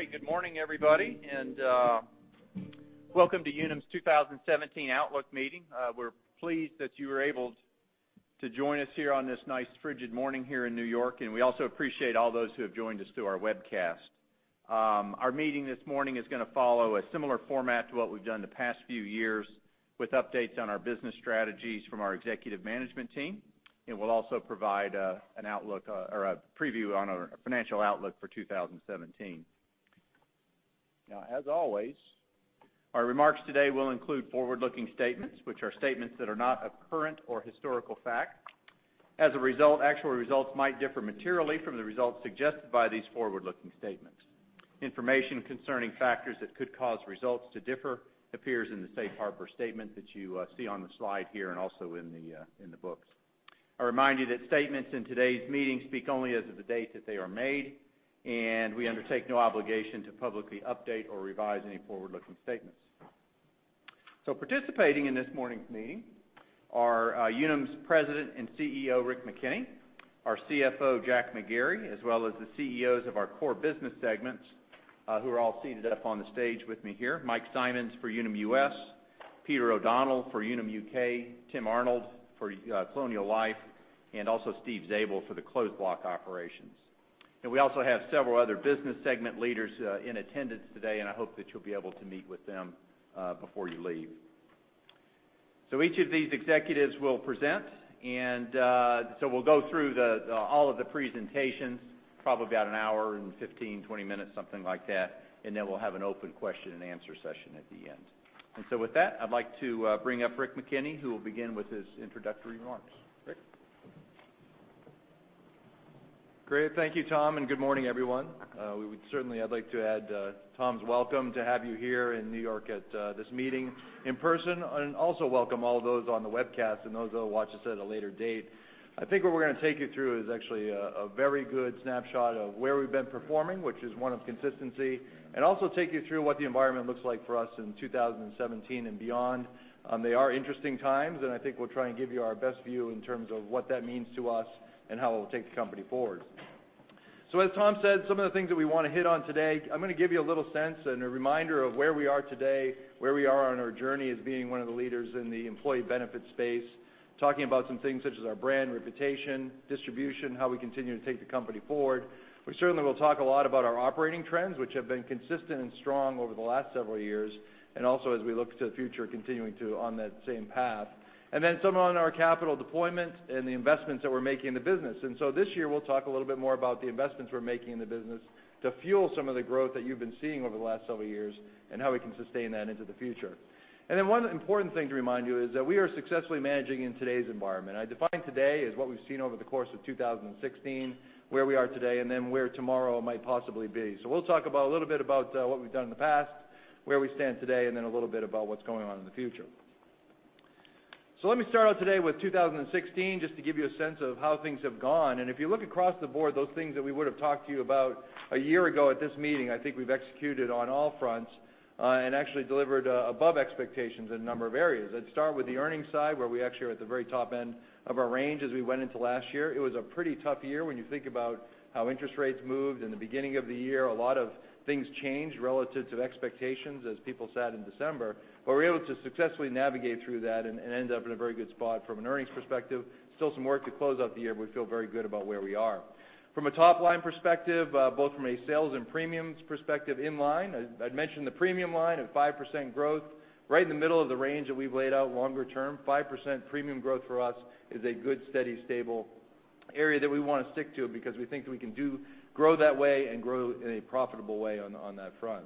Great. Good morning, everybody, welcome to Unum's 2017 Outlook Meeting. We're pleased that you were able to join us here on this nice frigid morning here in New York. We also appreciate all those who have joined us through our webcast. Our meeting this morning is going to follow a similar format to what we've done the past few years with updates on our business strategies from our executive management team. We'll also provide a preview on our financial outlook for 2017. As always, our remarks today will include forward-looking statements, which are statements that are not of current or historical fact. As a result, actual results might differ materially from the results suggested by these forward-looking statements. Information concerning factors that could cause results to differ appears in the safe harbor statement that you see on the slide here and also in the books. I remind you that statements in today's meeting speak only as of the date that they are made. We undertake no obligation to publicly update or revise any forward-looking statements. Participating in this morning's meeting are Unum's President and CEO, Rick McKenney, our CFO, Jack McGarry, as well as the CEOs of our core business segments who are all seated up on the stage with me here, Mike Simonds for Unum US, Peter O'Donnell for Unum UK, Tim Arnold for Colonial Life, Steve Zabel for the Closed Block Operations. We also have several other business segment leaders in attendance today. I hope that you'll be able to meet with them before you leave. Each of these executives will present. We'll go through all of the presentations, probably about an hour and 15, 20 minutes, something like that. Then we'll have an open question and answer session at the end. With that, I'd like to bring up Rick McKenney, who will begin with his introductory remarks. Rick? Great. Thank you, Tom. Good morning, everyone. Certainly, I'd like to add Tom's welcome to have you here in New York at this meeting in person. Also welcome all those on the webcast and those that'll watch this at a later date. I think what we're going to take you through is actually a very good snapshot of where we've been performing, which is one of consistency. Also take you through what the environment looks like for us in 2017 and beyond. They are interesting times. I think we'll try and give you our best view in terms of what that means to us and how it will take the company forward. As Tom said, some of the things that we want to hit on today, I am going to give you a little sense and a reminder of where we are today, where we are on our journey as being one of the leaders in the employee benefits space, talking about some things such as our brand reputation, distribution, how we continue to take the company forward. We certainly will talk a lot about our operating trends, which have been consistent and strong over the last several years, also as we look to the future, continuing on that same path. Some on our capital deployment and the investments that we are making in the business. This year, we will talk a little bit more about the investments we are making in the business to fuel some of the growth that you have been seeing over the last several years and how we can sustain that into the future. One important thing to remind you is that we are successfully managing in today's environment. I define today as what we have seen over the course of 2016, where we are today, and where tomorrow might possibly be. We will talk a little bit about what we have done in the past, where we stand today, and a little bit about what is going on in the future. Let me start out today with 2016 just to give you a sense of how things have gone. If you look across the board, those things that we would have talked to you about one year ago at this meeting, I think we have executed on all fronts and actually delivered above expectations in a number of areas. I would start with the earnings side, where we actually are at the very top end of our range as we went into last year. It was a pretty tough year when you think about how interest rates moved in the beginning of the year. A lot of things changed relative to expectations as people sat in December, we were able to successfully navigate through that and end up in a very good spot from an earnings perspective. Still some work to close out the year, we feel very good about where we are. From a top line perspective, both from a sales and premiums perspective, in line. I would mentioned the premium line at 5% growth, right in the middle of the range that we have laid out longer term. 5% premium growth for us is a good, steady, stable area that we want to stick to because we think we can grow that way and grow in a profitable way on that front.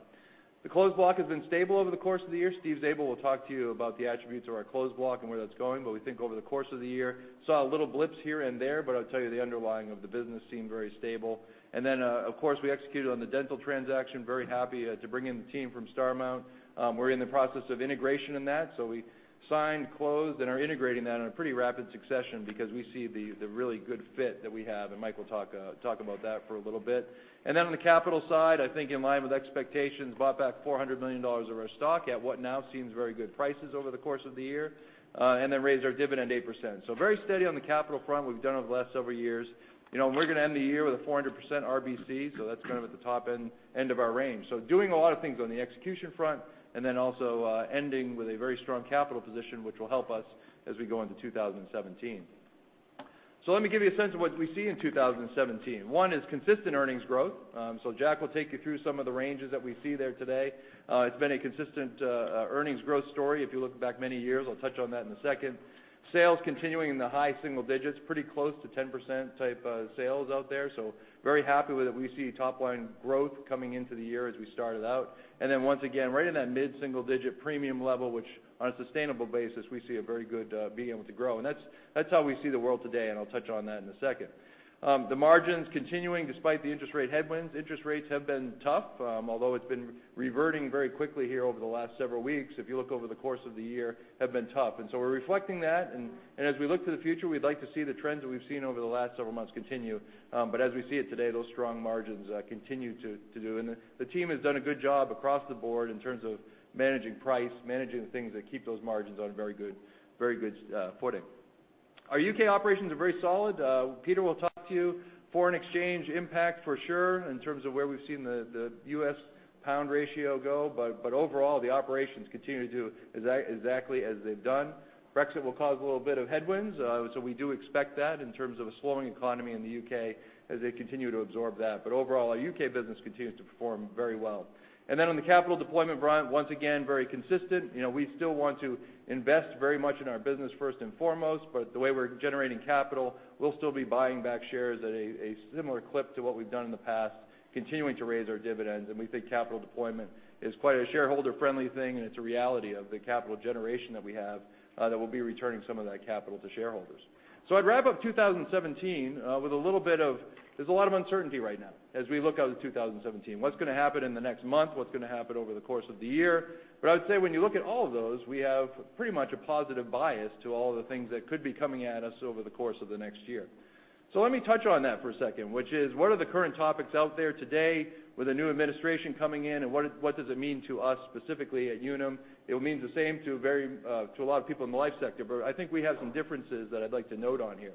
The Closed Block has been stable over the course of the year. Steve Zabel will talk to you about the attributes of our Closed Block and where that is going, we think over the course of the year, saw little blips here and there, I will tell you, the underlying of the business seemed very stable. Of course, we executed on the dental transaction, very happy to bring in the team from Starmount. We're in the process of integration in that, we signed, closed, and are integrating that in a pretty rapid succession because we see the really good fit that we have, and Mike will talk about that for a little bit. On the capital side, I think in line with expectations, bought back $400 million of our stock at what now seems very good prices over the course of the year. Raised our dividend 8%. Very steady on the capital front we've done over the last several years. We're going to end the year with a 400% RBC, so that's kind of at the top end of our range. Doing a lot of things on the execution front and also ending with a very strong capital position, which will help us as we go into 2017. Let me give you a sense of what we see in 2017. One is consistent earnings growth. Jack will take you through some of the ranges that we see there today. It's been a consistent earnings growth story if you look back many years. I'll touch on that in a second. Sales continuing in the high single digits, pretty close to 10%-type sales out there. Very happy with it. We see top line growth coming into the year as we started out. Once again, right in that mid-single-digit premium level, which on a sustainable basis, we see a very good being able to grow. That's how we see the world today, and I'll touch on that in a second. The margins continuing despite the interest rate headwinds. Interest rates have been tough. Although it's been reverting very quickly here over the last several weeks, if you look over the course of the year, have been tough. We're reflecting that, and as we look to the future, we'd like to see the trends that we've seen over the last several months continue. As we see it today, those strong margins continue to do. The team has done a good job across the board in terms of managing price, managing the things that keep those margins on very good footing. Our U.K. operations are very solid. Peter will talk to you. Foreign exchange impact for sure in terms of where we've seen the U.S./pound ratio go, but overall, the operations continue to do exactly as they've done. Brexit will cause a little bit of headwinds, so we do expect that in terms of a slowing economy in the U.K. as they continue to absorb that. Overall, our U.K. business continues to perform very well. On the capital deployment front, once again, very consistent. We still want to invest very much in our business first and foremost, but the way we're generating capital, we'll still be buying back shares at a similar clip to what we've done in the past, continuing to raise our dividends. We think capital deployment is quite a shareholder-friendly thing, and it's a reality of the capital generation that we have that we'll be returning some of that capital to shareholders. I'd wrap up 2017 with a little bit of, there's a lot of uncertainty right now as we look out at 2017. What's going to happen in the next month? What's going to happen over the course of the year? I would say when you look at all of those, we have pretty much a positive bias to all the things that could be coming at us over the course of the next year. Let me touch on that for a second, which is, what are the current topics out there today with a new administration coming in and what does it mean to us specifically at Unum? It will mean the same to a lot of people in the life sector, but I think we have some differences that I'd like to note on here.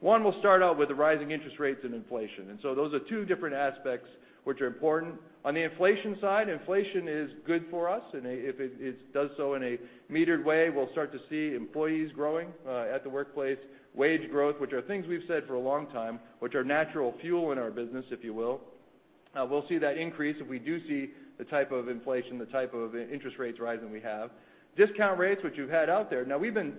One, we'll start out with the rising interest rates and inflation. Those are two different aspects which are important. On the inflation side, inflation is good for us, if it does so in a metered way, we'll start to see employees growing at the workplace, wage growth, which are things we've said for a long time, which are natural fuel in our business, if you will. We'll see that increase if we do see the type of inflation, the type of interest rates rising we have. Discount rates, which you've had out there. Now, we've been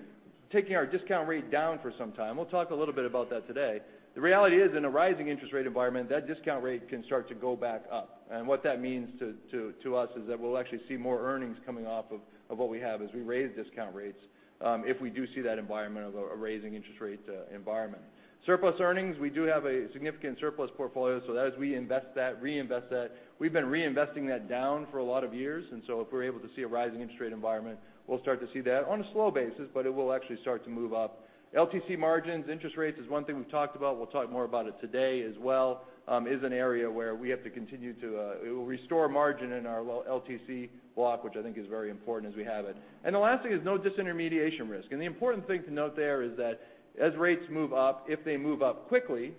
taking our discount rate down for some time. We'll talk a little bit about that today. The reality is, in a rising interest rate environment, that discount rate can start to go back up. What that means to us is that we'll actually see more earnings coming off of what we have as we raise discount rates, if we do see that environmental raising interest rate environment. Surplus earnings, we do have a significant surplus portfolio, as we invest that, reinvest that, we've been reinvesting that down for a lot of years. If we're able to see a rising interest rate environment, we'll start to see that on a slow basis, but it will actually start to move up. LTC margins, interest rates is one thing we've talked about. We'll talk more about it today as well, is an area where we have to continue to restore margin in our LTC block, which I think is very important as we have it. The last thing is no disintermediation risk. The important thing to note there is that as rates move up, if they move up quickly,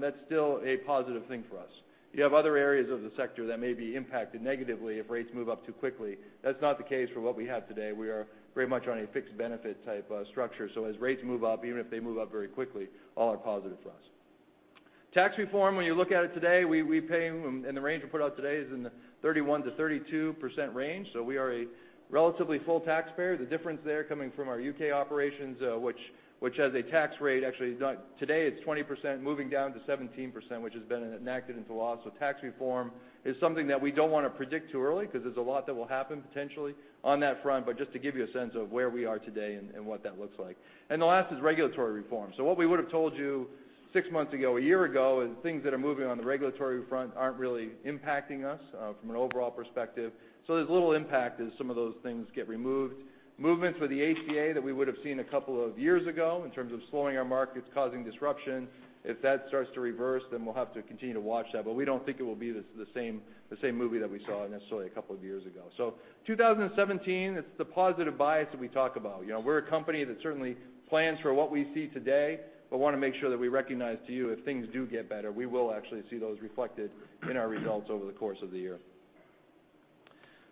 that's still a positive thing for us. You have other areas of the sector that may be impacted negatively if rates move up too quickly. That's not the case for what we have today. We are very much on a fixed benefit type structure. As rates move up, even if they move up very quickly, all are positive for us. Tax reform, when you look at it today, we pay in the range we put out today is in the 31%-32% range, we are a relatively full taxpayer. The difference there coming from our U.K. operations, which has a tax rate, actually today it's 20% moving down to 17%, which has been enacted into law. Tax reform is something that we don't want to predict too early because there's a lot that will happen potentially on that front, but just to give you a sense of where we are today and what that looks like. The last is regulatory reform. What we would have told you six months ago, a year ago, is things that are moving on the regulatory front aren't really impacting us from an overall perspective. There's little impact as some of those things get removed. Movements with the ACA that we would have seen a couple of years ago in terms of slowing our markets, causing disruption, if that starts to reverse, we'll have to continue to watch that. We don't think it will be the same movie that we saw necessarily a couple of years ago. 2017, it's the positive bias that we talk about. We're a company that certainly plans for what we see today, want to make sure that we recognize to you if things do get better, we will actually see those reflected in our results over the course of the year.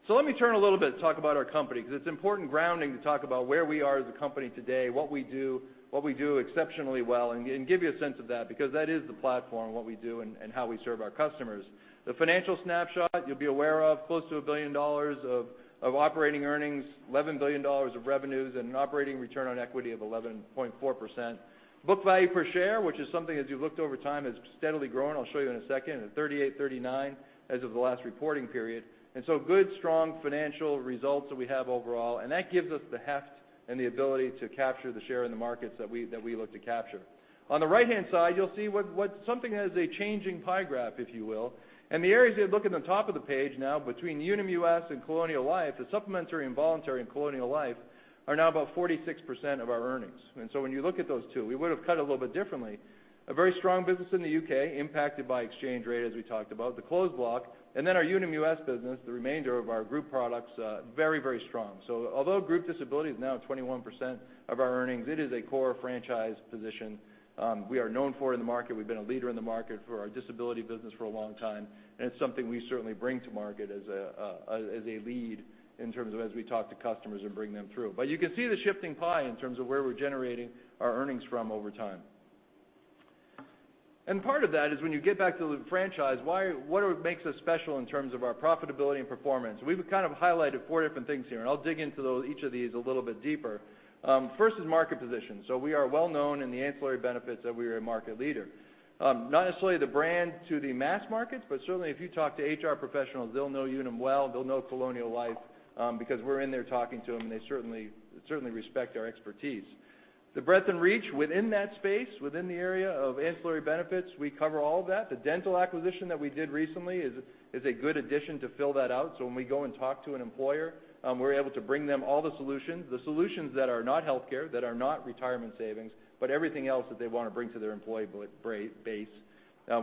Let me turn a little bit, talk about our company, because it's important grounding to talk about where we are as a company today, what we do exceptionally well, and give you a sense of that, because that is the platform, what we do and how we serve our customers. The financial snapshot, you'll be aware of, close to $1 billion of operating earnings, $11 billion of revenues, and an operating return on equity of 11.4%. Book value per share, which is something as you looked over time, has steadily grown. I'll show you in a second, at $38.39 as of the last reporting period. Good, strong financial results that we have overall, and that gives us the heft and the ability to capture the share in the markets that we look to capture. On the right-hand side, you'll see something as a changing pie graph, if you will. The areas you look at the top of the page now between Unum US and Colonial Life, the supplementary and voluntary in Colonial Life are now about 46% of our earnings. When you look at those two, we would've cut it a little bit differently. A very strong business in the U.K., impacted by exchange rate, as we talked about, the Closed Block. Our Unum US business, the remainder of our group products, very, very strong. Although group disability is now 21% of our earnings, it is a core franchise position. We are known for in the market. We've been a leader in the market for our disability business for a long time, and it's something we certainly bring to market as a lead in terms of as we talk to customers and bring them through. You can see the shifting pie in terms of where we're generating our earnings from over time. Part of that is when you get back to the franchise, what makes us special in terms of our profitability and performance? We've kind of highlighted four different things here, and I'll dig into each of these a little bit deeper. First is market position. We are well known in the ancillary benefits that we are a market leader. Not necessarily the brand to the mass markets, but certainly if you talk to HR professionals, they'll know Unum well, they'll know Colonial Life, because we're in there talking to them and they certainly respect our expertise. The breadth and reach within that space, within the area of ancillary benefits, we cover all of that. The dental acquisition that we did recently is a good addition to fill that out. When we go and talk to an employer, we're able to bring them all the solutions. The solutions that are not healthcare, that are not retirement savings, but everything else that they want to bring to their employee base,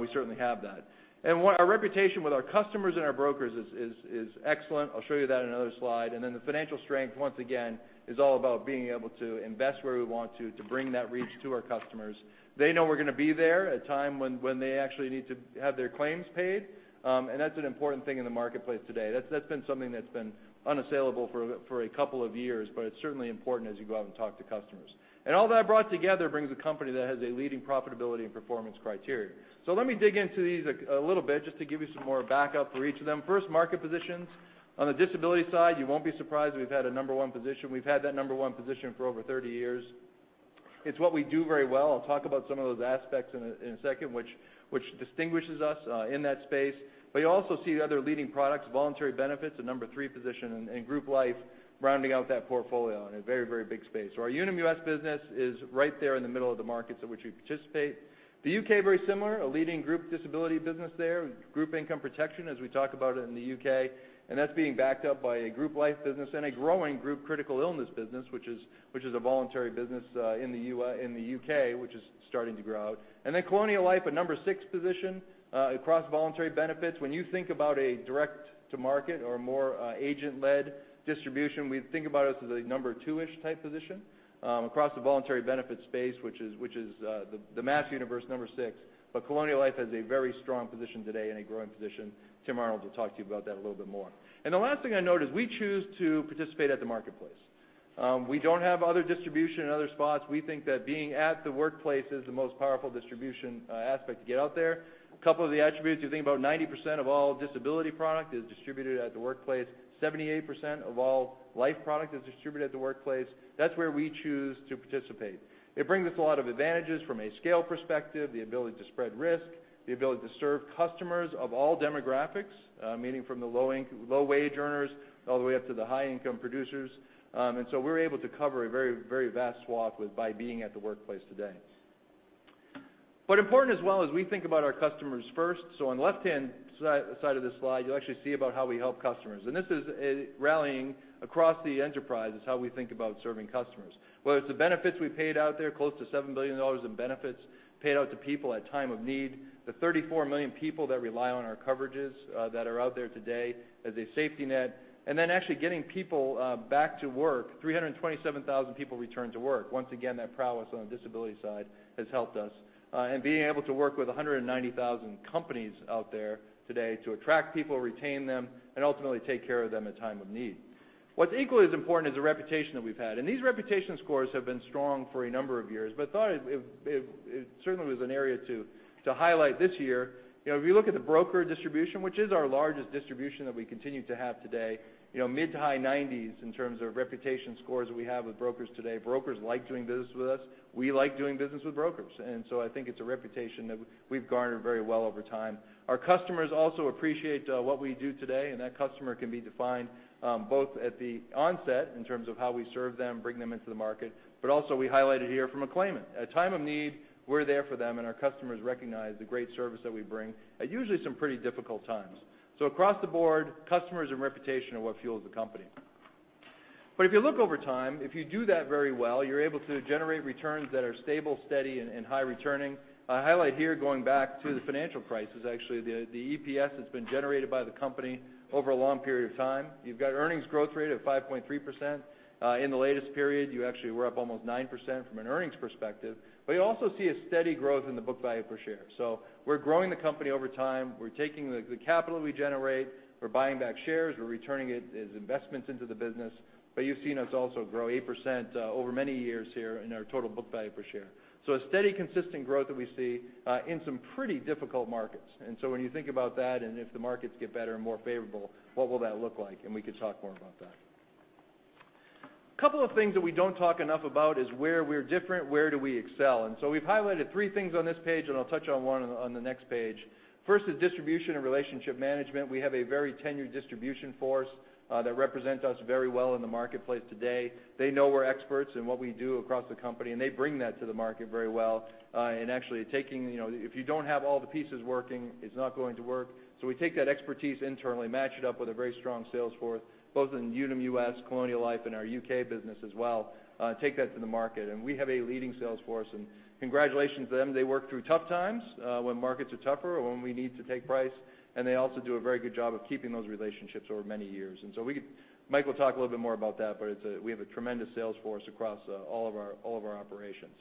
we certainly have that. Our reputation with our customers and our brokers is excellent. I'll show you that in another slide. The financial strength, once again, is all about being able to invest where we want to bring that reach to our customers. They know we're going to be there at time when they actually need to have their claims paid. That's an important thing in the marketplace today. That's been something that's been unassailable for a couple of years, but it's certainly important as you go out and talk to customers. All that brought together brings a company that has a leading profitability and performance criteria. Let me dig into these a little bit, just to give you some more backup for each of them. First, market positions. On the disability side, you won't be surprised we've had a number 1 position. We've had that number 1 position for over 30 years. It's what we do very well. I'll talk about some of those aspects in a second, which distinguishes us in that space. You also see the other leading products, voluntary benefits, a number 3 position in Group Life, rounding out that portfolio in a very big space. Our Unum US business is right there in the middle of the markets in which we participate. The U.K., very similar, a leading group disability business there, Group Income Protection, as we talk about it in the U.K. That's being backed up by a Group Life business and a growing group critical illness business, which is a voluntary business in the U.K., which is starting to grow out. Colonial Life, a number 6 position across voluntary benefits. When you think about a direct to market or more agent-led distribution, we think about it as a number 2-ish type position across the voluntary benefits space, which is the mass universe number 6. Colonial Life has a very strong position today and a growing position. Tim Arnold will talk to you about that a little bit more. The last thing I note is we choose to participate at the marketplace. We don't have other distribution in other spots. We think that being at the workplace is the most powerful distribution aspect to get out there. A couple of the attributes, you think about 90% of all disability product is distributed at the workplace, 78% of all life product is distributed at the workplace. That's where we choose to participate. It brings us a lot of advantages from a scale perspective, the ability to spread risk, the ability to serve customers of all demographics, meaning from the low wage earners all the way up to the high income producers. We're able to cover a very vast swath by being at the workplace today. Important as well is we think about our customers first. On left hand side of this slide, you'll actually see about how we help customers. This is rallying across the enterprise is how we think about serving customers, whether it's the benefits we paid out there, close to $7 billion in benefits paid out to people at time of need, the 34 million people that rely on our coverages that are out there today as a safety net. Then actually getting people back to work, 327,000 people return to work. Once again, that prowess on the disability side has helped us. Being able to work with 190,000 companies out there today to attract people, retain them, and ultimately take care of them at time of need. What's equally as important is the reputation that we've had, and these reputation scores have been strong for a number of years, but it certainly was an area to highlight this year. If you look at the broker distribution, which is our largest distribution that we continue to have today, mid to high 90s in terms of reputation scores that we have with brokers today. Brokers like doing business with us. We like doing business with brokers. I think it's a reputation that we've garnered very well over time. Our customers also appreciate what we do today, and that customer can be defined both at the onset in terms of how we serve them, bring them into the market, but also we highlighted here from a claimant. At a time of need, we're there for them and our customers recognize the great service that we bring at usually some pretty difficult times. Across the board, customers and reputation are what fuels the company. If you look over time, if you do that very well, you're able to generate returns that are stable, steady, and high returning. I highlight here going back to the financial crisis, actually, the EPS that's been generated by the company over a long period of time. You've got earnings growth rate at 5.3%. In the latest period, you actually were up almost 9% from an earnings perspective, you also see a steady growth in the book value per share. We're growing the company over time. We're taking the capital we generate. We're buying back shares. We're returning it as investments into the business. You've seen us also grow 8% over many years here in our total book value per share. A steady, consistent growth that we see in some pretty difficult markets. When you think about that, and if the markets get better and more favorable, what will that look like? We could talk more about that. Couple of things that we don't talk enough about is where we're different, where do we excel? We've highlighted three things on this page, and I'll touch on one on the next page. First is distribution and relationship management. We have a very tenured distribution force that represent us very well in the marketplace today. They know we're experts in what we do across the company. They bring that to the market very well. Actually taking, if you don't have all the pieces working, it's not going to work. We take that expertise internally, match it up with a very strong sales force, both in Unum US, Colonial Life, and our U.K. business as well, take that to the market. We have a leading sales force, and congratulations to them. They work through tough times, when markets are tougher or when we need to take price, and they also do a very good job of keeping those relationships over many years. Mike will talk a little bit more about that, but we have a tremendous sales force across all of our operations.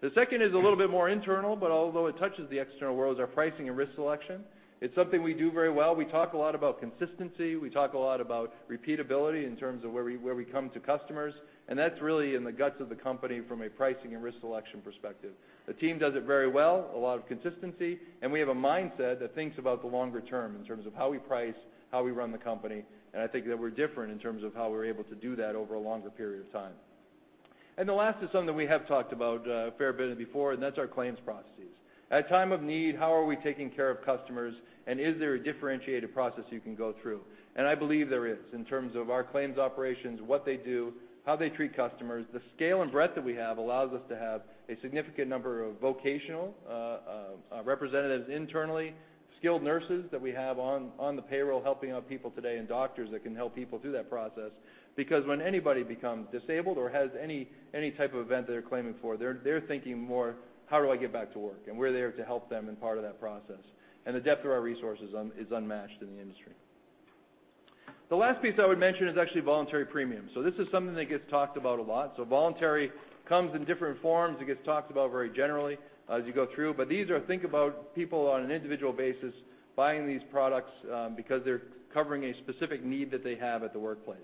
The second is a little bit more internal, but although it touches the external world, is our pricing and risk selection. It's something we do very well. We talk a lot about consistency. We talk a lot about repeatability in terms of where we come to customers, and that's really in the guts of the company from a pricing and risk selection perspective. The team does it very well, a lot of consistency, and we have a mindset that thinks about the longer term in terms of how we price, how we run the company, and I think that we're different in terms of how we're able to do that over a longer period of time. The last is something we have talked about a fair bit before, and that's our claims processes. At time of need, how are we taking care of customers, and is there a differentiated process you can go through? I believe there is in terms of our claims operations, what they do, how they treat customers. The scale and breadth that we have allows us to have a significant number of vocational representatives internally, skilled nurses that we have on the payroll helping out people today, and doctors that can help people through that process. Because when anybody becomes disabled or has any type of event they're claiming for, they're thinking more, how do I get back to work? We're there to help them in part of that process. The depth of our resources is unmatched in the industry. The last piece I would mention is actually voluntary premiums. This is something that gets talked about a lot. Voluntary comes in different forms. It gets talked about very generally as you go through, but these are, think about people on an individual basis buying these products because they're covering a specific need that they have at the workplace.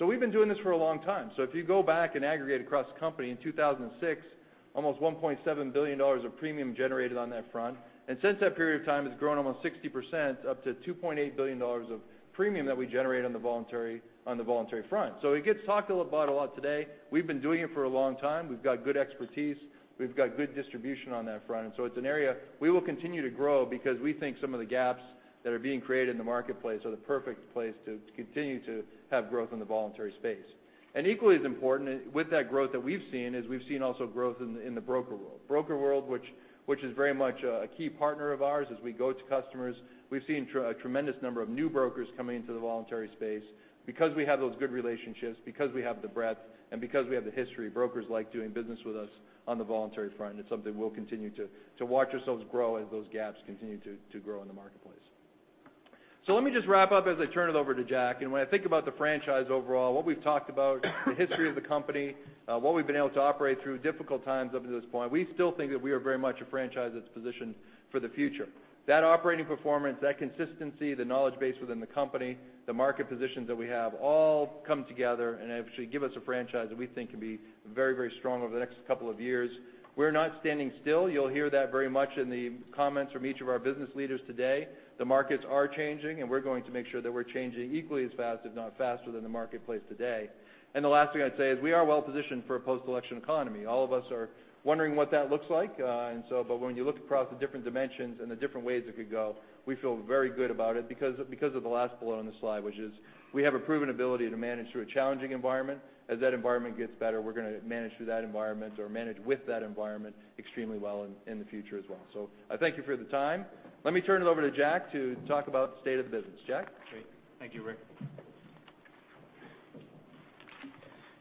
We've been doing this for a long time. If you go back and aggregate across the company in 2006, almost $1.7 billion of premium generated on that front. Since that period of time, it's grown almost 60% up to $2.8 billion of premium that we generate on the voluntary front. It gets talked about a lot today. We've been doing it for a long time. We've got good expertise. We've got good distribution on that front. It's an area we will continue to grow because we think some of the gaps that are being created in the marketplace are the perfect place to continue to have growth in the voluntary space. Equally as important with that growth that we've seen, is we've seen also growth in the broker world. Broker world, which is very much a key partner of ours as we go to customers. We've seen a tremendous number of new brokers coming into the voluntary space because we have those good relationships, because we have the breadth, and because we have the history. Brokers like doing business with us on the voluntary front. It's something we'll continue to watch ourselves grow as those gaps continue to grow in the marketplace. Let me just wrap up as I turn it over to Jack. When I think about the franchise overall, what we've talked about, the history of the company, what we've been able to operate through difficult times up to this point, we still think that we are very much a franchise that's positioned for the future. That operating performance, that consistency, the knowledge base within the company, the market positions that we have all come together and actually give us a franchise that we think can be very strong over the next couple of years. We're not standing still. You'll hear that very much in the comments from each of our business leaders today. The markets are changing, we're going to make sure that we're changing equally as fast, if not faster than the marketplace today. The last thing I'd say is we are well positioned for a post-election economy. All of us are wondering what that looks like. When you look across the different dimensions and the different ways it could go, we feel very good about it because of the last bullet on the slide, which is we have a proven ability to manage through a challenging environment. As that environment gets better, we're going to manage through that environment or manage with that environment extremely well in the future as well. I thank you for the time. Let me turn it over to Jack to talk about the state of the business. Jack? Great. Thank you, Rick.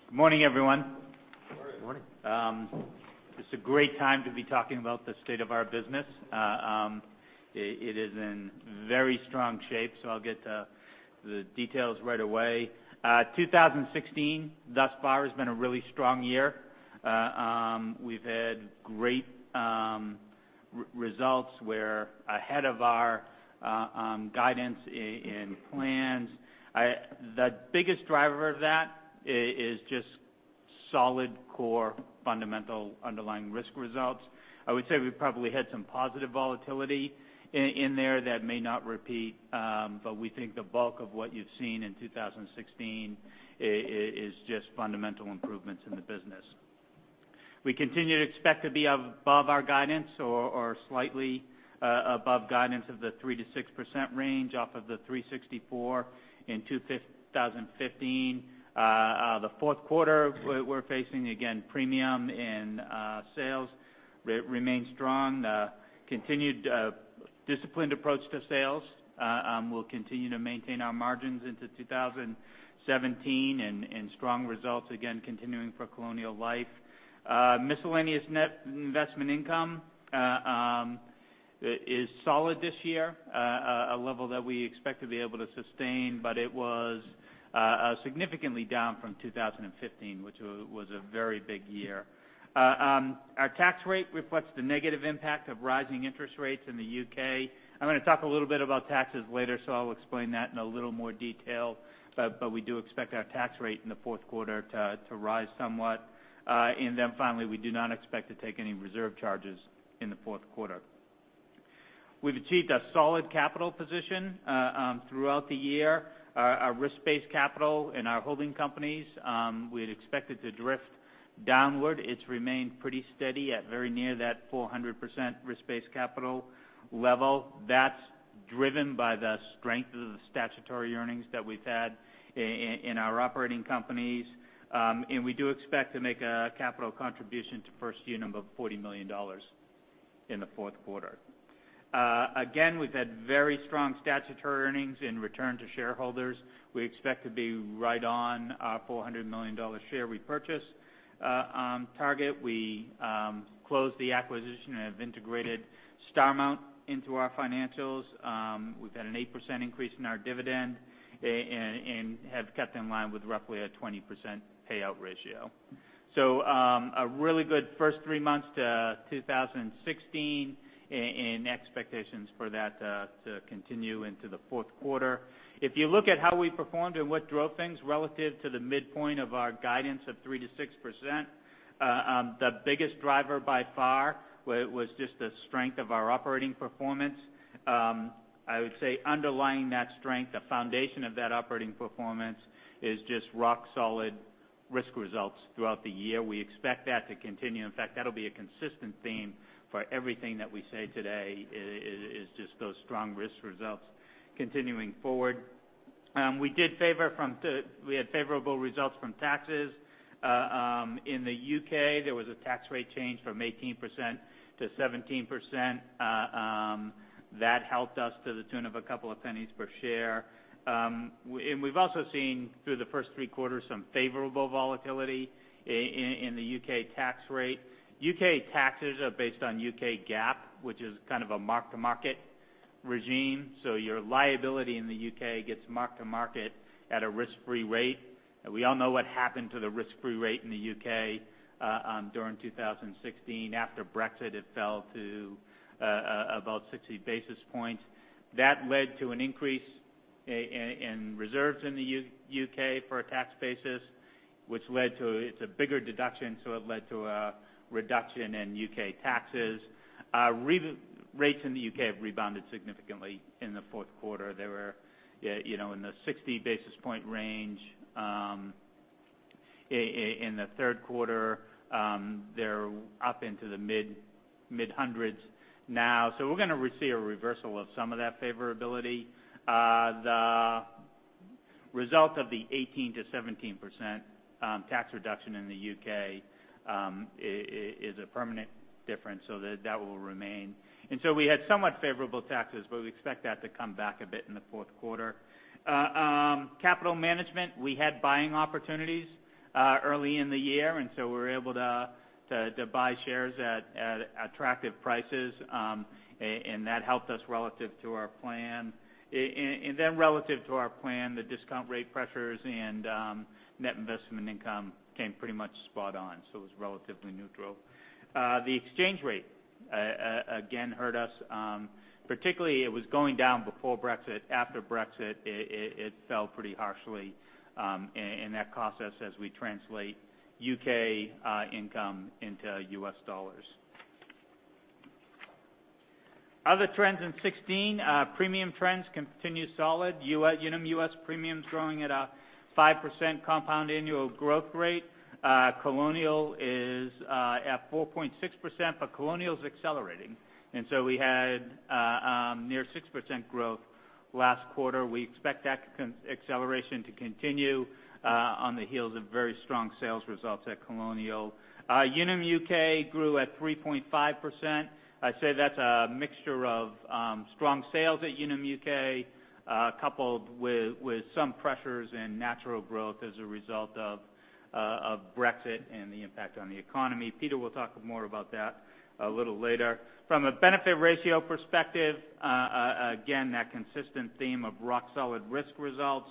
Good morning, everyone. Good morning. It's a great time to be talking about the state of our business. It is in very strong shape. I'll get to the details right away. 2016 thus far has been a really strong year. We've had great results. We're ahead of our guidance in plans. The biggest driver of that is just solid core fundamental underlying risk results. I would say we probably had some positive volatility in there that may not repeat, but we think the bulk of what you've seen in 2016 is just fundamental improvements in the business. We continue to expect to be above our guidance or slightly above guidance of the 3%-6% range off of the 3.64 in 2015. The fourth quarter we're facing, again, premium in sales remains strong. Continued disciplined approach to sales will continue to maintain our margins into 2017 and strong results again continuing for Colonial Life. Miscellaneous net investment income is solid this year, a level that we expect to be able to sustain, but it was significantly down from 2015, which was a very big year. Our tax rate reflects the negative impact of rising interest rates in the U.K. I'm going to talk a little bit about taxes later. I'll explain that in a little more detail. We do expect our tax rate in the fourth quarter to rise somewhat. Finally, we do not expect to take any reserve charges in the fourth quarter. We've achieved a solid capital position throughout the year. Our risk-based capital in our holding companies we had expected to drift downward. It's remained pretty steady at very near that 400% risk-based capital level. That's driven by the strength of the statutory earnings that we've had in our operating companies. We do expect to make a capital contribution to First Unum of $40 million in the fourth quarter. Again, we've had very strong statutory earnings in return to shareholders. We expect to be right on our $400 million share repurchase target. We closed the acquisition and have integrated Starmount into our financials. We've had an 8% increase in our dividend and have kept in line with roughly a 20% payout ratio. A really good first three months to 2016 and expectations for that to continue into the fourth quarter. If you look at how we performed and what drove things relative to the midpoint of our guidance of 3%-6%, the biggest driver by far was just the strength of our operating performance. I would say underlying that strength, the foundation of that operating performance is just rock solid Risk results throughout the year, we expect that to continue. In fact, that'll be a consistent theme for everything that we say today, is just those strong risk results continuing forward. We had favorable results from taxes. In the U.K., there was a tax rate change from 18% to 17%. That helped us to the tune of a couple of pennies per share. We've also seen through the first three quarters, some favorable volatility in the U.K. tax rate. U.K. taxes are based on U.K. GAAP, which is kind of a mark-to-market regime. So your liability in the U.K. gets mark to market at a risk-free rate. We all know what happened to the risk-free rate in the U.K. during 2016. After Brexit, it fell to about 60 basis points. That led to an increase in reserves in the U.K. for a tax basis, which led to a bigger deduction, it led to a reduction in U.K. taxes. Rates in the U.K. have rebounded significantly in the fourth quarter. They were in the 60 basis point range, in the third quarter. They're up into the mid hundreds now. We're going to see a reversal of some of that favorability. The result of the 18%-17% tax reduction in the U.K. is a permanent difference. That will remain. We had somewhat favorable taxes, but we expect that to come back a bit in the fourth quarter. Capital management. We had buying opportunities early in the year, we were able to buy shares at attractive prices. That helped us relative to our plan. Relative to our plan, the discount rate pressures and net investment income came pretty much spot on. It was relatively neutral. The exchange rate again, hurt us. Particularly, it was going down before Brexit. After Brexit, it fell pretty harshly. That cost us as we translate U.K. income into U.S. dollars. Other trends in 2016. Premium trends continue solid. Unum US premium's growing at a 5% compound annual growth rate. Colonial is at 4.6%, but Colonial is accelerating. We had near 6% growth last quarter. We expect that acceleration to continue on the heels of very strong sales results at Colonial. Unum UK grew at 3.5%. I'd say that's a mixture of strong sales at Unum UK, coupled with some pressures and natural growth as a result of Brexit and the impact on the economy. Peter will talk more about that a little later. From a benefit ratio perspective, again, that consistent theme of rock-solid risk results.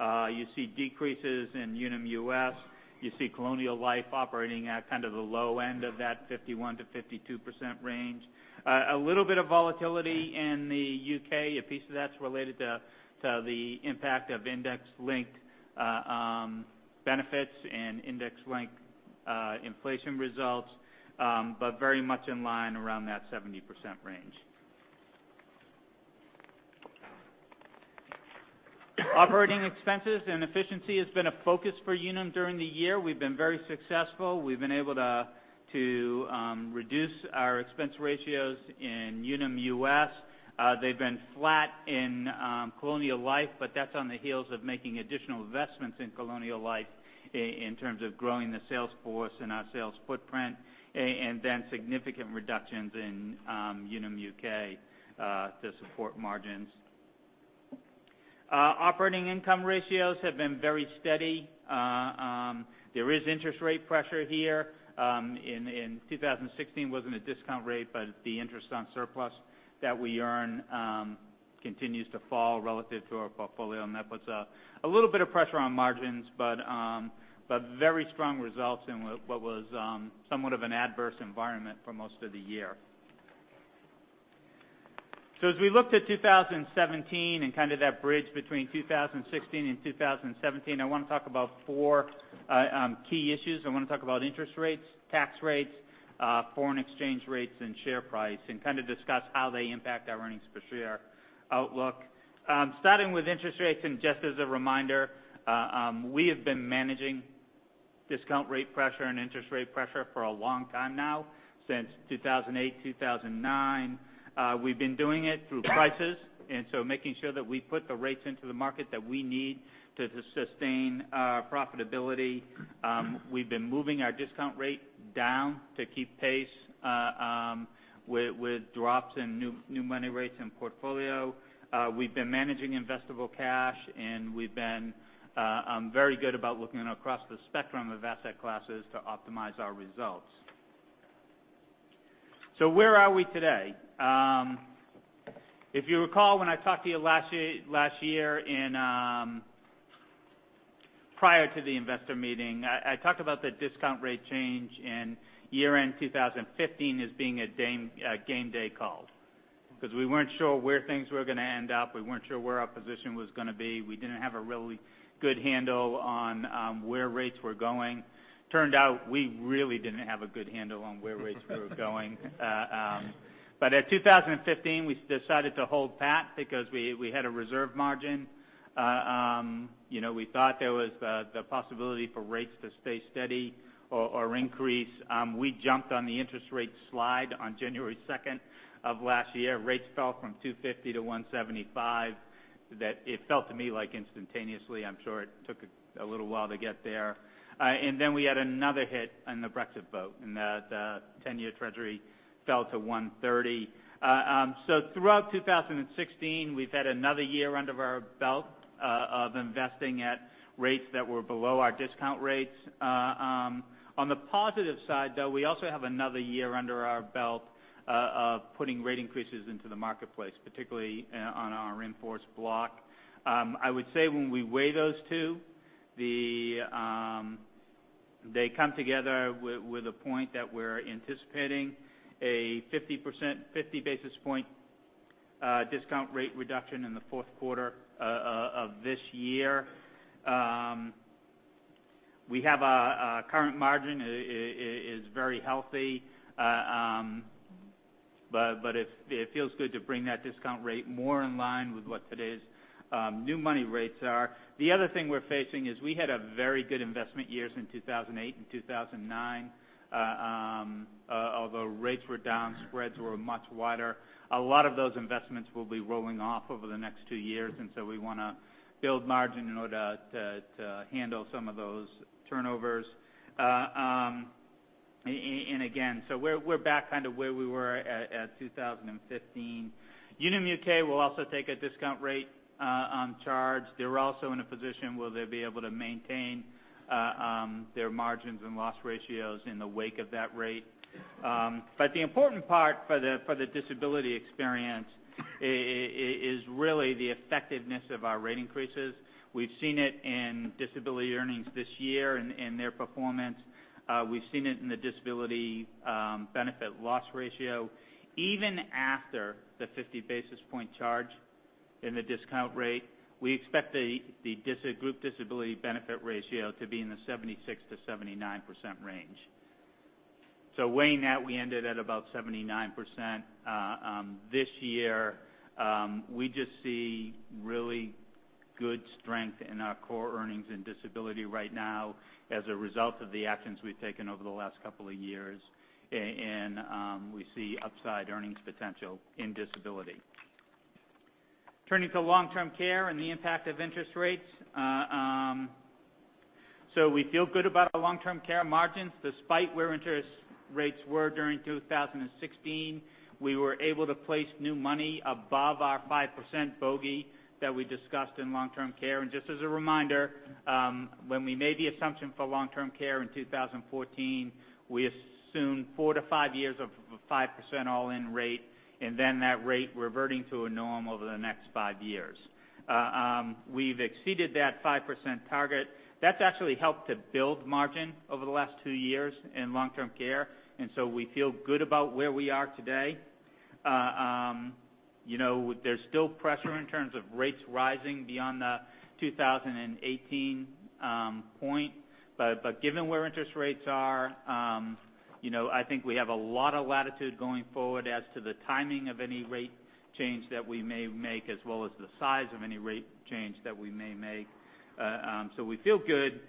You see decreases in Unum US. You see Colonial Life operating at kind of the low end of that 51%-52% range. A little bit of volatility in the U.K. A piece of that's related to the impact of index-linked benefits and index-linked inflation results, but very much in line around that 70% range. Operating expenses and efficiency has been a focus for Unum during the year. We've been very successful. We've been able to reduce our expense ratios in Unum US. They've been flat in Colonial Life, but that's on the heels of making additional investments in Colonial Life in terms of growing the sales force and our sales footprint, then significant reductions in Unum UK to support margins. Operating income ratios have been very steady. There is interest rate pressure here. In 2016, it wasn't a discount rate, but the interest on surplus that we earn continues to fall relative to our portfolio. That puts a little bit of pressure on margins, but very strong results in what was somewhat of an adverse environment for most of the year. As we look to 2017 and kind of that bridge between 2016 and 2017, I want to talk about four key issues. I want to talk about interest rates, tax rates, foreign exchange rates, and share price, and kind of discuss how they impact our earnings per share outlook. Starting with interest rates, just as a reminder, we have been managing discount rate pressure and interest rate pressure for a long time now, since 2008, 2009. We've been doing it through prices. Making sure that we put the rates into the market that we need to sustain our profitability. We've been moving our discount rate down to keep pace with drops in new money rates and portfolio. We've been managing investable cash, and we've been very good about looking across the spectrum of asset classes to optimize our results. Where are we today? If you recall, when I talked to you last year prior to the investor meeting, I talked about the discount rate change in year-end 2015 as being a game day call. We weren't sure where things were going to end up. We weren't sure where our position was going to be. We didn't have a really good handle on where rates were going. Turned out we really didn't have a good handle on where rates were going. At 2015, we decided to hold pat. We had a reserve margin. We thought there was the possibility for rates to stay steady or increase. We jumped on the interest rate slide on January 2nd of last year. Rates fell from 250 to 175. That it felt to me, like instantaneously, I'm sure it took a little while to get there. We had another hit on the Brexit vote, and the 10-year Treasury fell to 130. Throughout 2016, we've had another year under our belt of investing at rates that were below our discount rates. On the positive side, though, we also have another year under our belt of putting rate increases into the marketplace, particularly on our in-force block. I would say when we weigh those two, they come together with a point that we're anticipating a 50 basis point discount rate reduction in the fourth quarter of this year. We have a current margin is very healthy. It feels good to bring that discount rate more in line with what today's new money rates are. The other thing we're facing is we had very good investment years in 2008 and 2009. Although rates were down, spreads were much wider. A lot of those investments will be rolling off over the next two years, we want to build margin in order to handle some of those turnovers. Again, we're back kind of where we were at 2015. Unum UK will also take a discount rate on charge. They're also in a position where they'll be able to maintain their margins and loss ratios in the wake of that rate. The important part for the disability experience is really the effectiveness of our rate increases. We've seen it in disability earnings this year and in their performance. We've seen it in the disability benefit loss ratio. Even after the 50 basis point charge in the discount rate, we expect the group disability benefit ratio to be in the 76%-79% range. Weighing that, we ended at about 79% this year. We just see really good strength in our core earnings in disability right now as a result of the actions we've taken over the last couple of years. We see upside earnings potential in disability. Turning to long-term care and the impact of interest rates. We feel good about our long-term care margins. Despite where interest rates were during 2016, we were able to place new money above our 5% bogey that we discussed in long-term care. Just as a reminder, when we made the assumption for long-term care in 2014, we assumed four to five years of 5% all-in rate, then that rate reverting to a norm over the next five years. We've exceeded that 5% target. That's actually helped to build margin over the last two years in long-term care. We feel good about where we are today. There's still pressure in terms of rates rising beyond the 2018 point. Given where interest rates are, I think we have a lot of latitude going forward as to the timing of any rate change that we may make as well as the size of any rate change that we may make. We feel good.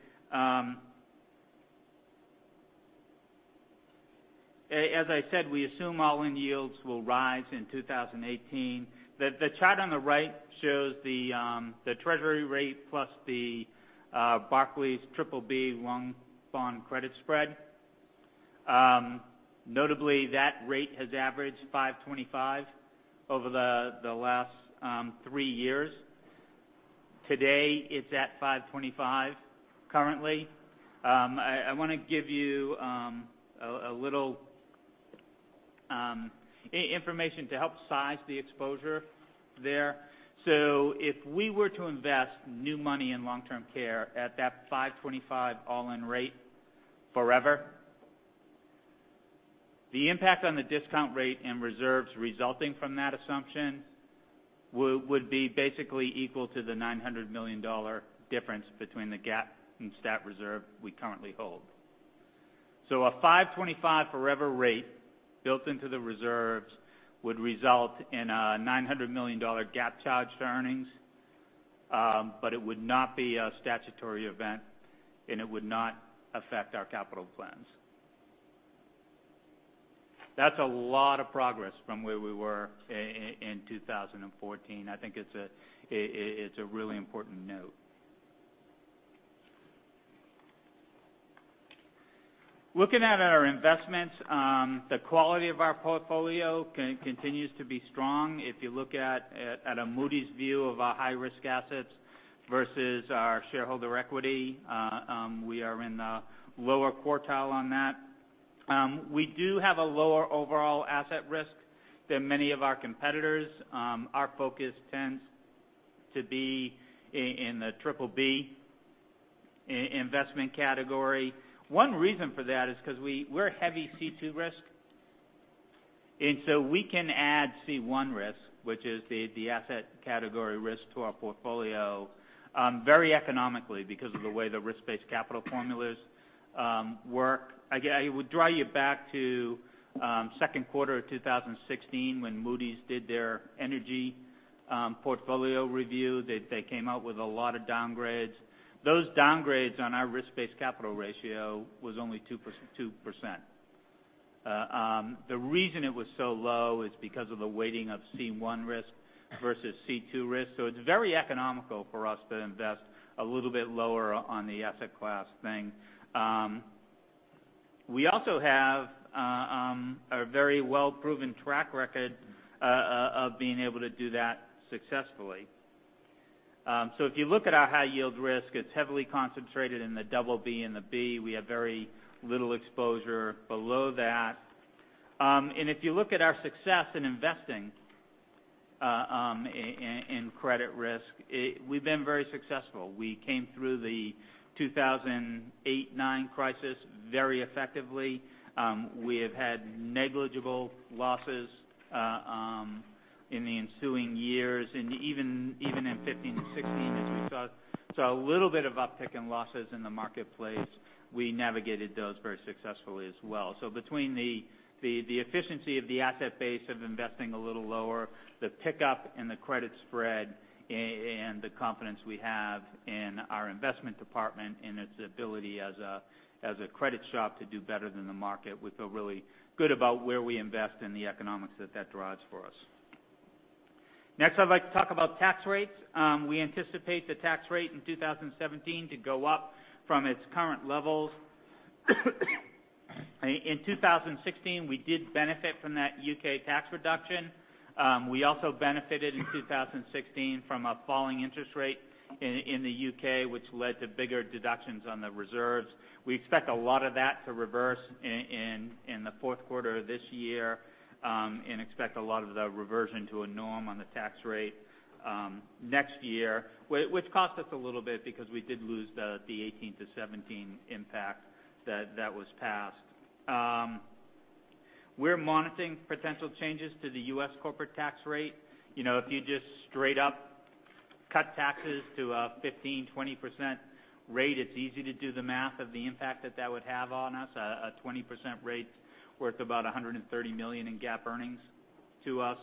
As I said, we assume all-in yields will rise in 2018. The chart on the right shows the Treasury rate plus the Barclays BBB long bond credit spread. Notably, that rate has averaged 525 over the last three years. Today, it's at 525 currently. I want to give you a little information to help size the exposure there. If we were to invest new money in long-term care at that 525 all-in rate forever, the impact on the discount rate and reserves resulting from that assumption would be basically equal to the $900 million difference between the GAAP and STAT reserve we currently hold. A 525 forever rate built into the reserves would result in a $900 million GAAP charge to earnings. It would not be a statutory event, and it would not affect our capital plans. That's a lot of progress from where we were in 2014. I think it's a really important note. Looking at our investments, the quality of our portfolio continues to be strong. If you look at a Moody's view of our high-risk assets versus our shareholder equity, we are in the lower quartile on that. We do have a lower overall asset risk than many of our competitors. Our focus tends to be in the BBB investment category. One reason for that is because we're heavy C2 risk. We can add C1 risk, which is the asset category risk to our portfolio, very economically because of the way the risk-based capital formulas work. I would draw you back to second quarter of 2016 when Moody's did their energy portfolio review. They came out with a lot of downgrades. Those downgrades on our risk-based capital ratio was only 2%. The reason it was so low is because of the weighting of C1 risk versus C2 risk. It's very economical for us to invest a little bit lower on the asset class thing. We also have a very well proven track record of being able to do that successfully. If you look at our high yield risk, it's heavily concentrated in the BB and the B. We have very little exposure below that. If you look at our success in investing in credit risk, we've been very successful. We came through the 2008-2009 crisis very effectively. We have had negligible losses in the ensuing years and even in 2015 and 2016 as we saw a little bit of uptick in losses in the marketplace. We navigated those very successfully as well. Between the efficiency of the asset base of investing a little lower, the pickup in the credit spread, and the confidence we have in our investment department and its ability as a credit shop to do better than the market, we feel really good about where we invest and the economics that that drives for us. Next, I'd like to talk about tax rates. We anticipate the tax rate in 2017 to go up from its current levels. In 2016, we did benefit from that U.K. tax reduction. We also benefited in 2016 from a falling interest rate in the U.K., which led to bigger deductions on the reserves. We expect a lot of that to reverse in the fourth quarter of this year. We expect a lot of the reversion to a norm on the tax rate next year. Which cost us a little bit because we did lose the 2018 to 2017 impact that was passed. We're monitoring potential changes to the U.S. corporate tax rate. If you just straight up cut taxes to a 15%-20% rate, it's easy to do the math of the impact that that would have on us. A 20% rate worth about $130 million in GAAP earnings to us.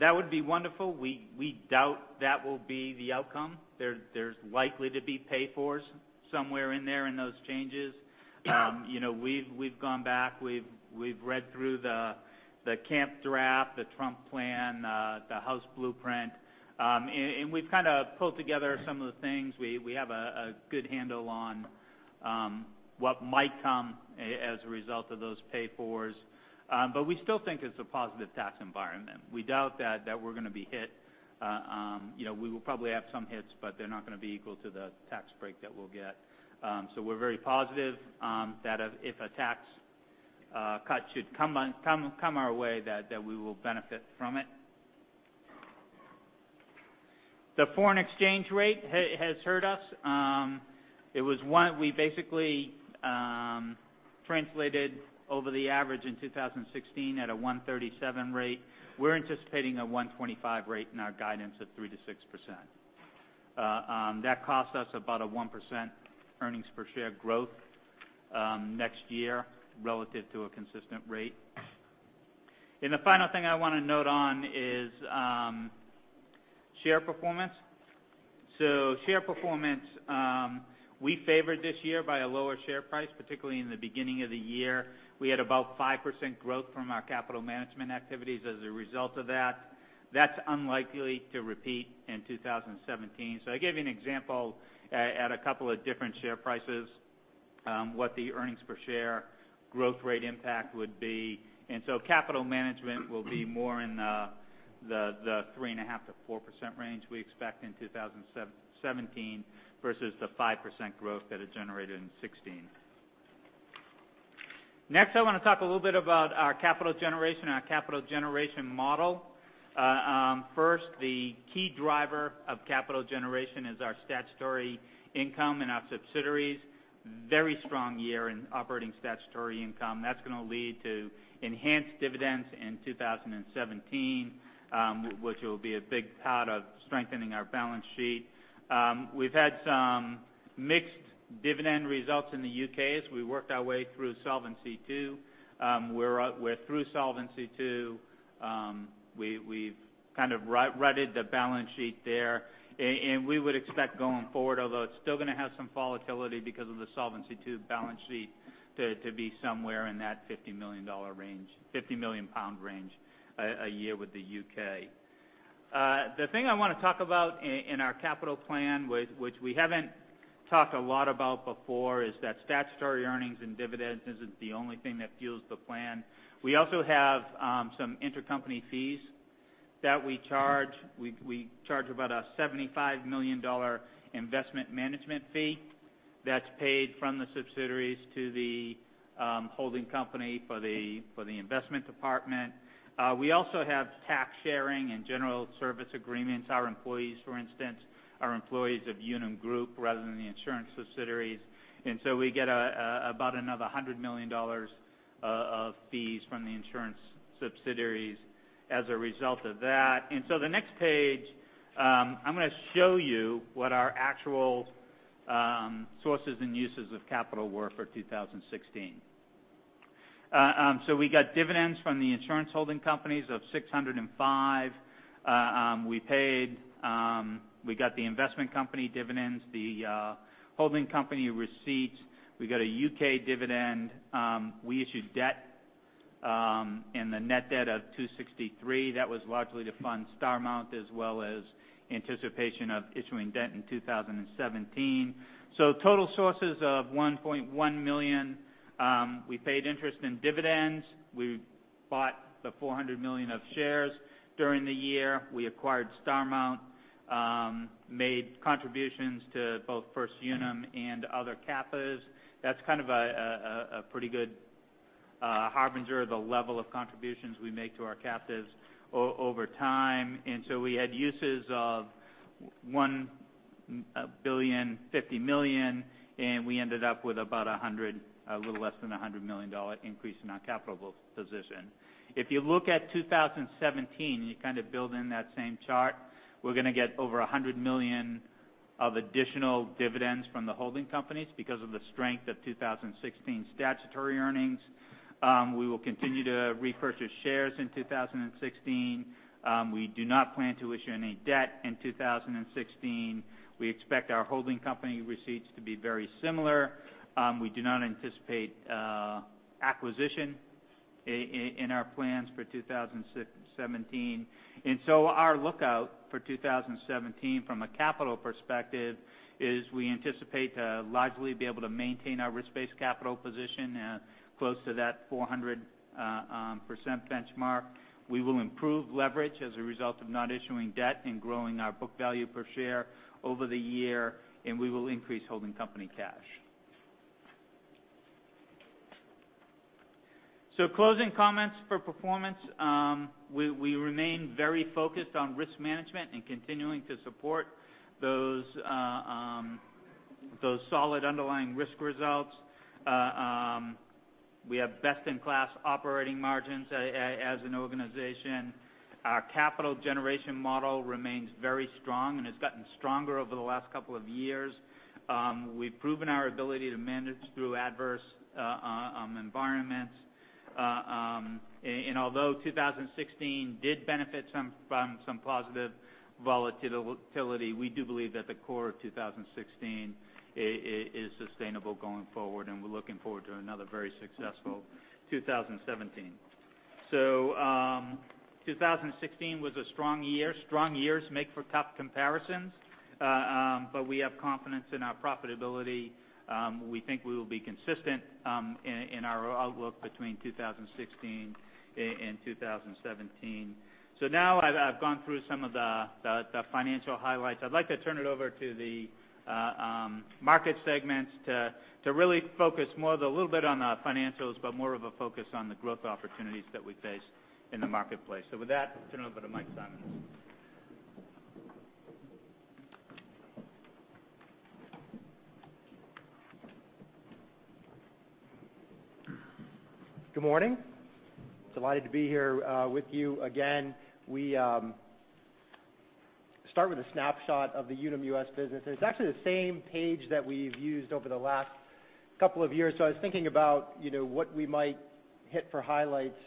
That would be wonderful. We doubt that will be the outcome. There's likely to be pay-fors somewhere in there in those changes. We've gone back. We've read through the Camp draft, the Trump plan, the House blueprint. We've kind of pulled together some of the things. We have a good handle on what might come as a result of those pay-fors. We still think it's a positive tax environment. We doubt that we're going to be hit. We will probably have some hits. They're not going to be equal to the tax break that we'll get. We're very positive that if a tax cut should come our way, that we will benefit from it. The foreign exchange rate has hurt us. We basically translated over the average in 2016 at a 1.37 rate. We're anticipating a 1.25 rate in our guidance of 3%-6%. That costs us about a 1% earnings per share growth next year relative to a consistent rate. The final thing I want to note on is share performance. Share performance, we favored this year by a lower share price, particularly in the beginning of the year. We had about 5% growth from our capital management activities as a result of that. That's unlikely to repeat in 2017. I gave you an example at a couple of different share prices, what the earnings per share growth rate impact would be. Capital management will be more in the 3.5%-4% range we expect in 2017 versus the 5% growth that it generated in 2016. I want to talk a little bit about our capital generation and our capital generation model. The key driver of capital generation is our statutory income and our subsidiaries. Very strong year in operating statutory income. That's going to lead to enhanced dividends in 2017, which will be a big part of strengthening our balance sheet. We've had some mixed dividend results in the U.K. as we worked our way through Solvency II. We're through Solvency II. We've kind of righted the balance sheet there. We would expect going forward, although it's still going to have some volatility because of the Solvency II balance sheet to be somewhere in that $50 million range, 50 million pound range a year with the U.K. The thing I want to talk about in our capital plan, which we haven't talked a lot about before, is that statutory earnings and dividends isn't the only thing that fuels the plan. We also have some intercompany fees that we charge. We charge about a $75 million investment management fee that's paid from the subsidiaries to the holding company for the investment department. We also have tax sharing and general service agreements. Our employees, for instance, are employees of Unum Group rather than the insurance subsidiaries. We get about another $100 million of fees from the insurance subsidiaries. As a result of that. The next page, I'm going to show you what our actual sources and uses of capital were for 2016. We got dividends from the insurance holding companies of $605. We got the investment company dividends, the holding company receipts, we got a U.K. dividend. We issued debt in the net debt of $263. That was largely to fund Starmount as well as anticipation of issuing debt in 2017. Total sources of $1.1 million. We paid interest in dividends. We bought the $400 million of shares during the year. We acquired Starmount, made contributions to both First Unum and other captives. That's kind of a pretty good harbinger of the level of contributions we make to our captives over time. We had uses of $1.05 billion, and we ended up with a little less than a $100 million increase in our capital position. If you look at 2017, you kind of build in that same chart. We're going to get over $100 million of additional dividends from the holding companies because of the strength of 2016 statutory earnings. We will continue to repurchase shares in 2016. We do not plan to issue any debt in 2016. We expect our holding company receipts to be very similar. We do not anticipate acquisition in our plans for 2017. Our lookout for 2017 from a capital perspective is we anticipate to largely be able to maintain our risk-based capital position close to that 400% benchmark. We will improve leverage as a result of not issuing debt and growing our book value per share over the year, we will increase holding company cash. Closing comments for performance. We remain very focused on risk management and continuing to support those solid underlying risk results. We have best-in-class operating margins as an organization. Our capital generation model remains very strong and has gotten stronger over the last couple of years. We've proven our ability to manage through adverse environments. Although 2016 did benefit from some positive volatility, we do believe that the core of 2016 is sustainable going forward, and we're looking forward to another very successful 2017. 2016 was a strong year. Strong years make for tough comparisons, but we have confidence in our profitability. We think we will be consistent in our outlook between 2016 and 2017. Now I've gone through some of the financial highlights. I'd like to turn it over to the market segments to really focus a little bit on the financials, but more of a focus on the growth opportunities that we face in the marketplace. With that, turn it over to Mike Simonds. Good morning. Delighted to be here with you again. We start with a snapshot of the Unum US business, it's actually the same page that we've used over the last couple of years. I was thinking about what we might hit for highlights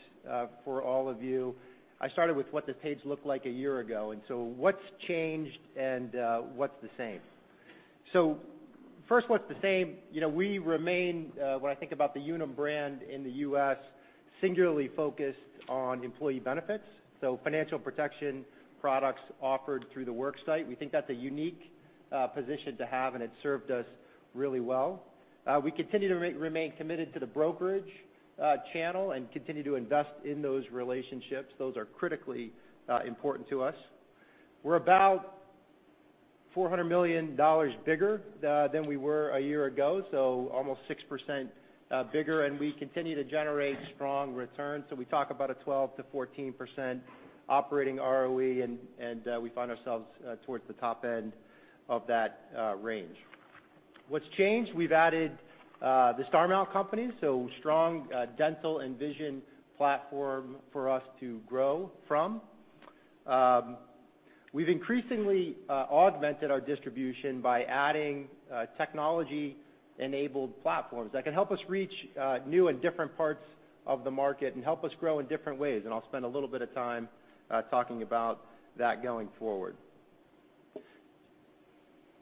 for all of you. I started with what this page looked like a year ago, what's changed and what's the same? First, what's the same, we remain, when I think about the Unum brand in the U.S., singularly focused on employee benefits, financial protection products offered through the worksite. We think that's a unique position to have, and it's served us really well. We continue to remain committed to the brokerage channel and continue to invest in those relationships. Those are critically important to us. We're about $400 million bigger than we were a year ago, almost 6% bigger, and we continue to generate strong returns. We talk about a 12%-14% operating ROE, and we find ourselves towards the top end of that range. What's changed, we've added the Starmount company, strong dental and vision platform for us to grow from. We've increasingly augmented our distribution by adding technology-enabled platforms that can help us reach new and different parts of the market and help us grow in different ways. I'll spend a little bit of time talking about that going forward.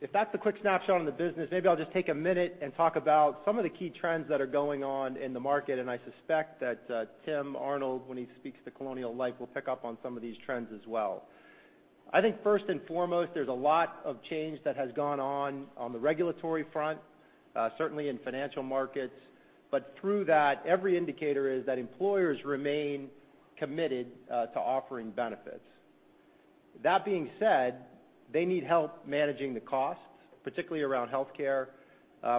If that's a quick snapshot on the business, maybe I'll just take a minute and talk about some of the key trends that are going on in the market. I suspect that Tim Arnold, when he speaks to Colonial Life, will pick up on some of these trends as well. I think first and foremost, there's a lot of change that has gone on the regulatory front, certainly in financial markets. Through that, every indicator is that employers remain committed to offering benefits. That being said, they need help managing the costs, particularly around healthcare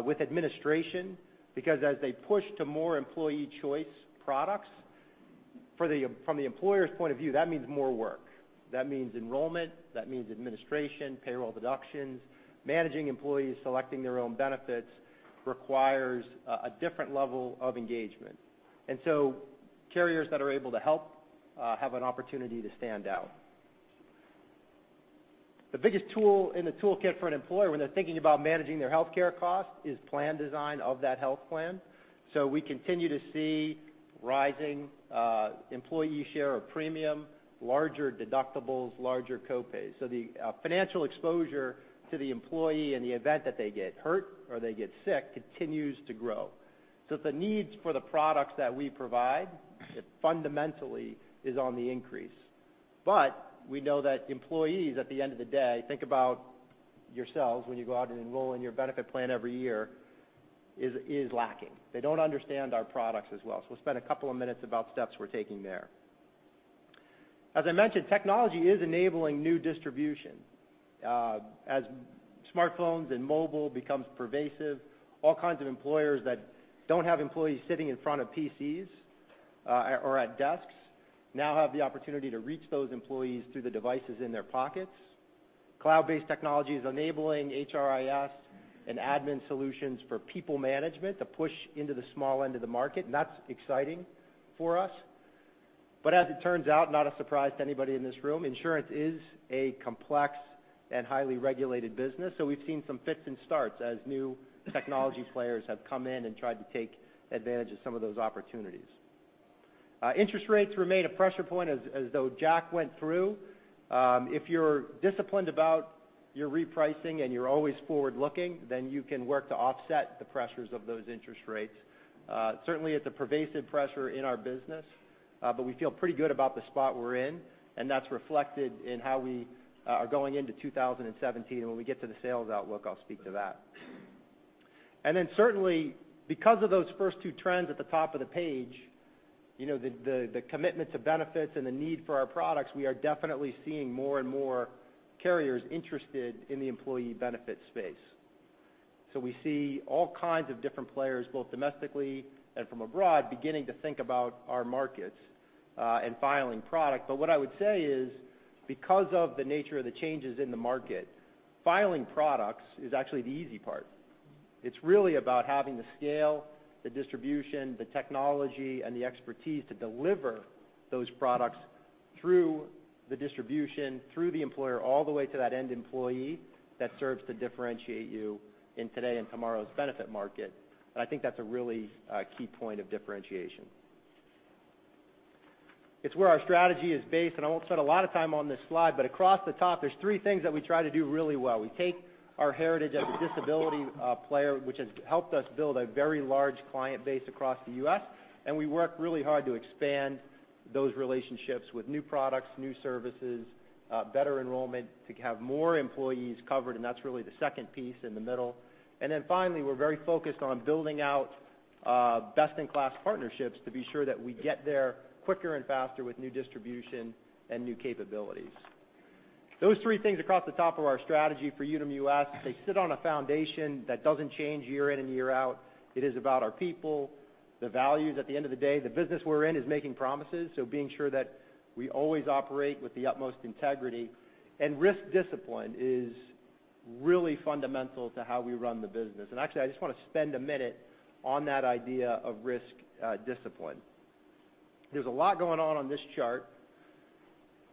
with administration, because as they push to more employee choice products, from the employer's point of view, that means more work. That means enrollment, that means administration, payroll deductions. Managing employees selecting their own benefits requires a different level of engagement. Carriers that are able to help have an opportunity to stand out. The biggest tool in the toolkit for an employer when they're thinking about managing their healthcare cost is plan design of that health plan. We continue to see rising employee share of premium, larger deductibles, larger co-pays. The financial exposure to the employee in the event that they get hurt or they get sick continues to grow. The needs for the products that we provide, fundamentally, is on the increase. We know that employees, at the end of the day, think about yourselves when you go out and enroll in your benefit plan every year, is lacking. They don't understand our products as well. We'll spend a couple of minutes about steps we're taking there. As I mentioned, technology is enabling new distribution. As smartphones and mobile becomes pervasive, all kinds of employers that don't have employees sitting in front of PCs or at desks now have the opportunity to reach those employees through the devices in their pockets. Cloud-based technology is enabling HRIS and admin solutions for people management to push into the small end of the market, that's exciting for us. As it turns out, not a surprise to anybody in this room, insurance is a complex and highly regulated business, we've seen some fits and starts as new technology players have come in and tried to take advantage of some of those opportunities. Interest rates remain a pressure point as though Jack went through. If you're disciplined about your repricing and you're always forward-looking, you can work to offset the pressures of those interest rates. Certainly, it's a pervasive pressure in our business, we feel pretty good about the spot we're in, that's reflected in how we are going into 2017. When we get to the sales outlook, I'll speak to that. Certainly, because of those first two trends at the top of the page, the commitment to benefits and the need for our products, we are definitely seeing more and more carriers interested in the employee benefit space. We see all kinds of different players, both domestically and from abroad, beginning to think about our markets and filing product. What I would say is, because of the nature of the changes in the market, filing products is actually the easy part. It's really about having the scale, the distribution, the technology, and the expertise to deliver those products through the distribution, through the employer, all the way to that end employee that serves to differentiate you in today and tomorrow's benefit market. I think that's a really key point of differentiation. It's where our strategy is based. I won't spend a lot of time on this slide, but across the top, there's three things that we try to do really well. We take our heritage as a disability player, which has helped us build a very large client base across the U.S. We work really hard to expand those relationships with new products, new services, better enrollment, to have more employees covered. That's really the second piece in the middle. Finally, we're very focused on building out best-in-class partnerships to be sure that we get there quicker and faster with new distribution and new capabilities. Those three things across the top of our strategy for Unum US, they sit on a foundation that doesn't change year in and year out. It is about our people, the values. At the end of the day, the business we're in is making promises, so being sure that we always operate with the utmost integrity. Risk discipline is really fundamental to how we run the business. I just want to spend a minute on that idea of risk discipline. There's a lot going on on this chart,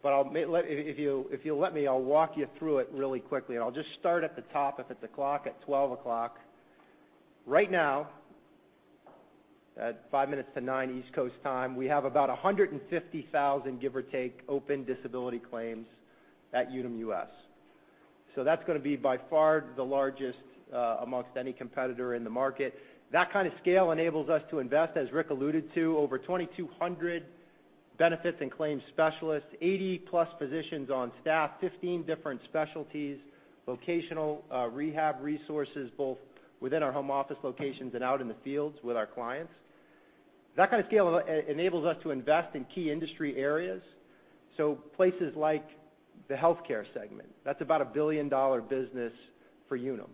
but if you'll let me, I'll walk you through it really quickly. I'll just start at the top, if it's a clock, at 12 o'clock. Right now, at five minutes to 9:00 East Coast time, we have about 150,000, give or take, open disability claims at Unum US. That's going to be by far the largest amongst any competitor in the market. That kind of scale enables us to invest, as Rick alluded to, over 2,200 benefits and claims specialists, 80-plus physicians on staff, 15 different specialties, vocational rehab resources, both within our home office locations and out in the fields with our clients. That kind of scale enables us to invest in key industry areas. Places like the healthcare segment. That's about a billion-dollar business for Unum.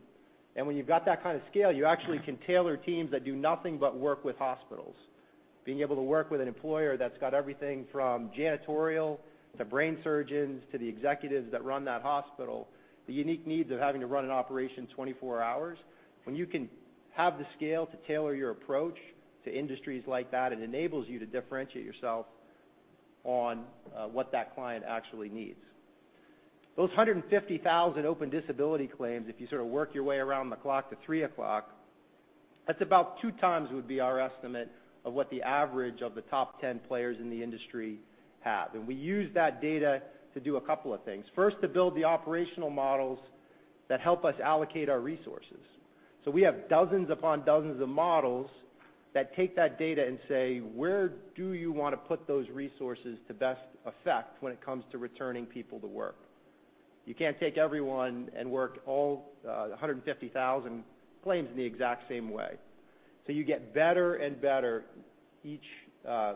When you've got that kind of scale, you actually can tailor teams that do nothing but work with hospitals. Being able to work with an employer that's got everything from janitorial to brain surgeons to the executives that run that hospital, the unique needs of having to run an operation 24 hours. When you can have the scale to tailor your approach to industries like that, it enables you to differentiate yourself on what that client actually needs. Those 150,000 open disability claims, if you sort of work your way around the clock to 3:00, that's about two times would be our estimate of what the average of the top 10 players in the industry have. We use that data to do a couple of things. First, to build the operational models that help us allocate our resources. We have dozens upon dozens of models that take that data and say, "Where do you want to put those resources to best effect when it comes to returning people to work?" You can't take everyone and work all 150,000 claims in the exact same way. You get better and better each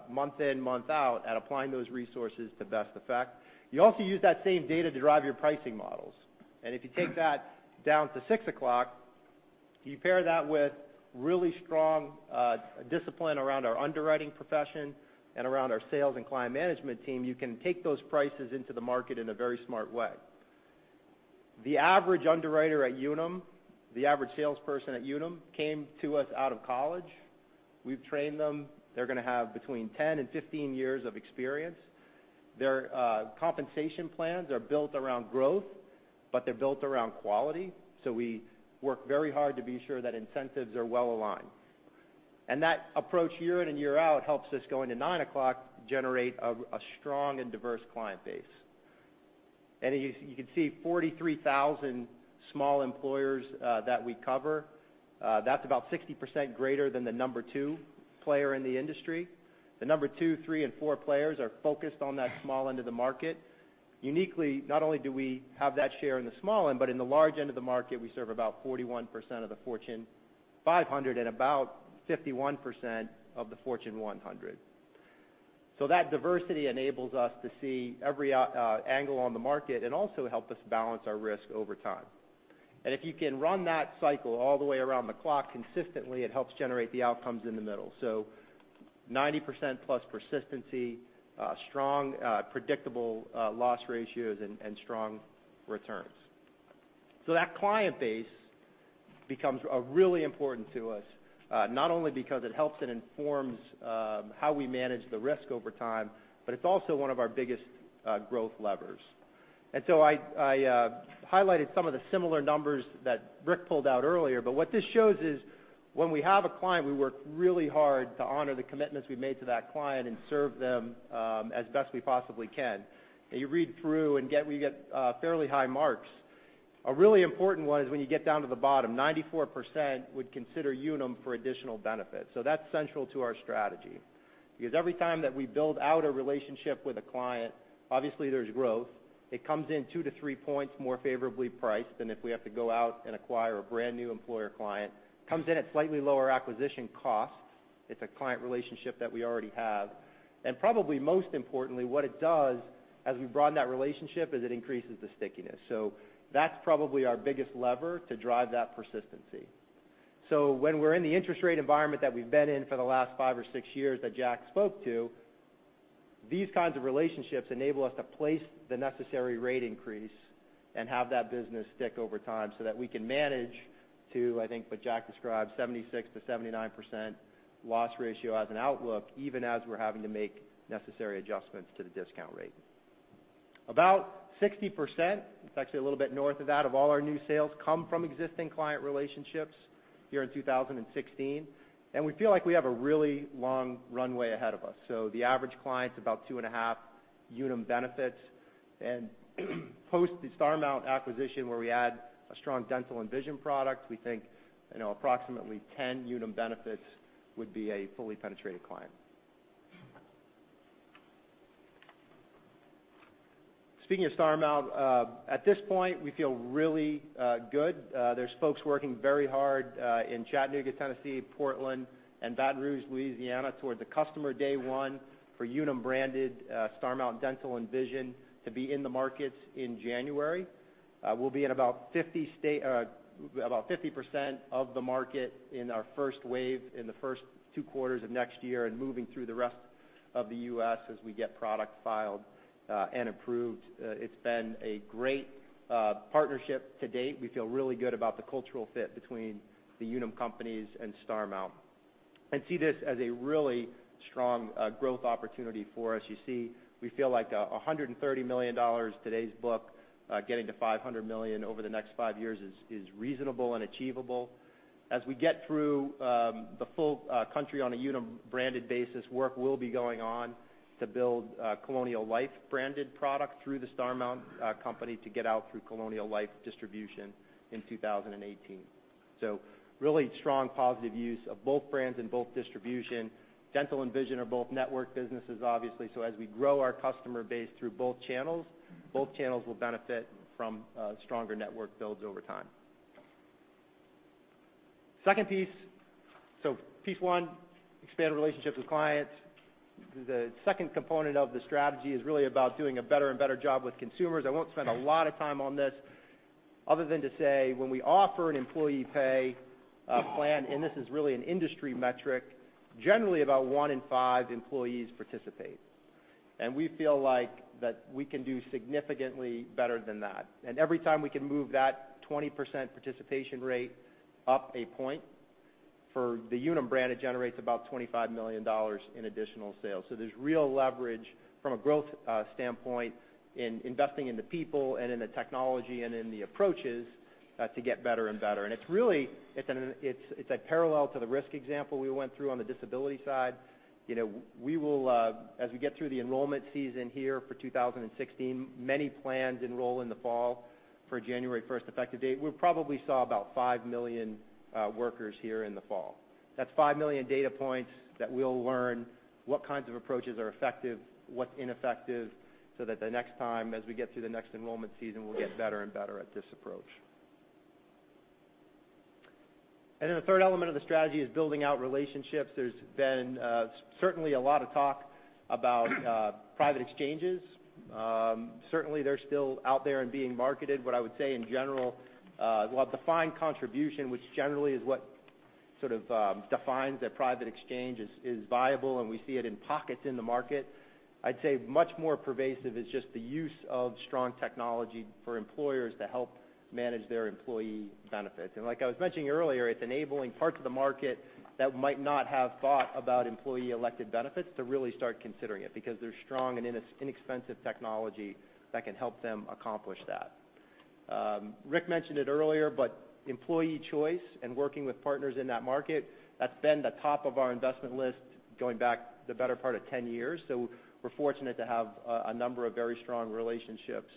month in, month out at applying those resources to best effect. You also use that same data to drive your pricing models. If you take that down to 6:00, you pair that with really strong discipline around our underwriting profession and around our sales and client management team, you can take those prices into the market in a very smart way. The average underwriter at Unum, the average salesperson at Unum, came to us out of college. We've trained them. They're going to have between 10 and 15 years of experience. Their compensation plans are built around growth, but they're built around quality. We work very hard to be sure that incentives are well-aligned. That approach, year in and year out, helps us, going to 9:00, generate a strong and diverse client base. You can see 43,000 small employers that we cover. That's about 60% greater than the number two player in the industry. The number 2, 3, and 4 players are focused on that small end of the market. Uniquely, not only do we have that share in the small end, but in the large end of the market, we serve about 41% of the Fortune 500 and about 51% of the Fortune 100. That diversity enables us to see every angle on the market and also help us balance our risk over time. If you can run that cycle all the way around the clock consistently, it helps generate the outcomes in the middle. 90%+ persistency, strong predictable loss ratios, and strong returns. That client base becomes really important to us, not only because it helps and informs how we manage the risk over time, but it's also one of our biggest growth levers. I highlighted some of the similar numbers that Rick pulled out earlier, but what this shows is when we have a client, we work really hard to honor the commitments we made to that client and serve them as best we possibly can. You read through and we get fairly high marks. A really important one is when you get down to the bottom, 94% would consider Unum for additional benefits. That's central to our strategy. Because every time that we build out a relationship with a client, obviously there's growth. It comes in two to three points more favorably priced than if we have to go out and acquire a brand new employer client. Comes in at slightly lower acquisition cost. It's a client relationship that we already have. Probably most importantly, what it does as we broaden that relationship is it increases the stickiness. That's probably our biggest lever to drive that persistency. When we're in the interest rate environment that we've been in for the last five or six years that Jack spoke to, these kinds of relationships enable us to place the necessary rate increase and have that business stick over time so that we can manage to, I think what Jack described, 76%-79% loss ratio as an outlook, even as we're having to make necessary adjustments to the discount rate. About 60%, it's actually a little bit north of that, of all our new sales come from existing client relationships here in 2016. We feel like we have a really long runway ahead of us. The average client is about two and a half Unum benefits and post the Starmount acquisition where we add a strong dental and vision product, we think approximately 10 Unum benefits would be a fully penetrated client. Speaking of Starmount, at this point, we feel really good. There's folks working very hard in Chattanooga, Tennessee, Portland, and Baton Rouge, Louisiana, towards a customer day one for Unum-branded Starmount dental and vision to be in the markets in January. We'll be in about 50% of the market in our first wave in the first two quarters of next year and moving through the rest of the U.S. as we get product filed and approved. It's been a great partnership to date. We feel really good about the cultural fit between the Unum companies and Starmount and see this as a really strong growth opportunity for us. You see, we feel like $130 million today's book, getting to $500 million over the next five years is reasonable and achievable. As we get through the full country on a Unum-branded basis, work will be going on to build Colonial Life-branded product through the Starmount company to get out through Colonial Life distribution in 2018. Really strong positive use of both brands and both distribution. Dental and vision are both network businesses, obviously. As we grow our customer base through both channels, both channels will benefit from stronger network builds over time. Second piece. Piece one, expand relationships with clients. The second component of the strategy is really about doing a better and better job with consumers. I won't spend a lot of time on this other than to say, when we offer an employee pay plan, and this is really an industry metric, generally about one in five employees participate. We feel like that we can do significantly better than that. Every time we can move that 20% participation rate up a point, for the Unum brand, it generates about $25 million in additional sales. There's real leverage from a growth standpoint in investing in the people and in the technology and in the approaches to get better and better. It's a parallel to the risk example we went through on the disability side. As we get through the enrollment season here for 2016, many plans enroll in the fall for a January 1st effective date. We probably saw about 5 million workers here in the fall. That's 5 million data points that we'll learn what kinds of approaches are effective, what's ineffective, so that the next time, as we get through the next enrollment season, we'll get better and better at this approach. The third element of the strategy is building out relationships. There's been certainly a lot of talk about private exchanges. Certainly, they're still out there and being marketed. What I would say in general, we'll have defined contribution, which generally is what sort of defines that private exchange is viable and we see it in pockets in the market. I'd say much more pervasive is just the use of strong technology for employers to help manage their employee benefits. Like I was mentioning earlier, it's enabling parts of the market that might not have thought about employee elected benefits to really start considering it because there's strong and inexpensive technology that can help them accomplish that. Rick mentioned it earlier, employee choice and working with partners in that market, that's been the top of our investment list going back the better part of 10 years. We're fortunate to have a number of very strong relationships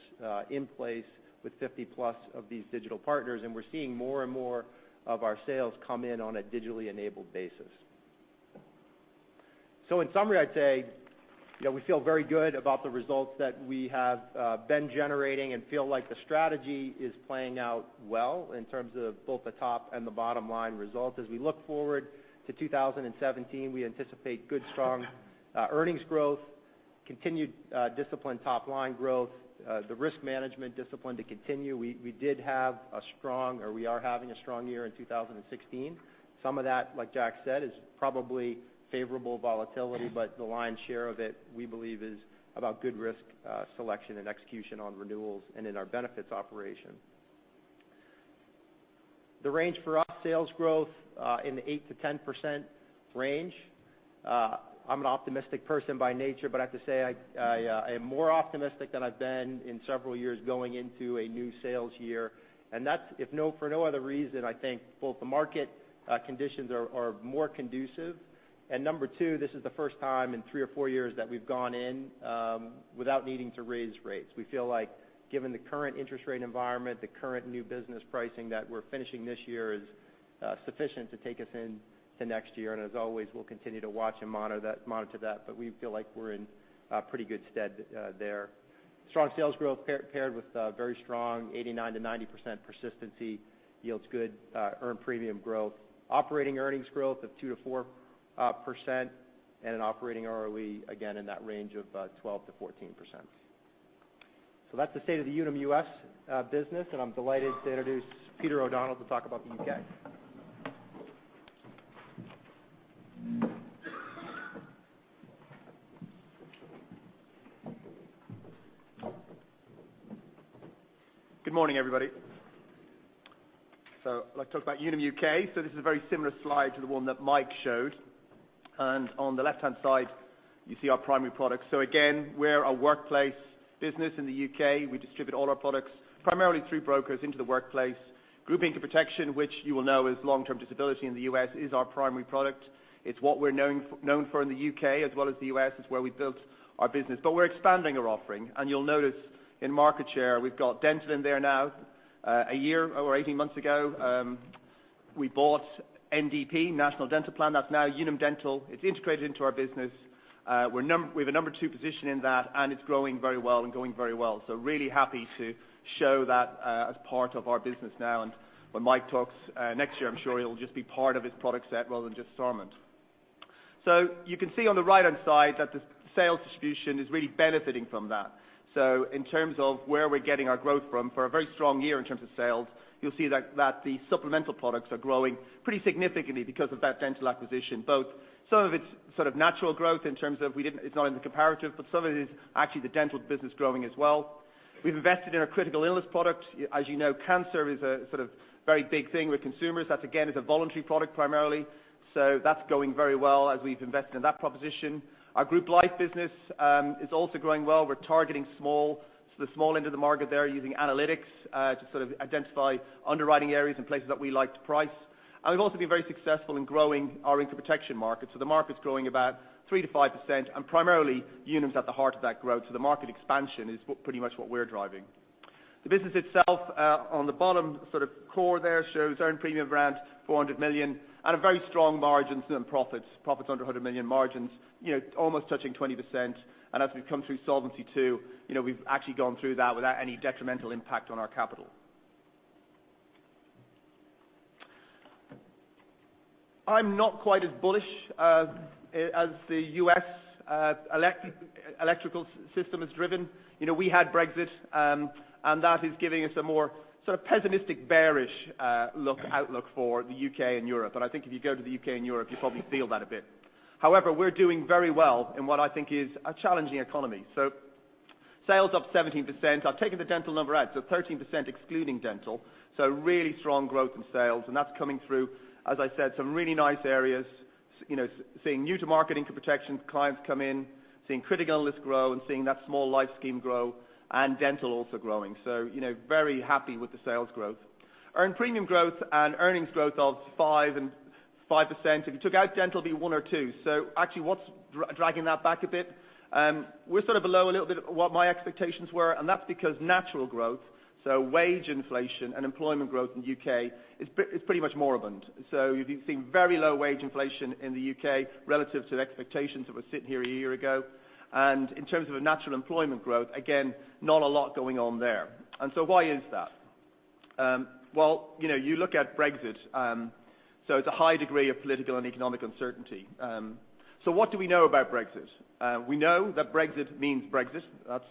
in place with 50 plus of these digital partners. We're seeing more and more of our sales come in on a digitally enabled basis. In summary, I'd say that we feel very good about the results that we have been generating and feel like the strategy is playing out well in terms of both the top and the bottom line results. As we look forward to 2017, we anticipate good, strong earnings growth, continued disciplined top line growth, the risk management discipline to continue. We did have a strong, or we are having a strong year in 2016. Some of that, like Jack said, is probably favorable volatility, but the lion's share of it, we believe is about good risk selection and execution on renewals and in our benefits operation. The range for us, sales growth in the 8%-10% range. I'm an optimistic person by nature, but I have to say, I am more optimistic than I've been in several years going into a new sales year. That's if for no other reason, I think both the market conditions are more conducive, and number two, this is the first time in three or four years that we've gone in without needing to raise rates. We feel like given the current interest rate environment, the current new business pricing that we're finishing this year is sufficient to take us into next year. As always, we'll continue to watch and monitor that, but we feel like we're in pretty good stead there. Strong sales growth paired with very strong 89%-90% persistency yields good earned premium growth. Operating earnings growth of 2%-4% and an operating ROE again in that range of 12%-14%. That's the state of the Unum US business, and I'm delighted to introduce Peter O'Donnell to talk about the U.K. Good morning, everybody. I'd like to talk about Unum U.K. This is a very similar slide to the one that Mike showed. On the left-hand side, you see our primary product. Again, we're a workplace business in the U.K. We distribute all our products, primarily through brokers into the workplace. Group Income Protection, which you will know is long-term disability in the U.S., is our primary product. It's what we're known for in the U.K. as well as the U.S. It's where we built our business. We're expanding our offering, and you'll notice in market share, we've got dental in there now. A year or 18 months ago, we bought NDP, National Dental Plan. That's now Unum Dental. It's integrated into our business. We have a number two position in that, and it's growing very well and going very well. Really happy to show that as part of our business now and when Mike talks next year, I'm sure it'll just be part of his product set rather than just Starmount. You can see on the right-hand side that the sales distribution is really benefiting from that. In terms of where we're getting our growth from, for a very strong year in terms of sales, you'll see that the supplemental products are growing pretty significantly because of that dental acquisition. Both, some of it's sort of natural growth in terms of it's not in the comparative, but some of it is actually the dental business growing as well. We've invested in our critical illness product. As you know, cancer is a sort of very big thing with consumers. That again, is a voluntary product primarily. That's going very well as we've invested in that proposition. Our group life business is also growing well. We're targeting the small end of the market there using analytics to sort of identify underwriting areas and places that we like to price. We've also been very successful in growing our income protection market. The market's growing about 3%-5% and primarily Unum's at the heart of that growth. The market expansion is pretty much what we're driving. The business itself, on the bottom sort of core there shows earned premium around $400 million and very strong margins and profits. Profits under $100 million margins, almost touching 20%. As we've come through Solvency II, we've actually gone through that without any detrimental impact on our capital. I'm not quite as bullish as the U.S. election system has driven. We had Brexit, that is giving us a more sort of pessimistic, bearish look outlook for the U.K. and Europe. I think if you go to the U.K. and Europe, you probably feel that a bit. However, we're doing very well in what I think is a challenging economy. Sales up 17%. I've taken the dental number out, 13% excluding dental. Really strong growth in sales, and that's coming through, as I said, some really nice areas. Seeing new to market income protection clients come in, seeing critical illness grow, and seeing that small life scheme grow and dental also growing. Very happy with the sales growth. Earned premium growth and earnings growth of 5% and 5%. If you took out dental, it'd be 1% or 2%. Actually, what's dragging that back a bit? We're sort of below a little bit of what my expectations were, that's because natural growth. Wage inflation and employment growth in the U.K. is pretty much moribund. You've been seeing very low wage inflation in the U.K. relative to the expectations that were sitting here a year ago. In terms of natural employment growth, again, not a lot going on there. Why is that? Well, you look at Brexit. It's a high degree of political and economic uncertainty. What do we know about Brexit? We know that Brexit means Brexit. That's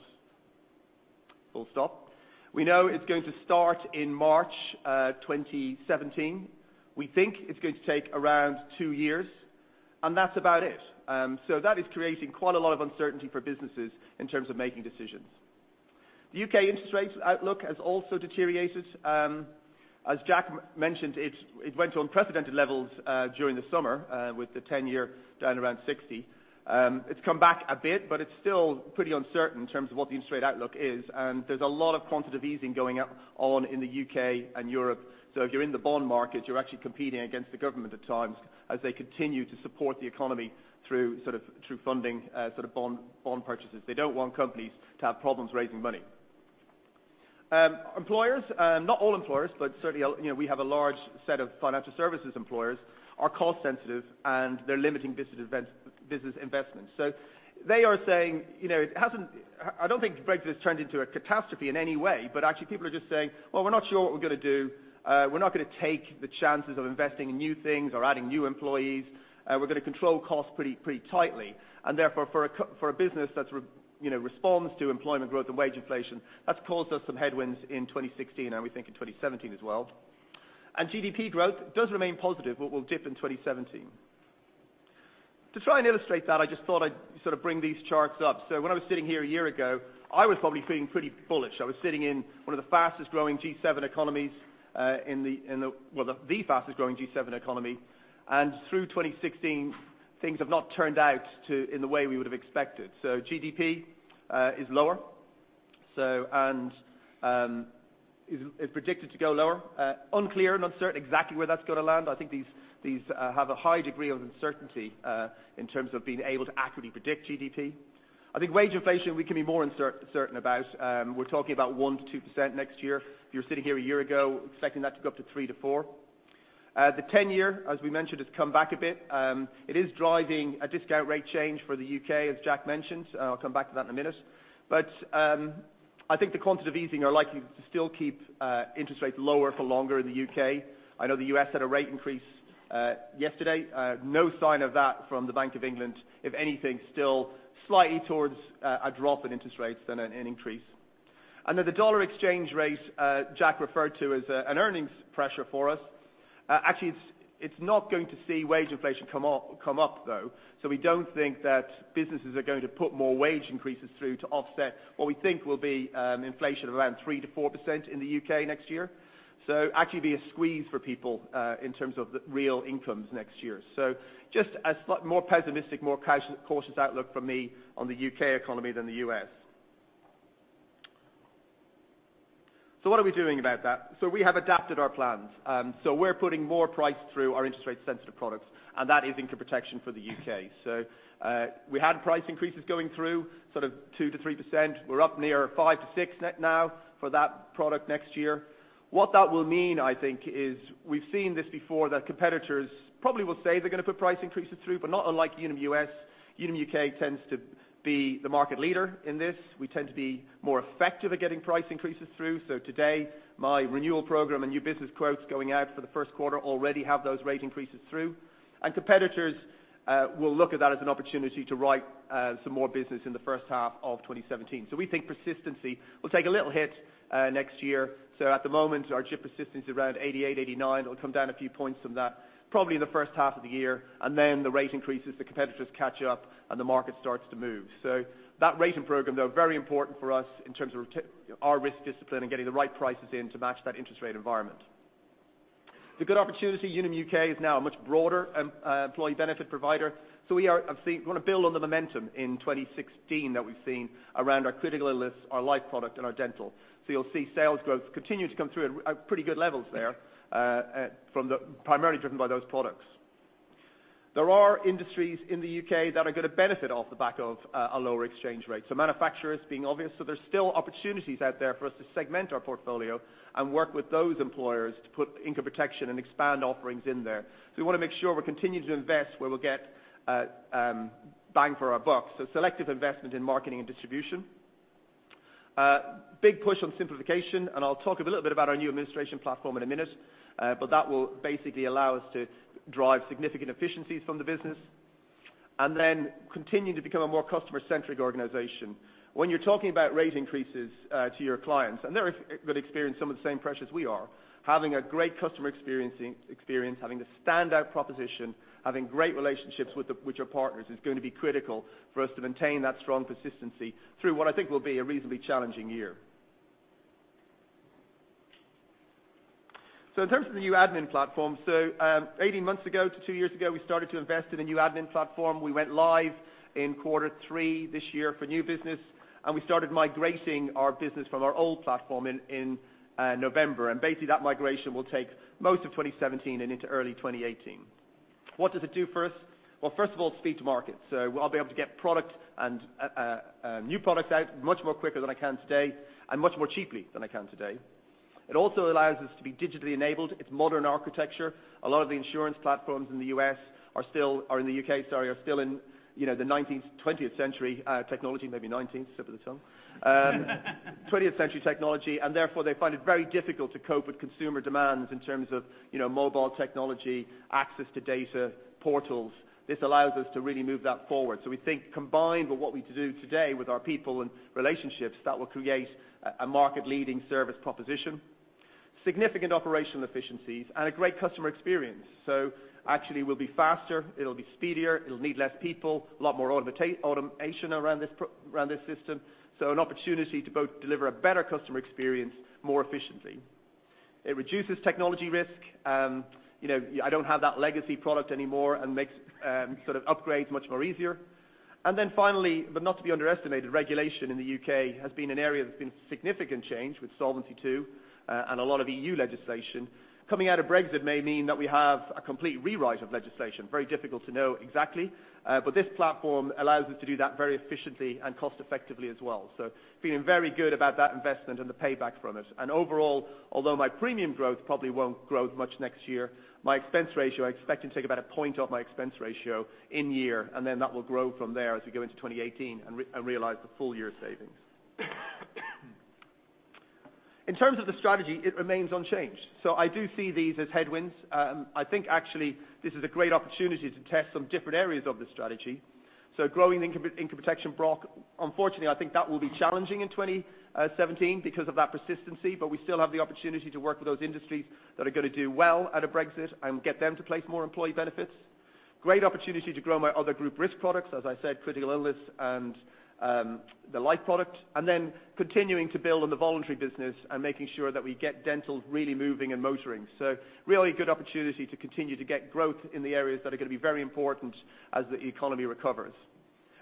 full stop. We know it's going to start in March 2017. We think it's going to take around two years, that's about it. That is creating quite a lot of uncertainty for businesses in terms of making decisions. The U.K. interest rates outlook has also deteriorated. As Jack mentioned, it went to unprecedented levels during the summer, with the 10-year down around 60. It's come back a bit, but it's still pretty uncertain in terms of what the interest rate outlook is. There's a lot of quantitative easing going on in the U.K. and Europe. If you're in the bond market, you're actually competing against the government at times as they continue to support the economy through funding bond purchases. They don't want companies to have problems raising money. Employers, not all employers, but certainly we have a large set of financial services employers, are cost sensitive, and they're limiting business investments. They are saying, I don't think Brexit has turned into a catastrophe in any way, but actually people are just saying, "Well, we're not sure what we're going to do. We're not going to take the chances of investing in new things or adding new employees. We're going to control costs pretty tightly." Therefore, for a business that responds to employment growth and wage inflation, that's caused us some headwinds in 2016, and we think in 2017 as well. GDP growth does remain positive but will dip in 2017. To try and illustrate that, I just thought I'd bring these charts up. When I was sitting here a year ago, I was probably feeling pretty bullish. I was sitting in one of the fastest growing G7 economies, well, the fastest growing G7 economy, and through 2016, things have not turned out in the way we would have expected. GDP is lower, and is predicted to go lower. Unclear and uncertain exactly where that's going to land. I think these have a high degree of uncertainty in terms of being able to accurately predict GDP. I think wage inflation we can be more certain about. We're talking about 1%-2% next year. If you were sitting here a year ago, expecting that to go up to 3%-4%. The 10-year, as we mentioned, has come back a bit. It is driving a discount rate change for the U.K., as Jack mentioned. I'll come back to that in a minute. I think the quantitative easing are likely to still keep interest rates lower for longer in the U.K. I know the U.S. had a rate increase yesterday. No sign of that from the Bank of England. If anything, still slightly towards a drop in interest rates than an increase. I know the dollar exchange rate Jack referred to as an earnings pressure for us. Actually, it's not going to see wage inflation come up, though. We don't think that businesses are going to put more wage increases through to offset what we think will be inflation of around 3%-4% in the U.K. next year. Actually, it'll be a squeeze for people in terms of real incomes next year. Just a more pessimistic, more cautious outlook from me on the U.K. economy than the U.S. What are we doing about that? We have adapted our plans. We're putting more price through our interest rate sensitive products, and that is income protection for the U.K. We had price increases going through sort of 2%-3%. We're up near 5%-6% now for that product next year. What that will mean, I think, is we've seen this before, that competitors probably will say they're going to put price increases through, but not unlike Unum US, Unum UK tends to be the market leader in this. We tend to be more effective at getting price increases through. Today, my renewal program and new business quotes going out for the first quarter already have those rate increases through. Competitors will look at that as an opportunity to write some more business in the first half of 2017. We think persistency will take a little hit next year. At the moment, our GIP persistency is around 88%-89%. It'll come down a few points from that, probably in the first half of the year. The rate increases, the competitors catch up and the market starts to move. That rating program, though, very important for us in terms of our risk discipline and getting the right prices in to match that interest rate environment. The good opportunity, Unum UK is now a much broader employee benefit provider. We want to build on the momentum in 2016 that we've seen around our critical illness, our life product, and our dental. You'll see sales growth continue to come through at pretty good levels there, primarily driven by those products. There are industries in the U.K. that are going to benefit off the back of a lower exchange rate. Manufacturers being obvious. There's still opportunities out there for us to segment our portfolio and work with those employers to put income protection and expand offerings in there. We want to make sure we're continuing to invest where we'll get bang for our buck. Selective investment in marketing and distribution. Big push on simplification, I'll talk a little bit about our new administration platform in a minute. That will basically allow us to drive significant efficiencies from the business. Continue to become a more customer centric organization. When you're talking about rate increases to your clients, and they're going to experience some of the same pressures we are, having a great customer experience, having the standout proposition, having great relationships with your partners is going to be critical for us to maintain that strong consistency through what I think will be a reasonably challenging year. In terms of the new admin platform, 18 months ago to 2 years ago, we started to invest in a new admin platform. We went live in quarter three this year for new business, and we started migrating our business from our old platform in November. Basically that migration will take most of 2017 and into early 2018. What does it do for us? Well, first of all, it's speed to market. I'll be able to get new products out much more quicker than I can today and much more cheaply than I can today. It also allows us to be digitally enabled. It's modern architecture. A lot of the insurance platforms in the U.K. are still in the 19th, 20th century technology, maybe 19th, slip of the tongue. 20th century technology, therefore they find it very difficult to cope with consumer demands in terms of mobile technology, access to data, portals. This allows us to really move that forward. We think combined with what we do today with our people and relationships, that will create a market-leading service proposition. Significant operational efficiencies and a great customer experience. Actually, it'll be faster, it'll be speedier, it'll need less people, a lot more automation around this system. An opportunity to both deliver a better customer experience more efficiently. It reduces technology risk. I don't have that legacy product anymore and makes upgrades much more easier. Finally, but not to be underestimated, regulation in the U.K. has been an area that's been significant change with Solvency II, and a lot of EU legislation. Coming out of Brexit may mean that we have a complete rewrite of legislation. Very difficult to know exactly. This platform allows us to do that very efficiently and cost effectively as well. Feeling very good about that investment and the payback from it. Overall, although my premium growth probably won't grow much next year, my expense ratio, I expect to take about a point off my expense ratio in year, and then that will grow from there as we go into 2018 and realize the full year savings. In terms of the strategy, it remains unchanged. I do see these as headwinds. I think actually this is a great opportunity to test some different areas of the strategy. Growing the income protection block, unfortunately, I think that will be challenging in 2017 because of that persistency, but we still have the opportunity to work with those industries that are going to do well out of Brexit and get them to place more employee benefits. Great opportunity to grow my other group risk products, as I said, critical illness and the life product. Continuing to build on the voluntary business and making sure that we get dental really moving and motoring. Really good opportunity to continue to get growth in the areas that are going to be very important as the economy recovers.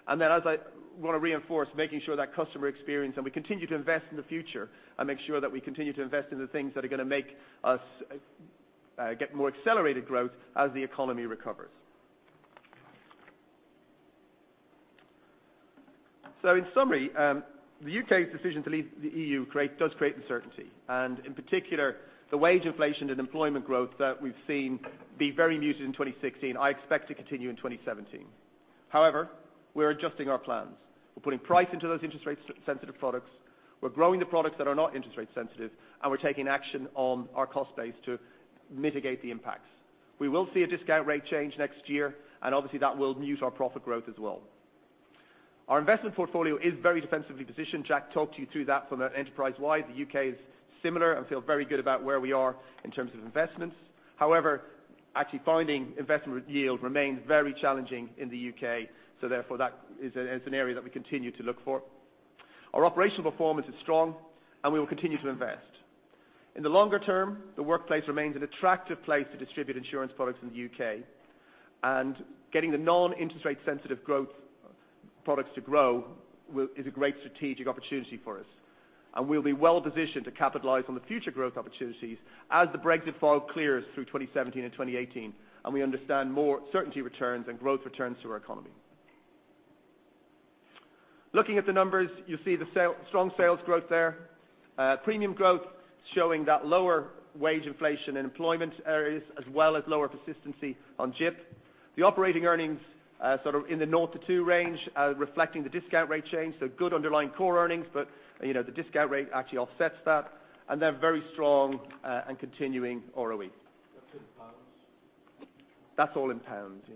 As I want to reinforce, making sure that customer experience and we continue to invest in the future and make sure that we continue to invest in the things that are going to make us get more accelerated growth as the economy recovers. In summary, the U.K.'s decision to leave the EU does create uncertainty, and in particular, the wage inflation and employment growth that we've seen be very muted in 2016, I expect to continue in 2017. However, we're adjusting our plans. We're putting price into those interest rate sensitive products. We're growing the products that are not interest rate sensitive, and we're taking action on our cost base to mitigate the impacts. We will see a discount rate change next year, and obviously that will mute our profit growth as well. Our investment portfolio is very defensively positioned. Jack talked you through that from an enterprise wide. The U.K. is similar and feel very good about where we are in terms of investments. However, actually finding investment yield remains very challenging in the U.K., so therefore that is an area that we continue to look for. Our operational performance is strong. We will continue to invest. In the longer term, the workplace remains an attractive place to distribute insurance products in the U.K., and getting the non-interest rate sensitive growth products to grow is a great strategic opportunity for us. We'll be well positioned to capitalize on the future growth opportunities as the Brexit fog clears through 2017 and 2018, and we understand more certainty returns and growth returns to our economy. Looking at the numbers, you see the strong sales growth there. Premium growth showing that lower wage inflation in employment areas as well as lower persistency on GIP. The operating earnings sort of in the naught to two range, reflecting the discount rate change. So good underlying core earnings, but the discount rate actually offsets that. And then very strong and continuing ROE. That's in pounds? That's all in pounds, yeah.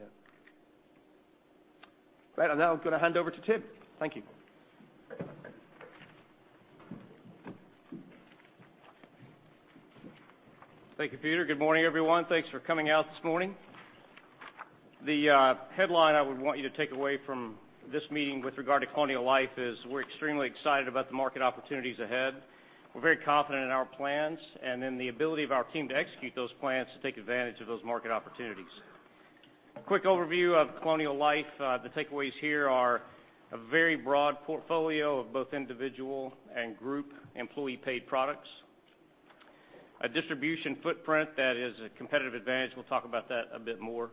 Right. Now I'm going to hand over to Tim. Thank you. Thank you, Peter. Good morning, everyone. Thanks for coming out this morning. The headline I would want you to take away from this meeting with regard to Colonial Life is we're extremely excited about the market opportunities ahead. We're very confident in our plans and in the ability of our team to execute those plans to take advantage of those market opportunities. A quick overview of Colonial Life. The takeaways here are a very broad portfolio of both individual and group employee paid products. A distribution footprint that is a competitive advantage. We'll talk about that a bit more.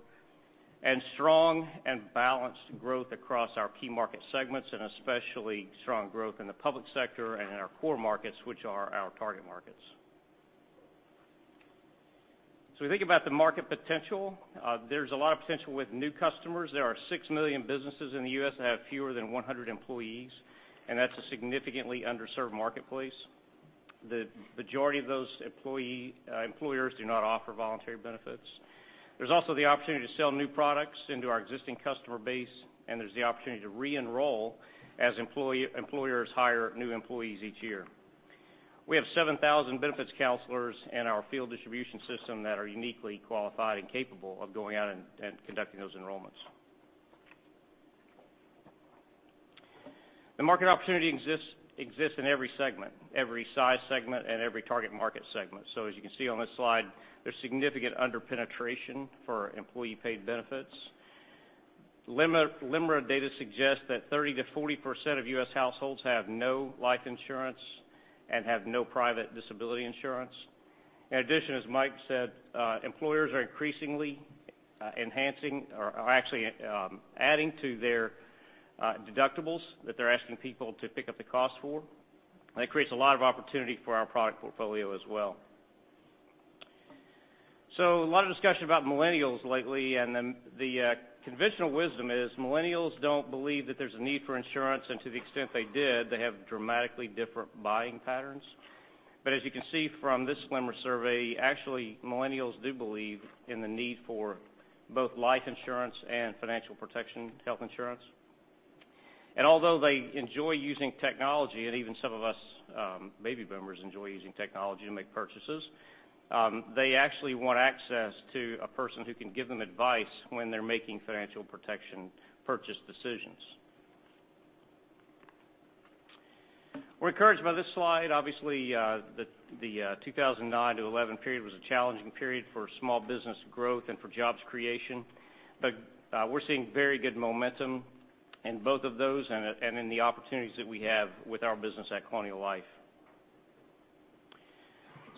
And strong and balanced growth across our key market segments, and especially strong growth in the public sector and in our core markets, which are our target markets. We think about the market potential. There's a lot of potential with new customers. There are 6 million businesses in the U.S. that have fewer than 100 employees, and that's a significantly underserved marketplace. The majority of those employers do not offer voluntary benefits. There's also the opportunity to sell new products into our existing customer base, and there's the opportunity to re-enroll as employers hire new employees each year. We have 7,000 benefits counselors in our field distribution system that are uniquely qualified and capable of going out and conducting those enrollments. The market opportunity exists in every segment, every size segment, and every target market segment. You can see on this slide, there's significant under-penetration for employee paid benefits. LIMRA data suggests that 30%-40% of U.S. households have no life insurance and have no private disability insurance. In addition, as Mike said, employers are increasingly enhancing or are actually adding to their deductibles that they're asking people to pick up the cost for. That creates a lot of opportunity for our product portfolio as well. A lot of discussion about millennials lately, and then the conventional wisdom is millennials don't believe that there's a need for insurance, and to the extent they did, they have dramatically different buying patterns. As you can see from this LIMRA survey, actually, millennials do believe in the need for both life insurance and financial protection health insurance. And although they enjoy using technology, and even some of us baby boomers enjoy using technology to make purchases, they actually want access to a person who can give them advice when they're making financial protection purchase decisions. We're encouraged by this slide. The 2009 to 2011 period was a challenging period for small business growth and for jobs creation. We're seeing very good momentum in both of those and in the opportunities that we have with our business at Colonial Life.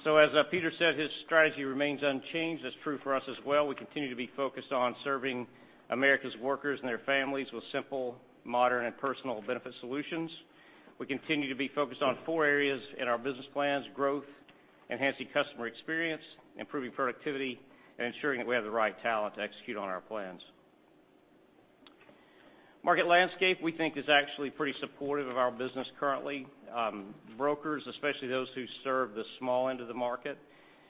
As Peter said, his strategy remains unchanged. That's true for us as well. We continue to be focused on serving America's workers and their families with simple, modern, and personal benefit solutions. We continue to be focused on four areas in our business plans: growth, enhancing customer experience, improving productivity, and ensuring that we have the right talent to execute on our plans. Market landscape, we think, is actually pretty supportive of our business currently. Brokers, especially those who serve the small end of the market,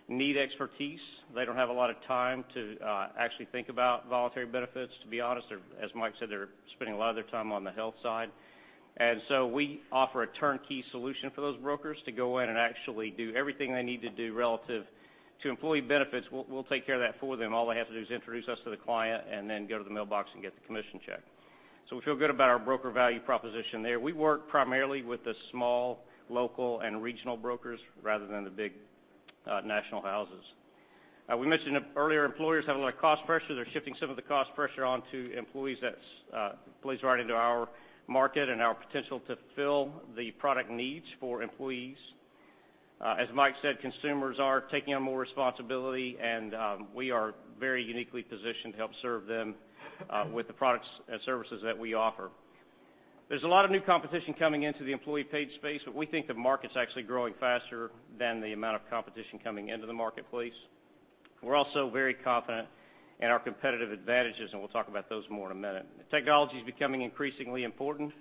need expertise. They don't have a lot of time to actually think about voluntary benefits, to be honest. As Mike said, they're spending a lot of their time on the health side. We offer a turnkey solution for those brokers to go in and actually do everything they need to do relative to employee benefits. We'll take care of that for them. All they have to do is introduce us to the client and then go to the mailbox and get the commission check. We feel good about our broker value proposition there. We work primarily with the small, local, and regional brokers rather than the big national houses. We mentioned earlier, employers have a lot of cost pressure. They're shifting some of the cost pressure onto employees. That plays right into our market and our potential to fill the product needs for employees. As Mike said, consumers are taking on more responsibility. We are very uniquely positioned to help serve them with the products and services that we offer. There's a lot of new competition coming into the employee paid space. We think the market's actually growing faster than the amount of competition coming into the marketplace. We're also very confident in our competitive advantages, and we'll talk about those more in a minute. Technology's becoming increasingly important.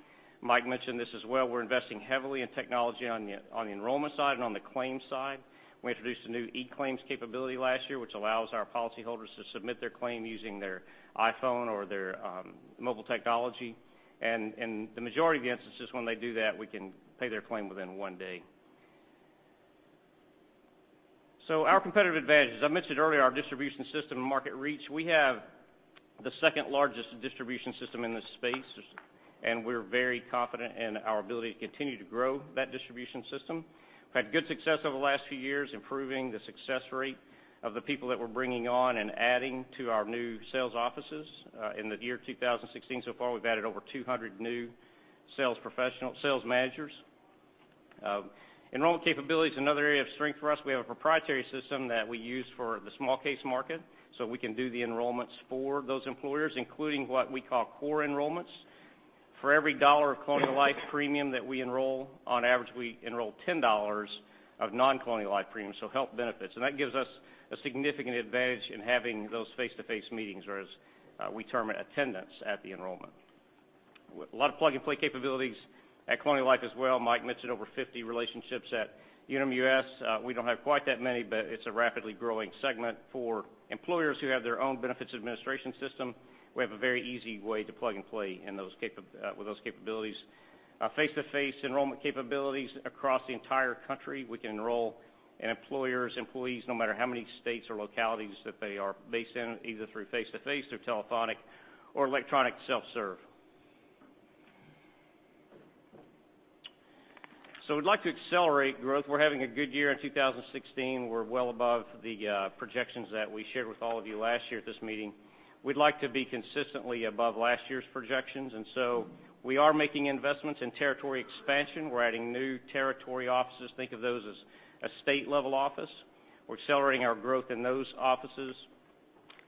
Mike mentioned this as well. We're investing heavily in technology on the enrollment side and on the claims side. We introduced a new eClaims capability last year, which allows our policyholders to submit their claim using their iPhone or their mobile technology. In the majority of the instances when they do that, we can pay their claim within one day. Our competitive advantages. I mentioned earlier our distribution system and market reach. We have the second largest distribution system in this space. We're very confident in our ability to continue to grow that distribution system. We've had good success over the last few years, improving the success rate of the people that we're bringing on and adding to our new sales offices. In the year 2016 so far, we've added over 200 new sales managers. Enrollment capability is another area of strength for us. We have a proprietary system that we use for the small case market, so we can do the enrollments for those employers, including what we call core enrollments. For every dollar of Colonial Life premium that we enroll, on average, we enroll $10 of non-Colonial Life premiums, so health benefits. That gives us a significant advantage in having those face-to-face meetings, or as we term it, attendance at the enrollment. A lot of plug-and-play capabilities at Colonial Life as well. Mike mentioned over 50 relationships at Unum US. We do not have quite that many, but it is a rapidly growing segment for employers who have their own benefits administration system. We have a very easy way to plug and play with those capabilities. Face-to-face enrollment capabilities across the entire country. We can enroll an employer's employees no matter how many states or localities that they are based in, either through face to face or telephonic or electronic self-serve. We would like to accelerate growth. We are having a good year in 2016. We are well above the projections that we shared with all of you last year at this meeting. We would like to be consistently above last year's projections, so we are making investments in territory expansion. We are adding new territory offices. Think of those as a state-level office. We are accelerating our growth in those offices.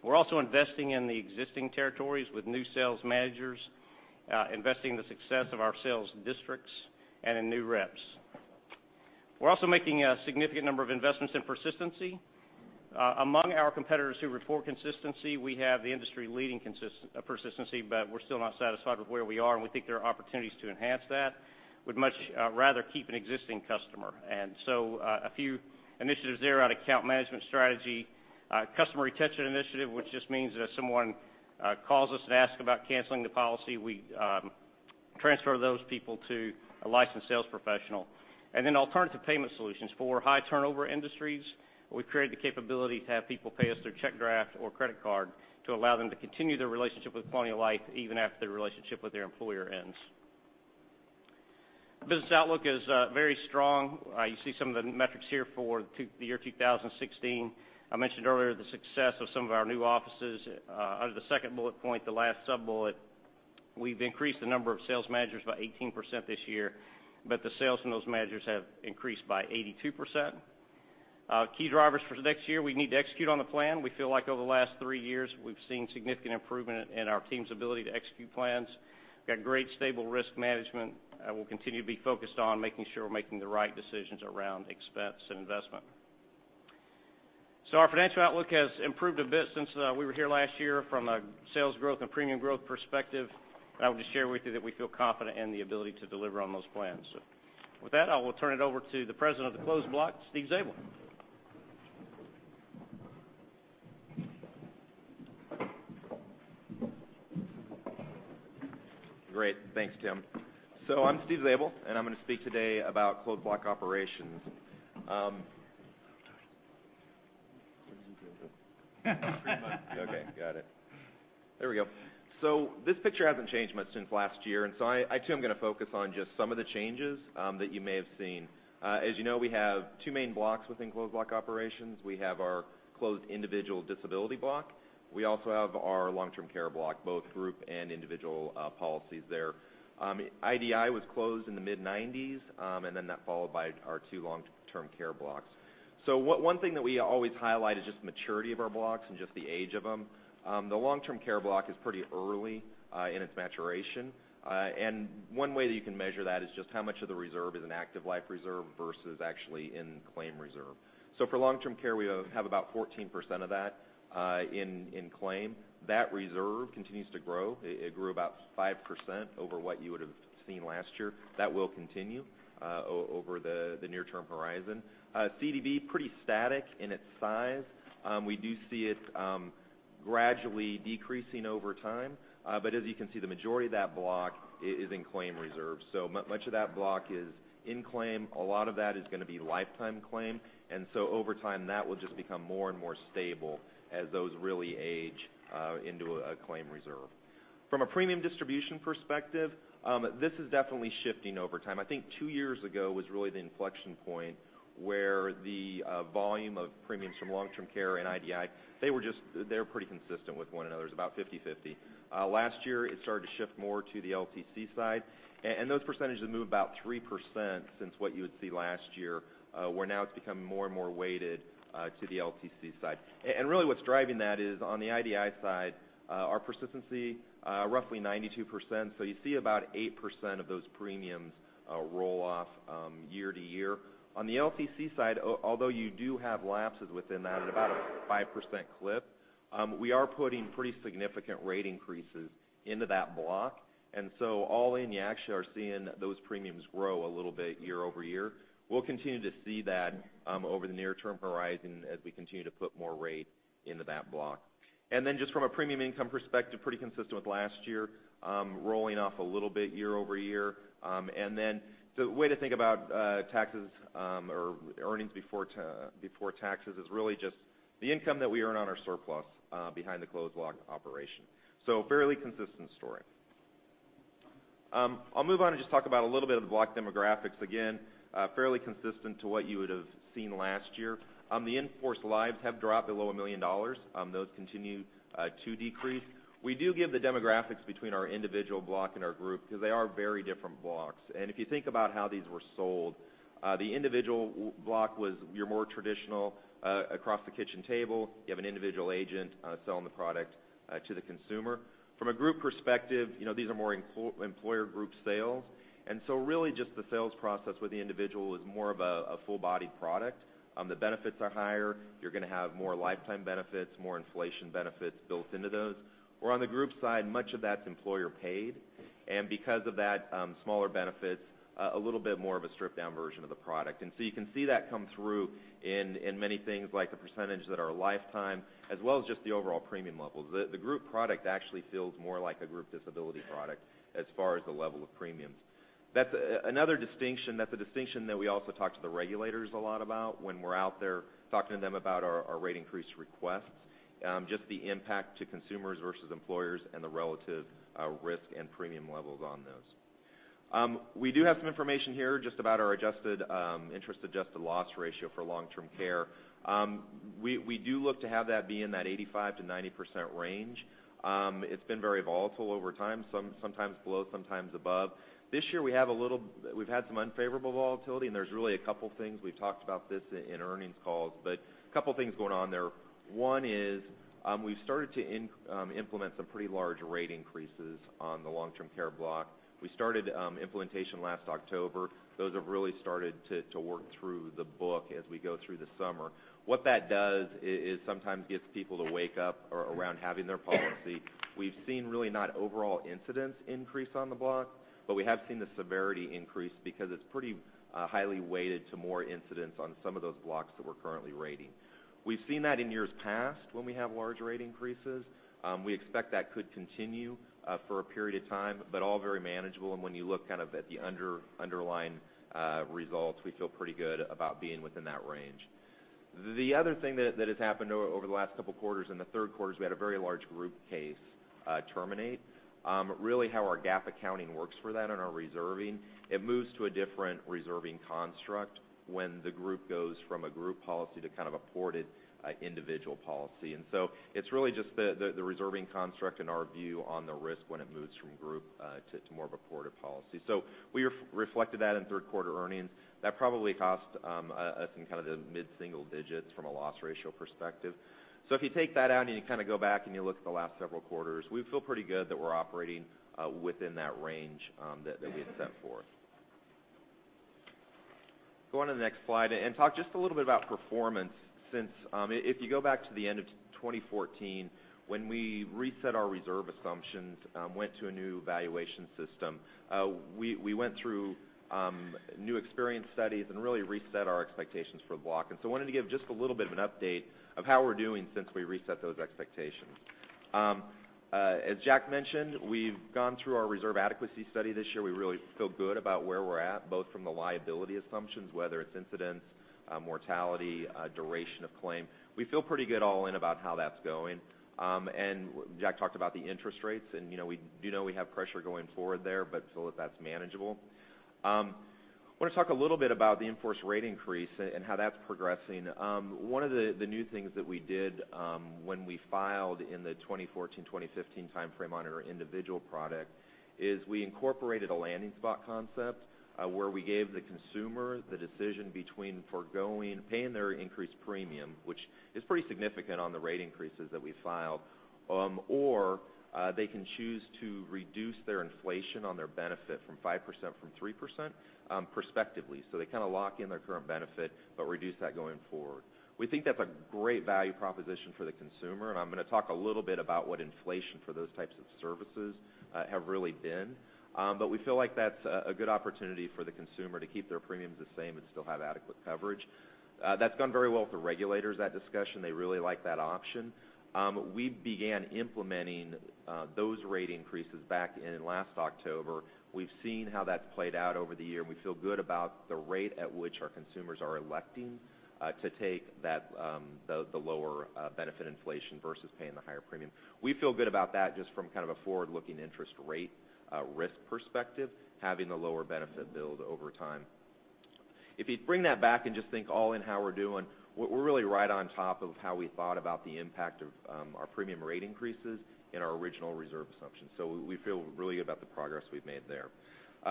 We are also investing in the existing territories with new sales managers, investing in the success of our sales districts, and in new reps. We are also making a significant number of investments in persistency. Among our competitors who report consistency, we have the industry-leading persistency, but we are still not satisfied with where we are, and we think there are opportunities to enhance that. We would much rather keep an existing customer. So a few initiatives there, on account management strategy, customer retention initiative, which just means that if someone calls us and asks about canceling the policy, we transfer those people to a licensed sales professional. Then alternative payment solutions for high turnover industries. We have created the capability to have people pay us their check draft or credit card to allow them to continue their relationship with Colonial Life even after their relationship with their employer ends. Business outlook is very strong. You see some of the metrics here for the year 2016. I mentioned earlier the success of some of our new offices. Under the second bullet point, the last sub-bullet, we have increased the number of sales managers by 18% this year, but the sales from those managers have increased by 82%. Key drivers for next year, we need to execute on the plan. We feel like over the last three years, we have seen significant improvement in our team's ability to execute plans. We have got great stable risk management. We will continue to be focused on making sure we are making the right decisions around expense and investment. Our financial outlook has improved a bit since we were here last year from a sales growth and premium growth perspective. I would just share with you that we feel confident in the ability to deliver on those plans. With that, I will turn it over to the President of the Closed Block Operations, Steve Zabel. Great. Thanks, Tim. I'm Steve Zabel, and I'm going to speak today about Closed Block Operations. Okay, got it. There we go. This picture hasn't changed much since last year, I too am going to focus on just some of the changes that you may have seen. As you know, we have two main blocks within Closed Block Operations. We have our closed individual disability block. We also have our long-term care block, both group and individual policies there. IDI was closed in the mid-1990s, then that followed by our two long-term care blocks. One thing that we always highlight is just the maturity of our blocks and just the age of them. The long-term care block is pretty early in its maturation. One way that you can measure that is just how much of the reserve is an active life reserve versus actually in claim reserve. For long-term care, we have about 14% of that in claim. That reserve continues to grow. It grew about 5% over what you would've seen last year. That will continue over the near-term horizon. CDB, pretty static in its size. We do see it gradually decreasing over time. As you can see, the majority of that block is in claim reserve. Much of that block is in claim. A lot of that is going to be lifetime claim, over time, that will just become more and more stable as those really age into a claim reserve. From a premium distribution perspective, this is definitely shifting over time. I think two years ago was really the inflection point where the volume of premiums from long-term care and IDI, they were pretty consistent with one another, it's about 50/50. Last year, it started to shift more to the LTC side. Those percentages have moved about 3% since what you would see last year, where now it's become more and more weighted to the LTC side. Really what's driving that is on the IDI side, our persistency roughly 92%, you see about 8% of those premiums roll off year to year. On the LTC side, although you do have lapses within that at about a 5% clip, we are putting pretty significant rate increases into that block, all in, you actually are seeing those premiums grow a little bit year over year. We'll continue to see that over the near-term horizon as we continue to put more rate into that block. Just from a premium income perspective, pretty consistent with last year, rolling off a little bit year over year. The way to think about taxes or earnings before taxes is really just the income that we earn on our surplus behind the Closed Block Operations. Fairly consistent story. I'll move on and just talk about a little of the block demographics. Again, fairly consistent to what you would've seen last year. The in-force lives have dropped below $1 million. Those continue to decrease. We do give the demographics between our individual block and our group because they are very different blocks. If you think about how these were sold, the individual block was your more traditional across the kitchen table. You have an individual agent selling the product to the consumer. From a group perspective, these are more employer group sales. Really just the sales process with the individual is more of a full-bodied product. The benefits are higher. You're going to have more lifetime benefits, more inflation benefits built into those. Where on the group side, much of that's employer paid, and because of that, smaller benefits, a little bit more of a stripped-down version of the product. You can see that come through in many things like the percentage that are lifetime, as well as just the overall premium levels. The group product actually feels more like a group disability product as far as the level of premiums. That's another distinction, that's a distinction that we also talk to the regulators a lot about when we're out there talking to them about our rate increase requests, just the impact to consumers versus employers and the relative risk and premium levels on those. We do have some information here just about our interest-adjusted loss ratio for long-term care. We do look to have that be in that 85%-90% range. It's been very volatile over time, sometimes below, sometimes above. This year, we've had some unfavorable volatility. There's really a couple things, we've talked about this in earnings calls, couple things going on there. One is we've started to implement some pretty large rate increases on the long-term care block. We started implementation last October. Those have really started to work through the book as we go through the summer. What that does is sometimes gets people to wake up around having their policy. We've seen really not overall incidents increase on the block, but we have seen the severity increase because it's pretty highly weighted to more incidents on some of those blocks that we're currently rating. We've seen that in years past when we have large rate increases. We expect that could continue for a period of time. All very manageable, when you look at the underlying results, we feel pretty good about being within that range. The other thing that has happened over the last couple quarters, in the third quarter is we had a very large group case terminate. Really how our GAAP accounting works for that in our reserving, it moves to a different reserving construct when the group goes from a group policy to kind of a ported individual policy. It's really just the reserving construct and our view on the risk when it moves from group to more of a ported policy. We reflected that in third quarter earnings. That probably cost us in the mid-single digits from a loss ratio perspective. If you take that out, you go back, you look at the last several quarters, we feel pretty good that we're operating within that range that we had set forth. Go on to the next slide and talk just a little bit about performance since if you go back to the end of 2014 when we reset our reserve assumptions, went to a new valuation system, we went through new experience studies, really reset our expectations for the block. Wanted to give just a little bit of an update of how we're doing since we reset those expectations. As Jack mentioned, we've gone through our reserve adequacy study this year. We really feel good about where we're at, both from the liability assumptions, whether it's incidents, mortality, duration of claim. We feel pretty good all in about how that's going. Jack talked about the interest rates, and we do know we have pressure going forward there, but feel that that's manageable. I want to talk a little bit about the in-force rate increase and how that's progressing. One of the new things that we did when we filed in the 2014, 2015 timeframe on our individual product is we incorporated a landing spot concept, where we gave the consumer the decision between foregoing paying their increased premium, which is pretty significant on the rate increases that we filed, or they can choose to reduce their inflation on their benefit from 5% to 3% prospectively. They kind of lock in their current benefit but reduce that going forward. We think that's a great value proposition for the consumer, I'm going to talk a little bit about what inflation for those types of services have really been. We feel like that's a good opportunity for the consumer to keep their premiums the same and still have adequate coverage. That's gone very well with the regulators, that discussion. They really like that option. We began implementing those rate increases back in last October. We've seen how that's played out over the year, and we feel good about the rate at which our consumers are electing to take the lower benefit inflation versus paying the higher premium. We feel good about that just from kind of a forward-looking interest rate risk perspective, having the lower benefit build over time. If you bring that back and just think all in how we're doing, we're really right on top of how we thought about the impact of our premium rate increases in our original reserve assumption. We feel really good about the progress we've made there.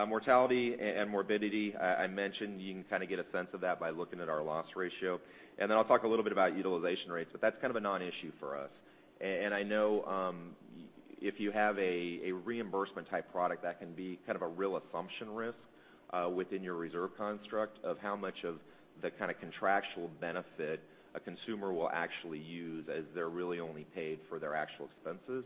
Mortality and morbidity, I mentioned you can kind of get a sense of that by looking at our loss ratio. Then I'll talk a little bit about utilization rates, but that's kind of a non-issue for us. I know if you have a reimbursement type product, that can be kind of a real assumption risk within your reserve construct of how much of the kind of contractual benefit a consumer will actually use as they're really only paid for their actual expenses.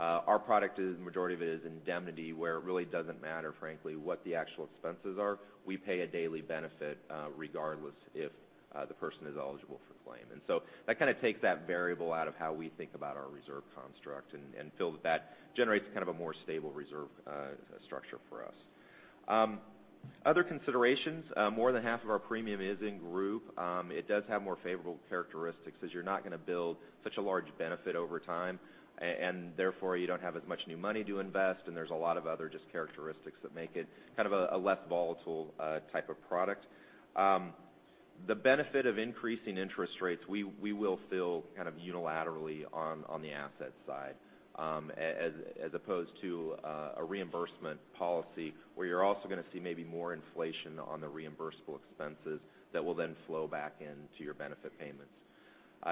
Our product is, majority of it is indemnity, where it really doesn't matter, frankly, what the actual expenses are. We pay a daily benefit regardless if the person is eligible for claim. That kind of takes that variable out of how we think about our reserve construct and feel that that generates kind of a more stable reserve structure for us. Other considerations, more than half of our premium is in Group. It does have more favorable characteristics, as you're not going to build such a large benefit over time, and therefore you don't have as much new money to invest, and there's a lot of other just characteristics that make it kind of a less volatile type of product. The benefit of increasing interest rates, we will feel kind of unilaterally on the asset side as opposed to a reimbursement policy where you're also going to see maybe more inflation on the reimbursable expenses that will then flow back into your benefit payments.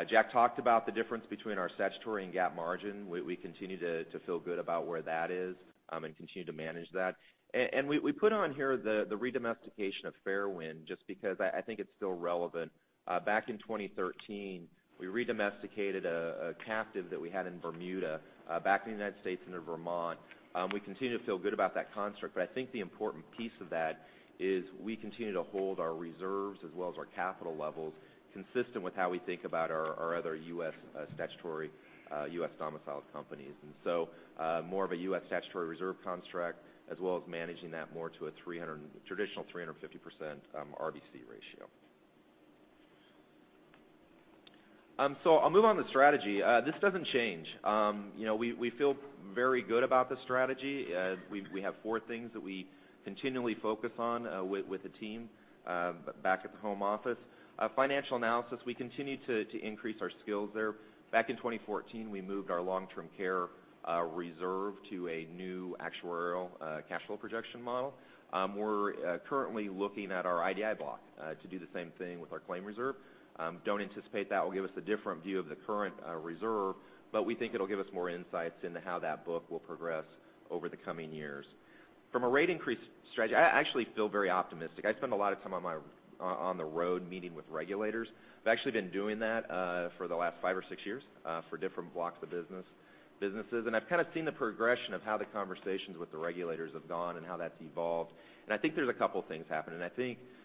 Jack talked about the difference between our statutory and GAAP margin. We continue to feel good about where that is and continue to manage that. We put on here the re-domestication of Fairwind just because I think it's still relevant. Back in 2013, we re-domesticated a captive that we had in Bermuda back in the U.S. into Vermont. We continue to feel good about that construct, but I think the important piece of that is we continue to hold our reserves as well as our capital levels consistent with how we think about our other U.S. statutory U.S.-domiciled companies. More of a U.S. statutory reserve construct, as well as managing that more to a traditional 350% RBC ratio. I'll move on to strategy. This doesn't change. We feel very good about the strategy. We have four things that we continually focus on with the team back at the home office. Financial analysis, we continue to increase our skills there. Back in 2014, we moved our long-term care reserve to a new actuarial cash flow projection model. We're currently looking at our IDI block to do the same thing with our claim reserve. Don't anticipate that will give us a different view of the current reserve, but we think it'll give us more insights into how that book will progress over the coming years. From a rate increase strategy, I actually feel very optimistic. I spend a lot of time on the road meeting with regulators. I've actually been doing that for the last five or six years for different blocks of businesses. I've kind of seen the progression of how the conversations with the regulators have gone and how that's evolved. I think there's a couple things happening. I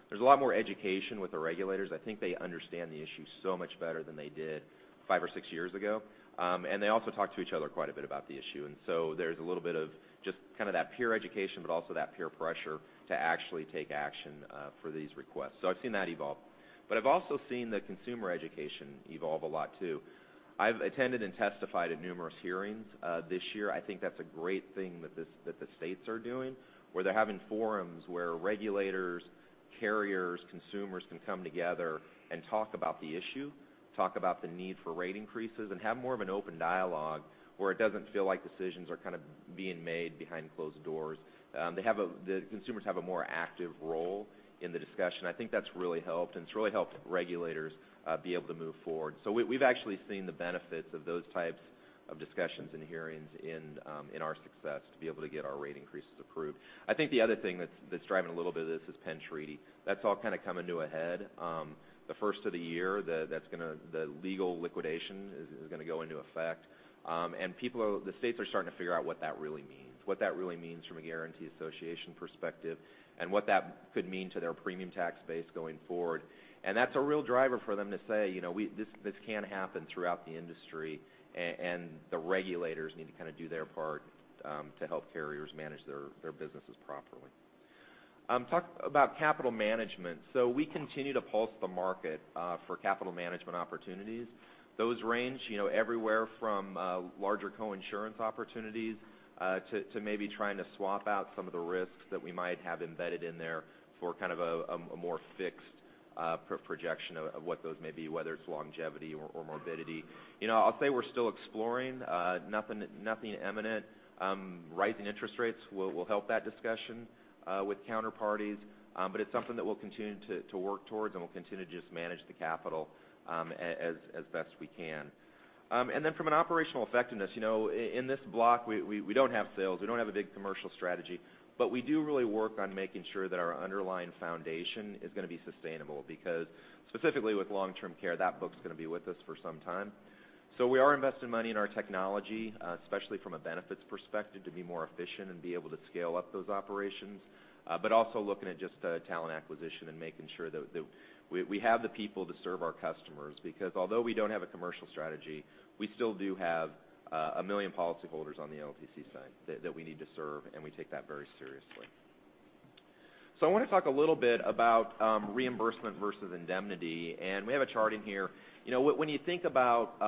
think there's a lot more education with the regulators. I think they understand the issue so much better than they did five or six years ago. They also talk to each other quite a bit about the issue. There's a little bit of just kind of that peer education, but also that peer pressure to actually take action for these requests. I've seen that evolve, but I've also seen the consumer education evolve a lot, too. I've attended and testified at numerous hearings this year. I think that's a great thing that the states are doing, where they're having forums where regulators, carriers, consumers can come together and talk about the issue, talk about the need for rate increases, and have more of an open dialogue where it doesn't feel like decisions are kind of being made behind closed doors. The consumers have a more active role in the discussion. I think that's really helped, and it's really helped regulators be able to move forward. We've actually seen the benefits of those types of discussions and hearings in our success to be able to get our rate increases approved. I think the other thing that's driving a little bit of this is Penn Treaty. That's all kind of coming to a head. The first of the year, the legal liquidation is going to go into effect. The states are starting to figure out what that really means, what that really means from a guarantee association perspective, and what that could mean to their premium tax base going forward. That's a real driver for them to say, this can happen throughout the industry and the regulators need to kind of do their part to help carriers manage their businesses properly. Talk about capital management. We continue to pulse the market for capital management opportunities. Those range everywhere from larger co-insurance opportunities to maybe trying to swap out some of the risks that we might have embedded in there for a more fixed projection of what those may be, whether it's longevity or morbidity. I'll say we're still exploring. Nothing imminent. Rising interest rates will help that discussion with counterparties, but it's something that we'll continue to work towards, and we'll continue to just manage the capital as best we can. Then from an operational effectiveness, in this block, we don't have sales. We don't have a big commercial strategy, but we do really work on making sure that our underlying foundation is going to be sustainable, because specifically with long-term care, that book's going to be with us for some time. We are investing money in our technology, especially from a benefits perspective, to be more efficient and be able to scale up those operations, but also looking at just talent acquisition and making sure that we have the people to serve our customers, because although we don't have a commercial strategy, we still do have 1 million policyholders on the LTC side that we need to serve, and we take that very seriously. I want to talk a little bit about reimbursement versus indemnity, and we have a chart in here. When you think about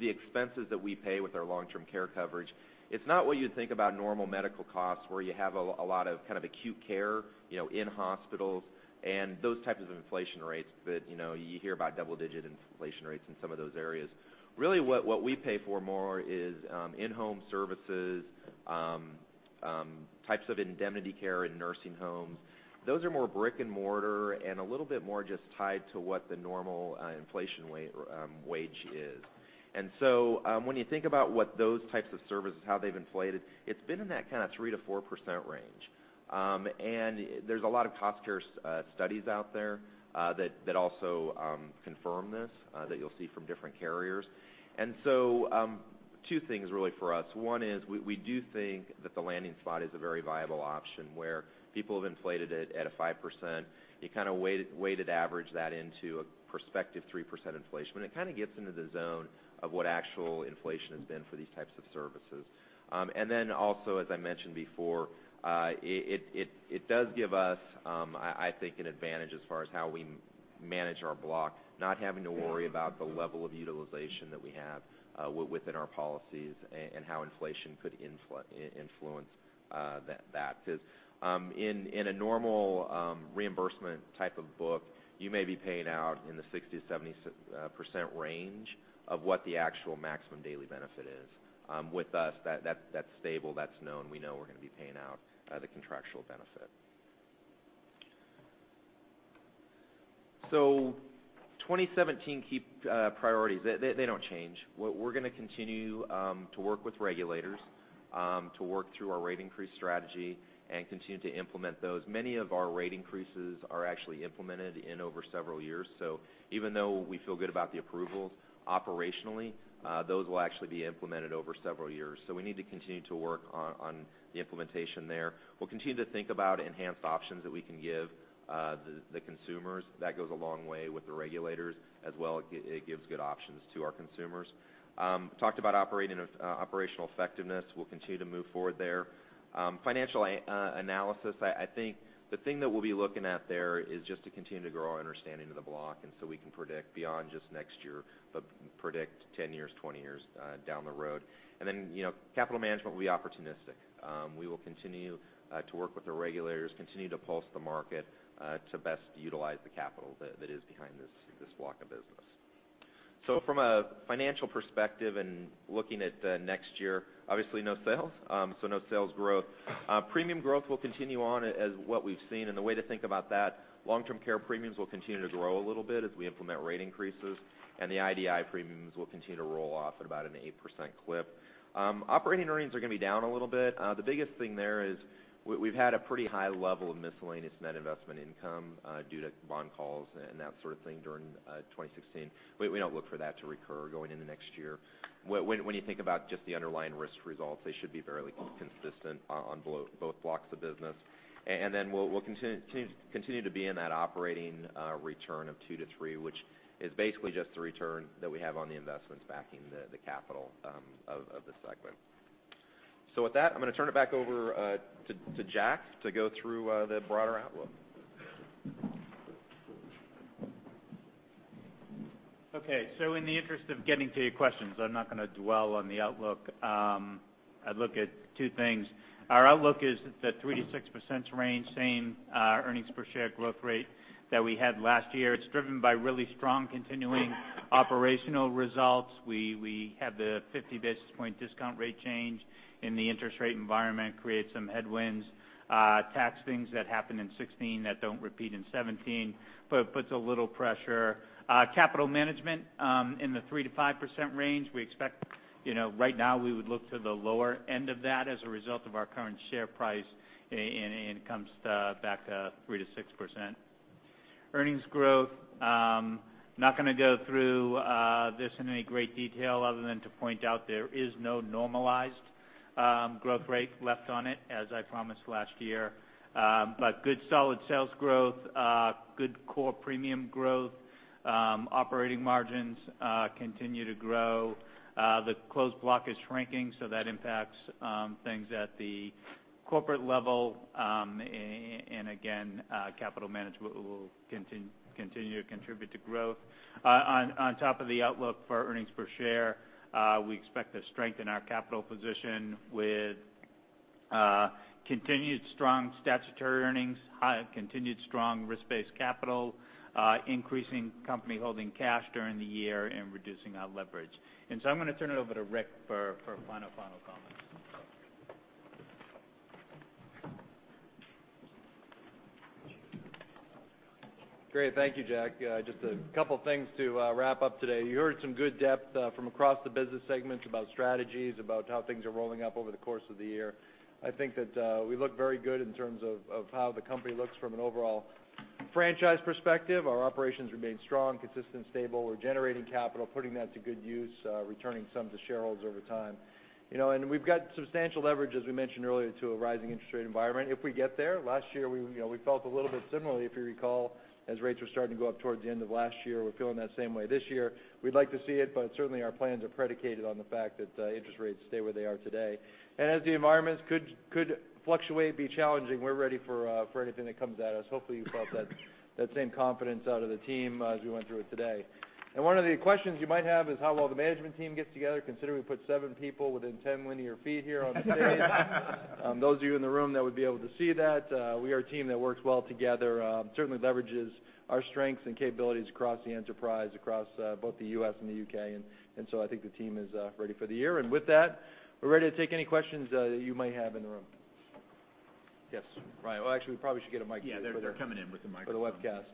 the expenses that we pay with our long-term care coverage, it's not what you'd think about normal medical costs, where you have a lot of acute care in hospitals and those types of inflation rates that you hear about double-digit inflation rates in some of those areas. Really what we pay for more is in-home services, types of indemnity care in nursing homes. Those are more brick and mortar and a little bit more just tied to what the normal inflation wage is. When you think about what those types of services, how they've inflated, it's been in that 3%-4% range. There's a lot of cost studies out there that also confirm this that you'll see from different carriers. Two things really for us. One is we do think that the landing spot is a very viable option where people have inflated it at a 5%. You weighted average that into a prospective 3% inflation, but it gets into the zone of what actual inflation has been for these types of services. Also, as I mentioned before, it does give us, I think, an advantage as far as how we manage our block, not having to worry about the level of utilization that we have within our policies and how inflation could influence that. In a normal reimbursement type of book, you may be paying out in the 60%-70% range of what the actual maximum daily benefit is. With us, that's stable. That's known. We know we're going to be paying out the contractual benefit. 2017 key priorities, they don't change. What we're going to continue to work with regulators to work through our rate increase strategy and continue to implement those. Many of our rate increases are actually implemented in over several years. Even though we feel good about the approvals operationally, those will actually be implemented over several years. We need to continue to work on the implementation there. We'll continue to think about enhanced options that we can give the consumers. That goes a long way with the regulators as well. It gives good options to our consumers. Talked about operational effectiveness. We'll continue to move forward there. Financial analysis, I think the thing that we'll be looking at there is just to continue to grow our understanding of the block, and so we can predict beyond just next year, but predict 10 years, 20 years down the road. Capital management, we'll be opportunistic. We will continue to work with the regulators, continue to pulse the market to best utilize the capital that is behind this block of business. From a financial perspective and looking at next year, obviously no sales, so no sales growth. Premium growth will continue on as what we've seen. The way to think about that, long-term care premiums will continue to grow a little bit as we implement rate increases. The IDI premiums will continue to roll off at about an 8% clip. Operating earnings are going to be down a little bit. The biggest thing there is we've had a pretty high level of miscellaneous net investment income due to bond calls and that sort of thing during 2016. We don't look for that to recur going into next year. You think about just the underlying risk results, they should be fairly consistent on both blocks of business. We'll continue to be in that operating return of 2-3, which is basically just the return that we have on the investments backing the capital of the segment. With that, I'm going to turn it back over to Jack to go through the broader outlook. In the interest of getting to your questions, I'm not going to dwell on the outlook. I'd look at two things. Our outlook is the 3%-6% range, same earnings per share growth rate that we had last year. It's driven by really strong continuing operational results. We have the 50 basis point discount rate change in the interest rate environment create some headwinds. Tax things that happened in 2016 that don't repeat in 2017, puts a little pressure. Capital management in the 3%-5% range. Right now, we would look to the lower end of that as a result of our current share price, it comes back to 3%-6%. Earnings growth, not going to go through this in any great detail other than to point out there is no normalized growth rate left on it, as I promised last year. Good solid sales growth, good core premium growth. Operating margins continue to grow. The Closed Block is shrinking, that impacts things at the corporate level. Again, capital management will continue to contribute to growth. On top of the outlook for our earnings per share, we expect to strengthen our capital position with continued strong statutory earnings, continued strong risk-based capital, increasing company holding cash during the year, and reducing our leverage. I'm going to turn it over to Rick for final comments. Great. Thank you, Jack. Just a couple things to wrap up today. You heard some good depth from across the business segments about strategies, about how things are rolling up over the course of the year. I think that we look very good in terms of how the company looks from an overall franchise perspective. Our operations remain strong, consistent, stable. We're generating capital, putting that to good use, returning some to shareholders over time. We've got substantial leverage, as we mentioned earlier, to a rising interest rate environment if we get there. Last year, we felt a little bit similarly, if you recall, as rates were starting to go up towards the end of last year. We're feeling that same way this year. We'd like to see it, certainly our plans are predicated on the fact that interest rates stay where they are today. As the environments could fluctuate, be challenging, we're ready for anything that comes at us. Hopefully you felt that same confidence out of the team as we went through it today. One of the questions you might have is how well the management team gets together, considering we put seven people within 10 linear feet here on the stage. Those of you in the room that would be able to see that, we are a team that works well together. Certainly leverages our strengths and capabilities across the enterprise, across both the U.S. and the U.K. I think the team is ready for the year. With that, we're ready to take any questions that you might have in the room. Yes, Ryan. Well, actually, we probably should get a mic for the Yeah, they're coming in with the microphone. for the webcast. Thanks.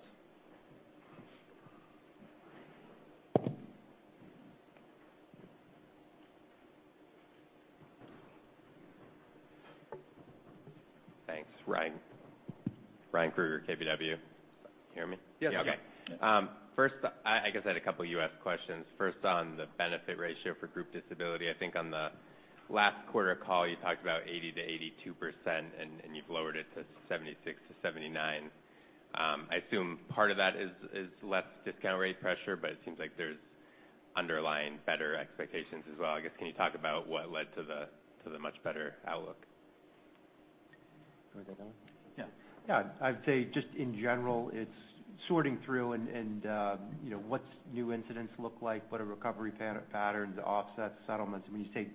Ryan Krueger, KBW. Can you hear me? Yes. Yeah. Okay. First, I guess I had a couple of U.S. questions. First, on the benefit ratio for group disability, I think on the last quarter call, you talked about 80%-82%, and you've lowered it to 76%-79%. I assume part of that is less discount rate pressure, it seems like there's underlying better expectations as well. I guess, can you talk about what led to the much better outlook? You want that one? Yeah. Yeah. I'd say just in general, it's sorting through and what new incidents look like, what are recovery patterns, offsets, settlements. When you take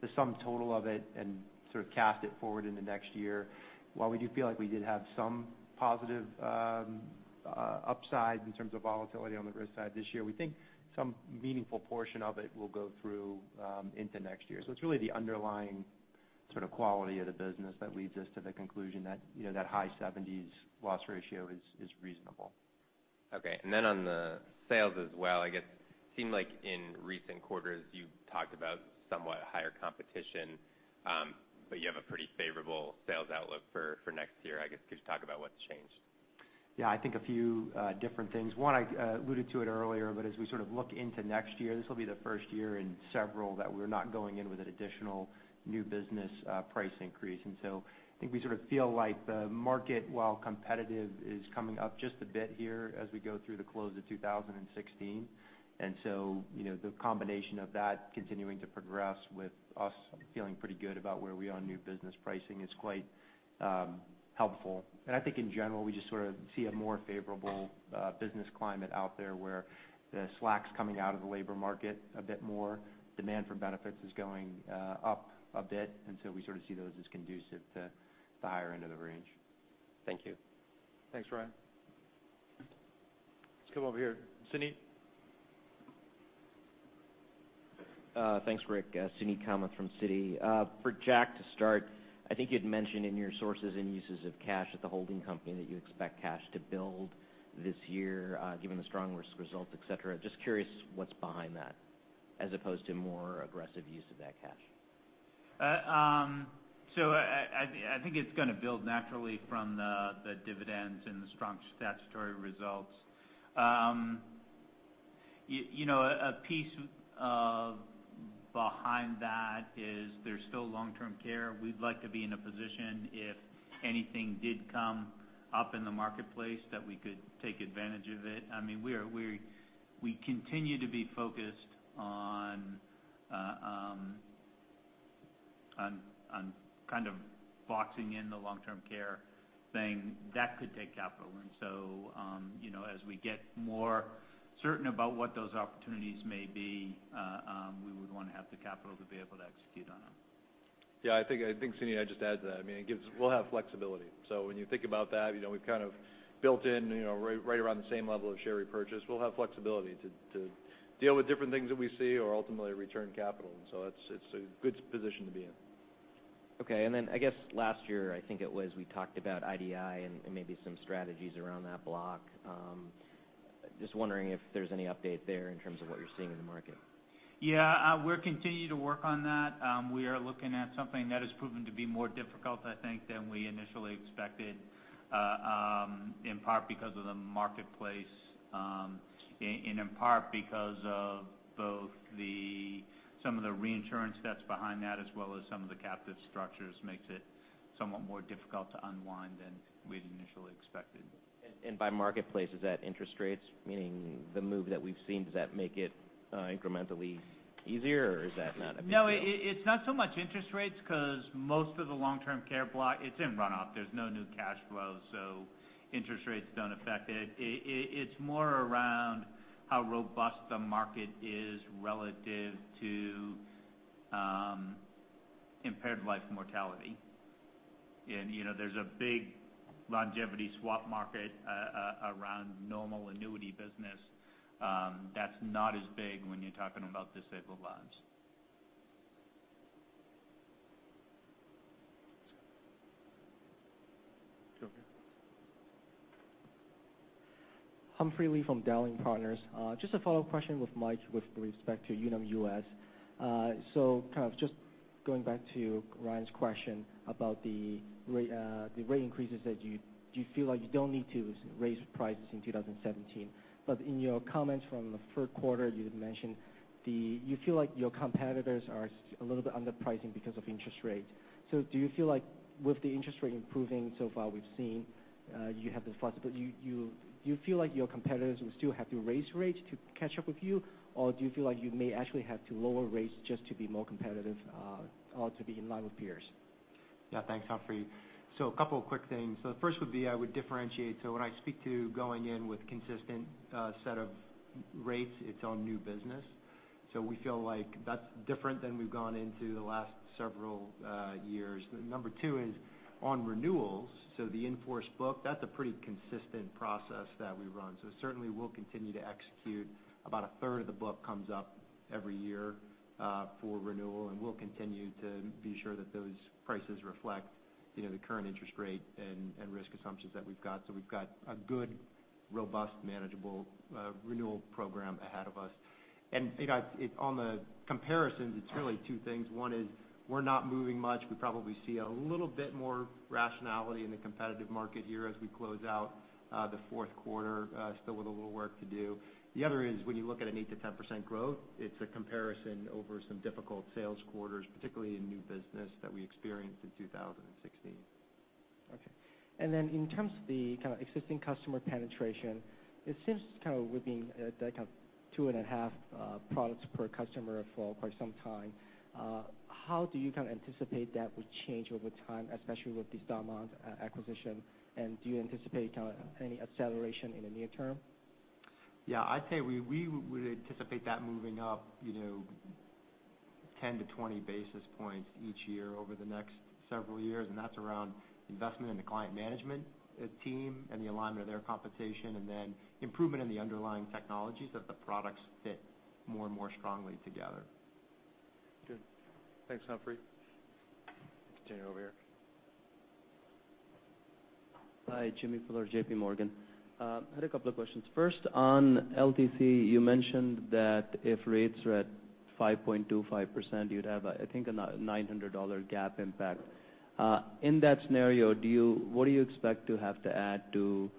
the sum total of it and sort of cast it forward in the next year, while we do feel like we did have some positive upside in terms of volatility on the risk side this year, we think some meaningful portion of it will go through into next year. It's really the underlying sort of quality of the business that leads us to the conclusion that high 70s loss ratio is reasonable. Okay. On the sales as well, I guess it seemed like in recent quarters you talked about somewhat higher competition, you have a pretty favorable sales outlook for next year. I guess, could you talk about what's changed? I think a few different things. One, I alluded to it earlier. As we sort of look into next year, this will be the first year in several that we're not going in with an additional new business price increase. I think we sort of feel like the market, while competitive, is coming up just a bit here as we go through the close of 2016. The combination of that continuing to progress with us feeling pretty good about where we are on new business pricing is quite helpful. I think in general, we just sort of see a more favorable business climate out there where the slack's coming out of the labor market a bit more. Demand for benefits is going up a bit. We sort of see those as conducive to the higher end of the range. Thank you. Thanks, Ryan. Let's come over here. Suneet? Thanks, Rick. Suneet Kamath from Citi. For Jack to start, I think you'd mentioned in your sources and uses of cash at the holding company that you expect cash to build this year given the strong risk results, et cetera. Just curious what's behind that, as opposed to more aggressive use of that cash. I think it's going to build naturally from the dividends and the strong statutory results. A piece behind that is there's still long-term care. We'd like to be in a position, if anything did come up in the marketplace, that we could take advantage of it. We continue to be focused on kind of boxing in the long-term care thing. That could take capital. As we get more certain about what those opportunities may be, we would want to have the capital to be able to execute on them. Yeah, I think, Suneet, I'd just add to that, we'll have flexibility. When you think about that, we've kind of built in right around the same level of share repurchase. We'll have flexibility to deal with different things that we see or ultimately return capital. It's a good position to be in. Okay. I guess last year, I think it was, we talked about IDI and maybe some strategies around that block. Just wondering if there's any update there in terms of what you're seeing in the market. Yeah. We'll continue to work on that. We are looking at something that has proven to be more difficult, I think, than we initially expected, in part because of the marketplace, and in part because of both some of the reinsurance that's behind that, as well as some of the captive structures makes it somewhat more difficult to unwind than we'd initially expected. By marketplace, is that interest rates, meaning the move that we've seen, does that make it incrementally easier or is that not a big deal? No, it's not so much interest rates because most of the long-term care block, it's in runoff. There's no new cash flow, so interest rates don't affect it. It's more around how robust the market is relative to impaired life mortality. There's a big longevity swap market around normal annuity business that's not as big when you're talking about disabled lives. Go ahead. Humphrey Lee from Dowling Partners. Just a follow-up question with Mike with respect to Unum US. Kind of just going back to Ryan's question about the rate increases that you feel like you don't need to raise prices in 2017. In your comments from the third quarter, you had mentioned you feel like your competitors are a little bit underpricing because of interest rate. Do you feel like with the interest rate improving so far we've seen, do you feel like your competitors will still have to raise rates to catch up with you, or do you feel like you may actually have to lower rates just to be more competitive or to be in line with peers? Thanks, Humphrey. A couple of quick things. The first would be I would differentiate, when I speak to going in with a consistent set of rates, it's on new business. We feel like that's different than we've gone into the last several years. Number 2 is on renewals. The in-force book, that's a pretty consistent process that we run. Certainly we'll continue to execute. About a third of the book comes up every year for renewal, and we'll continue to be sure that those prices reflect the current interest rate and risk assumptions that we've got. We've got a good, robust, manageable renewal program ahead of us. On the comparisons, it's really two things. One is we're not moving much. We probably see a little bit more rationality in the competitive market here as we close out the fourth quarter, still with a little work to do. The other is when you look at an 8%-10% growth, it's a comparison over some difficult sales quarters, particularly in new business, that we experienced in 2016. In terms of the kind of existing customer penetration, it seems kind of we've been at that kind of two and a half products per customer for quite some time. How do you kind of anticipate that would change over time, especially with this Starmount acquisition, and do you anticipate any acceleration in the near term? I'd say we would anticipate that moving up 10-20 basis points each year over the next several years, and that's around investment in the client management team and the alignment of their compensation, and then improvement in the underlying technologies that the products fit more and more strongly together. Good. Thanks, Humphrey. Let's continue over here. Hi, Jimmy Bhullar, J.P. Morgan. I had a couple of questions. First, on LTC, you mentioned that if rates are at 5.25%, you'd have, I think, a $900 GAAP impact. In that scenario, what do you expect to have to add to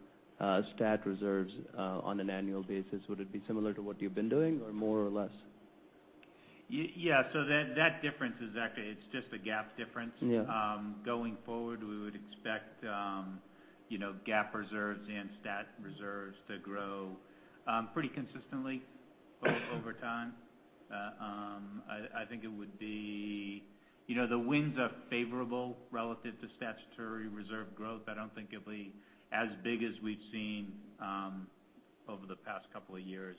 STAT reserves on an annual basis? Would it be similar to what you've been doing or more or less? Yeah, that difference is actually, it's just a GAAP difference. Yeah. Going forward, we would expect GAAP reserves and STAT reserves to grow pretty consistently over time. I think it would be the winds are favorable relative to statutory reserve growth. I don't think it'll be as big as we've seen over the past couple of years.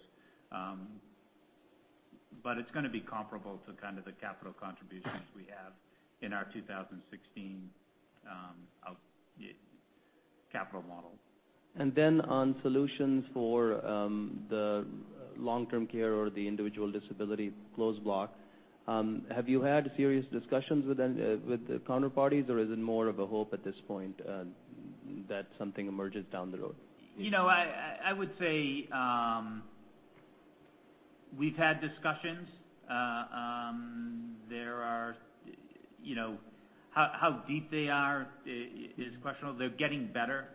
It's going to be comparable to kind of the capital contributions we have in our 2016 capital model. On solutions for the long-term care or the individual disability closed block, have you had serious discussions with the counterparties, or is it more of a hope at this point that something emerges down the road? I would say we've had discussions. How deep they are is questionable. They're getting better.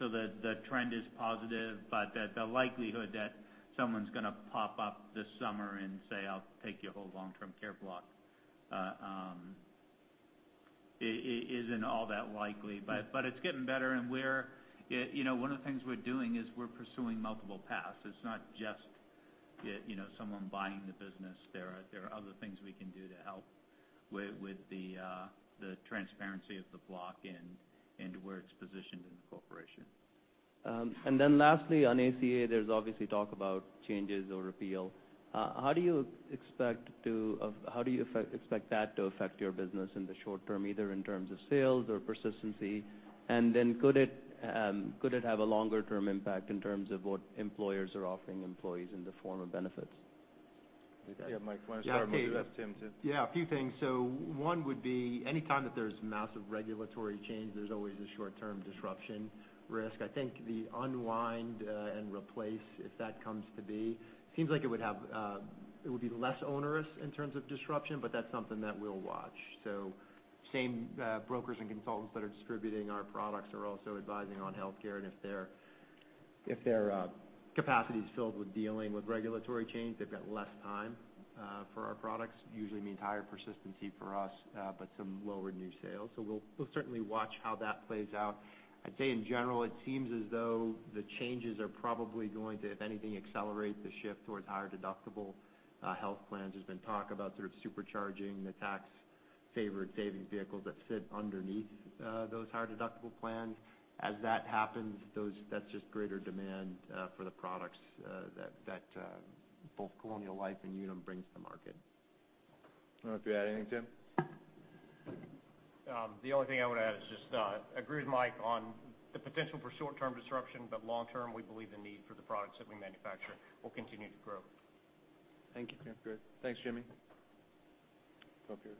The trend is positive, but the likelihood that someone's going to pop up this summer and say, "I'll take your whole long-term care block," isn't all that likely. It's getting better, and one of the things we're doing is we're pursuing multiple paths. It's not just someone buying the business. There are other things we can do to help with the transparency of the block and where it's positioned in the corporation. Lastly, on ACA, there's obviously talk about changes or repeal. How do you expect that to affect your business in the short term, either in terms of sales or persistency? Could it have a longer-term impact in terms of what employers are offering employees in the form of benefits? Yeah, Mike, why don't you start? We'll go to Tim, too. A few things. One would be anytime that there's massive regulatory change, there's always a short-term disruption risk. I think the unwind and replace, if that comes to be, seems like it would be less onerous in terms of disruption, but that's something that we'll watch. Same brokers and consultants that are distributing our products are also advising on healthcare, and if their capacity is filled with dealing with regulatory change, they've got less time for our products, usually means higher persistency for us, but some lower new sales. We'll certainly watch how that plays out. I'd say in general, it seems as though the changes are probably going to, if anything, accelerate the shift towards higher deductible health plans. There's been talk about sort of supercharging the tax-favored saving vehicles that sit underneath those higher deductible plans. As that happens, that's just greater demand for the products that both Colonial Life and Unum brings to the market. I don't know if you add anything, Tim. The only thing I would add is just agree with Mike on the potential for short-term disruption, long term, we believe the need for the products that we manufacture will continue to grow. Thank you. Great. Thanks, Jimmy. Up here.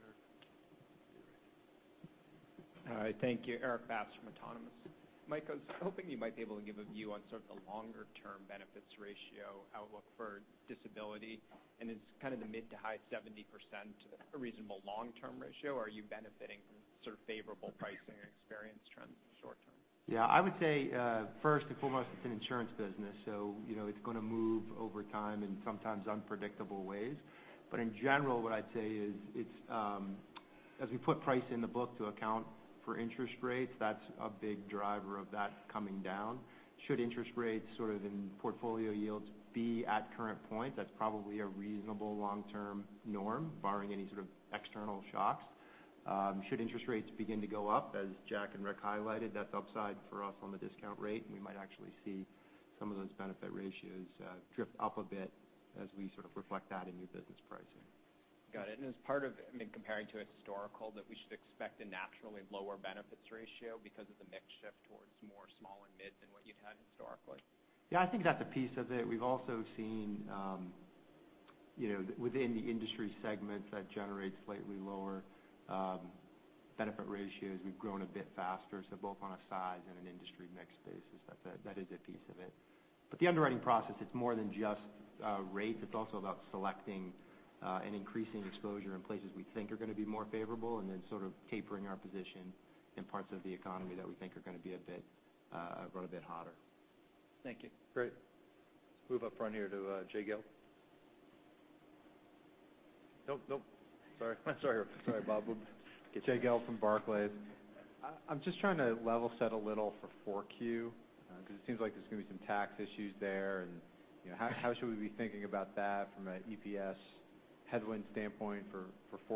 All right. Thank you. Erik Bass from Autonomous. Mike, I was hoping you might be able to give a view on sort of the longer-term benefits ratio outlook for disability, and is kind of the mid to high 70% a reasonable long-term ratio, or are you benefiting from sort of favorable pricing and experience trends short term? Yeah, I would say, first and foremost, it's an insurance business, so it's going to move over time in sometimes unpredictable ways. In general, what I'd say is, as we put price in the book to account for interest rates, that's a big driver of that coming down. Should interest rates sort of in portfolio yields be at current point, that's probably a reasonable long-term norm, barring any sort of external shocks. Should interest rates begin to go up, as Jack and Rick highlighted, that's upside for us on the discount rate, and we might actually see some of those benefit ratios drift up a bit as we sort of reflect that in new business pricing. Got it. As part of comparing to historical, that we should expect a naturally lower benefits ratio because of the mix shift towards more small and mid than what you'd had historically? Yeah, I think that's a piece of it. We've also seen within the industry segments that generate slightly lower benefit ratios, we've grown a bit faster. Both on a size and an industry mix basis, that is a piece of it. The underwriting process, it's more than just rate. It's also about selecting and increasing exposure in places we think are going to be more favorable, and then sort of tapering our position in parts of the economy that we think are going to run a bit hotter. Thank you. Great. Move up front here to Jay Gelb. Nope. Sorry, Bob. We'll get you. Jay Gelb from Barclays. I'm just trying to level set a little for 4Q, because it seems like there's going to be some tax issues there, and how should we be thinking about that from an EPS headwind standpoint for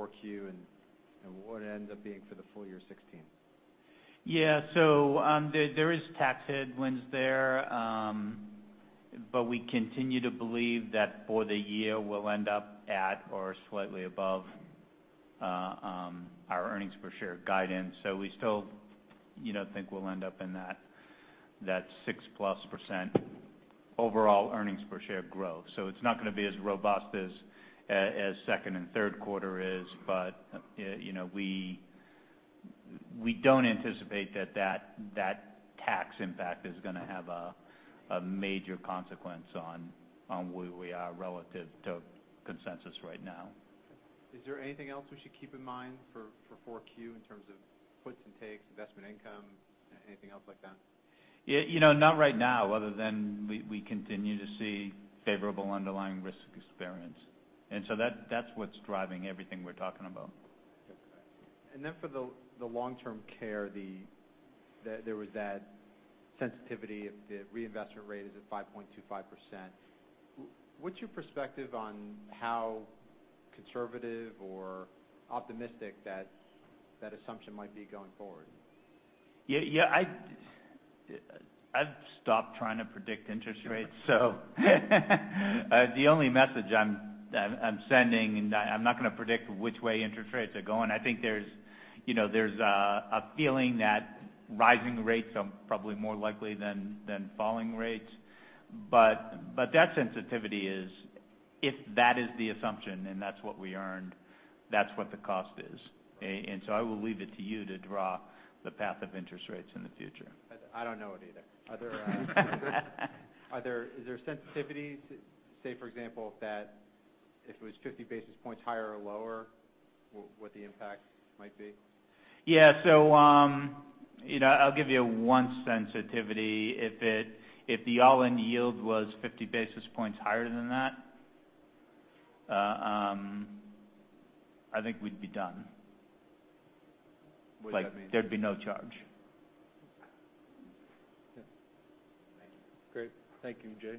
4Q, and what it ends up being for the full year 2016? Yeah. There is tax headwinds there, but we continue to believe that for the year, we'll end up at or slightly above our earnings per share guidance. We still think we'll end up in that +6% overall earnings per share growth. It's not going to be as robust as second and third quarter is, but we don't anticipate that tax impact is going to have a major consequence on where we are relative to consensus right now. Is there anything else we should keep in mind for 4Q in terms of puts and takes, investment income, anything else like that? Not right now, other than we continue to see favorable underlying risk experience. That's what's driving everything we're talking about. Okay. For the long-term care, there was that sensitivity if the reinvestment rate is at 5.25%. What's your perspective on how conservative or optimistic that assumption might be going forward? Yeah. I've stopped trying to predict interest rates. The only message I'm sending, I'm not going to predict which way interest rates are going. I think there's a feeling that rising rates are probably more likely than falling rates. That sensitivity is if that is the assumption and that's what we earned, that's what the cost is. I will leave it to you to draw the path of interest rates in the future. I don't know it either. Is there sensitivities, say, for example, that if it was 50 basis points higher or lower, what the impact might be? Yeah. I'll give you one sensitivity. If the all-in yield was 50 basis points higher than that, I think we'd be done. What does that mean? Like, there'd be no charge. Okay. Thank you. Great. Thank you, Jay.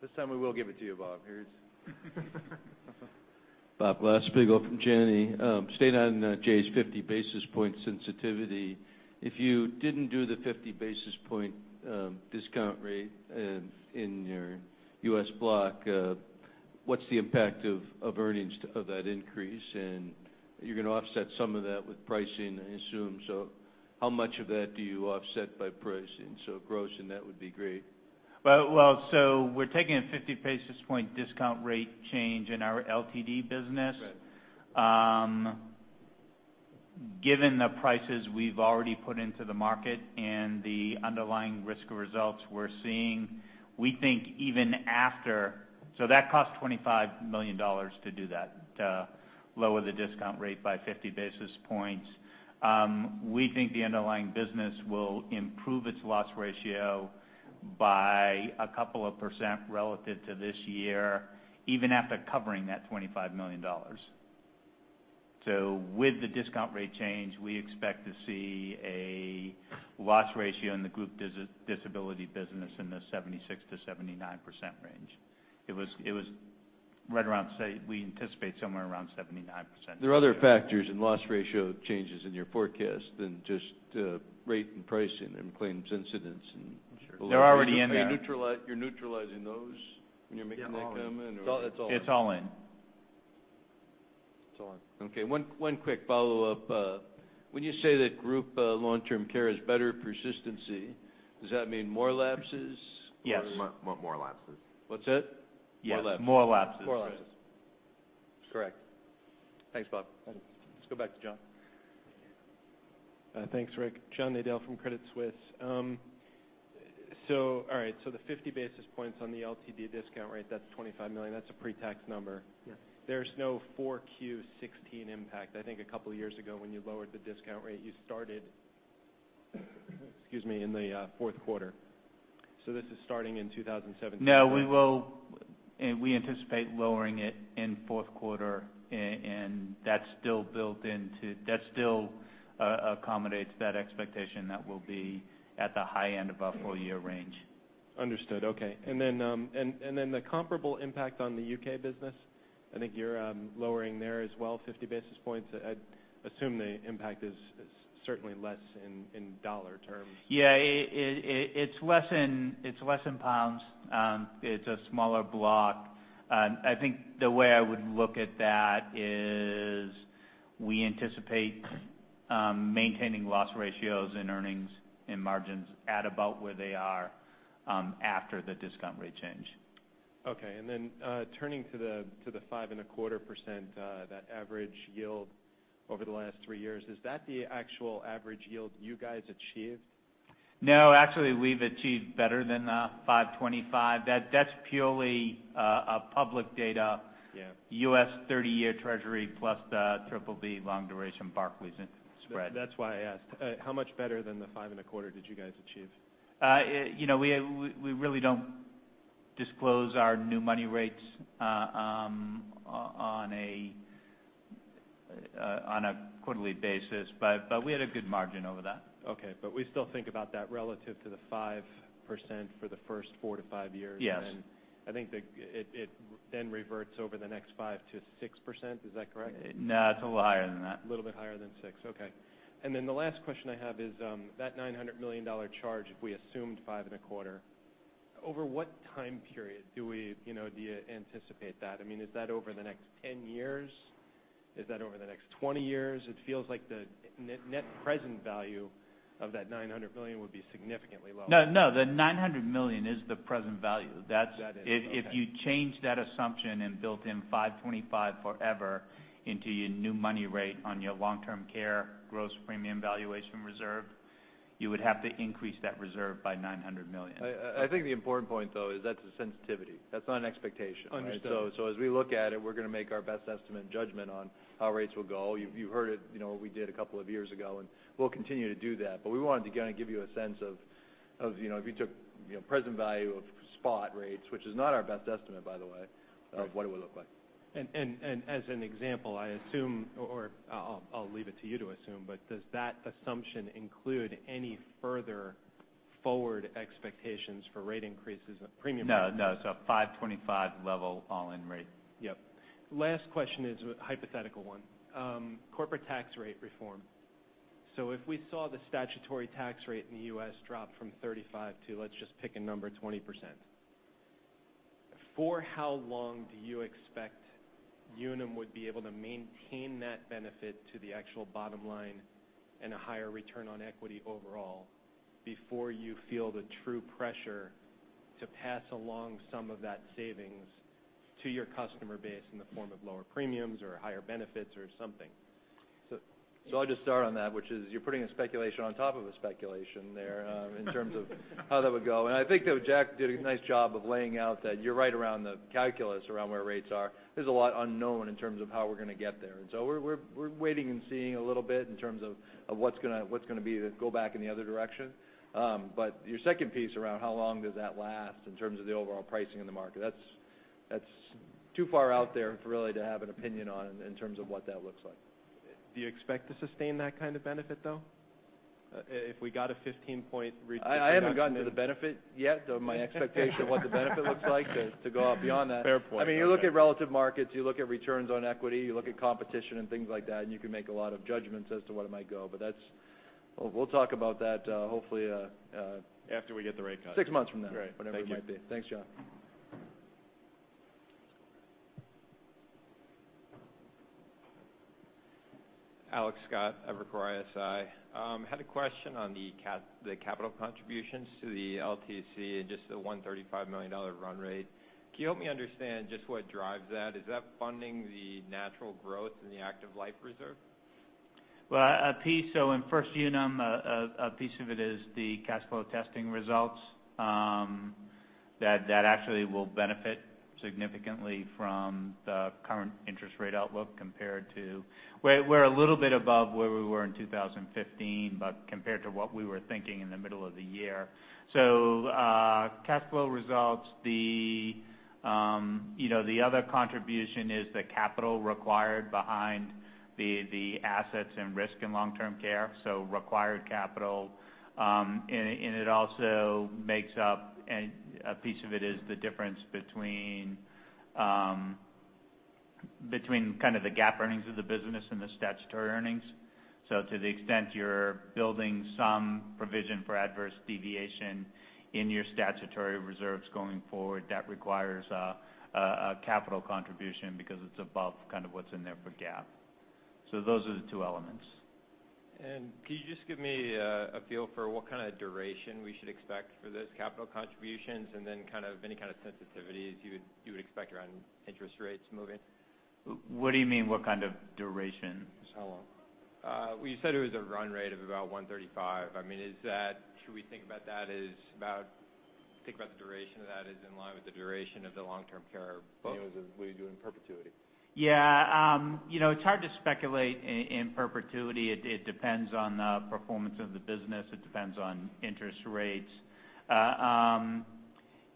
This time we will give it to you, Bob. Here it is. Bob Glasspiegel from Janney. Staying on Jay's 50 basis point sensitivity, if you didn't do the 50 basis point discount rate in your U.S. block, what's the impact of earnings of that increase? You're going to offset some of that with pricing, I assume. How much of that do you offset by pricing? Gross in that would be great. Well, we're taking a 50 basis point discount rate change in our LTD business. Right. Given the prices we've already put into the market and the underlying risk results we're seeing. We think even after that cost $25 million to do that, to lower the discount rate by 50 basis points. We think the underlying business will improve its loss ratio by a couple of % relative to this year, even after covering that $25 million. With the discount rate change, we expect to see a loss ratio in the group disability business in the 76%-79% range. It was right around, say, we anticipate somewhere around 79%. There are other factors in loss ratio changes in your forecast than just rate and pricing and claims incidents. I'm sure. They're already in there. You're neutralizing those when you're making that comment? Yeah, all in. It's all in. It's all in. Okay. One quick follow-up. When you say that group long-term care is better persistency, does that mean more lapses or- Yes. More lapses. What's that? More lapses. Yes. More lapses. More lapses. Correct. Thanks, Bob. Let's go back to John. Thanks, Rick. John Nadel from Credit Suisse. All right. The 50 basis points on the LTD discount rate, that's $25 million. That's a pre-tax number. Yes. There's no four Q16 impact. I think a couple of years ago when you lowered the discount rate, you started in the fourth quarter. This is starting in 2017. No, we will, and we anticipate lowering it in fourth quarter, and that still accommodates that expectation that we'll be at the high end of our full-year range. Understood. Okay. The comparable impact on the U.K. business, I think you're lowering there as well 50 basis points. I'd assume the impact is certainly less in dollar terms. Yeah. It's less in GBP. It's a smaller block. I think the way I would look at that is we anticipate maintaining loss ratios and earnings and margins at about where they are after the discount rate change. Okay. Turning to the 5.25%, that average yield over the last three years, is that the actual average yield you guys achieved? No. Actually, we've achieved better than the 5.25%. That's purely a public data. Yeah. U.S. 30-year treasury plus the BBB long duration Barclays spread. That's why I asked. How much better than the five and a quarter did you guys achieve? We really don't disclose our new money rates on a quarterly basis, but we had a good margin over that. Okay. We still think about that relative to the 5% for the first four to five years. Yes. I think it then reverts over the next five to 6%. Is that correct? No, it's a little higher than that. A little bit higher than six. Okay. The last question I have is, that $900 million charge, we assumed five and a quarter. Over what time period do you anticipate that? I mean, is that over the next 10 years? Is that over the next 20 years? It feels like the net present value of that $900 million would be significantly lower. No. The $900 million is the present value. That is. Okay. If you change that assumption and built in 5.25 forever into your new money rate on your long-term care gross premium valuation reserve, you would have to increase that reserve by $900 million. I think the important point though is that's a sensitivity. That's not an expectation. Understood. As we look at it, we're going to make our best estimate judgment on how rates will go. You heard it, what we did a couple of years ago, and we'll continue to do that. We wanted to kind of give you a sense of if you took present value of spot rates, which is not our best estimate, by the way. Right of what it would look like. As an example, I assume, or I'll leave it to you to assume, but does that assumption include any further forward expectations for rate increases of premium? No. 5.25 level all-in rate. Yep. Last question is a hypothetical one. Corporate tax rate reform. If we saw the statutory tax rate in the U.S. drop from 35 to, let's just pick a number, 20%. For how long do you expect Unum would be able to maintain that benefit to the actual bottom line and a higher return on equity overall before you feel the true pressure to pass along some of that savings to your customer base in the form of lower premiums or higher benefits or something? I'll just start on that, which is you're putting a speculation on top of a speculation there in terms of how that would go. I think though Jack did a nice job of laying out that you're right around the calculus around where rates are. There's a lot unknown in terms of how we're going to get there. We're waiting and seeing a little bit in terms of what's going to be the go back in the other direction. Your second piece around how long does that last in terms of the overall pricing in the market, that's too far out there for really to have an opinion on in terms of what that looks like. Do you expect to sustain that kind of benefit, though? If we got a 15-point reduction. I haven't gotten to the benefit yet of my expectation of what the benefit looks like to go out beyond that. Fair point. I mean, you look at relative markets. You look at returns on equity. You look at competition and things like that, and you can make a lot of judgments as to where it might go. We'll talk about that hopefully. After we get the rate cut. Six months from now. Great. Thank you. Whatever it might be. Thanks, John. Alex Scott, Evercore ISI. I had a question on the capital contributions to the LTC and just the $135 million run rate. Can you help me understand just what drives that? Is that funding the natural growth in the active life reserve? Well, in First Unum, a piece of it is the cash flow testing results that actually will benefit significantly from the current interest rate outlook. We're a little bit above where we were in 2015, but compared to what we were thinking in the middle of the year. Cash flow results, the other contribution is the capital required behind the assets and risk in long-term care, so required capital. A piece of it is the difference between kind of the GAAP earnings of the business and the statutory earnings. To the extent you're building some provision for adverse deviation in your statutory reserves going forward, that requires a capital contribution because it's above kind of what's in there for GAAP. Those are the two elements. Could you just give me a feel for what kind of duration we should expect for those capital contributions, and then any kind of sensitivities you would expect around interest rates moving? What do you mean what kind of duration? Just how long. Well, you said it was a run rate of about $135. Should we think about the duration of that as in line with the duration of the long-term care book? You know, is it what you do in perpetuity? Yeah. It's hard to speculate in perpetuity. It depends on the performance of the business. It depends on interest rates.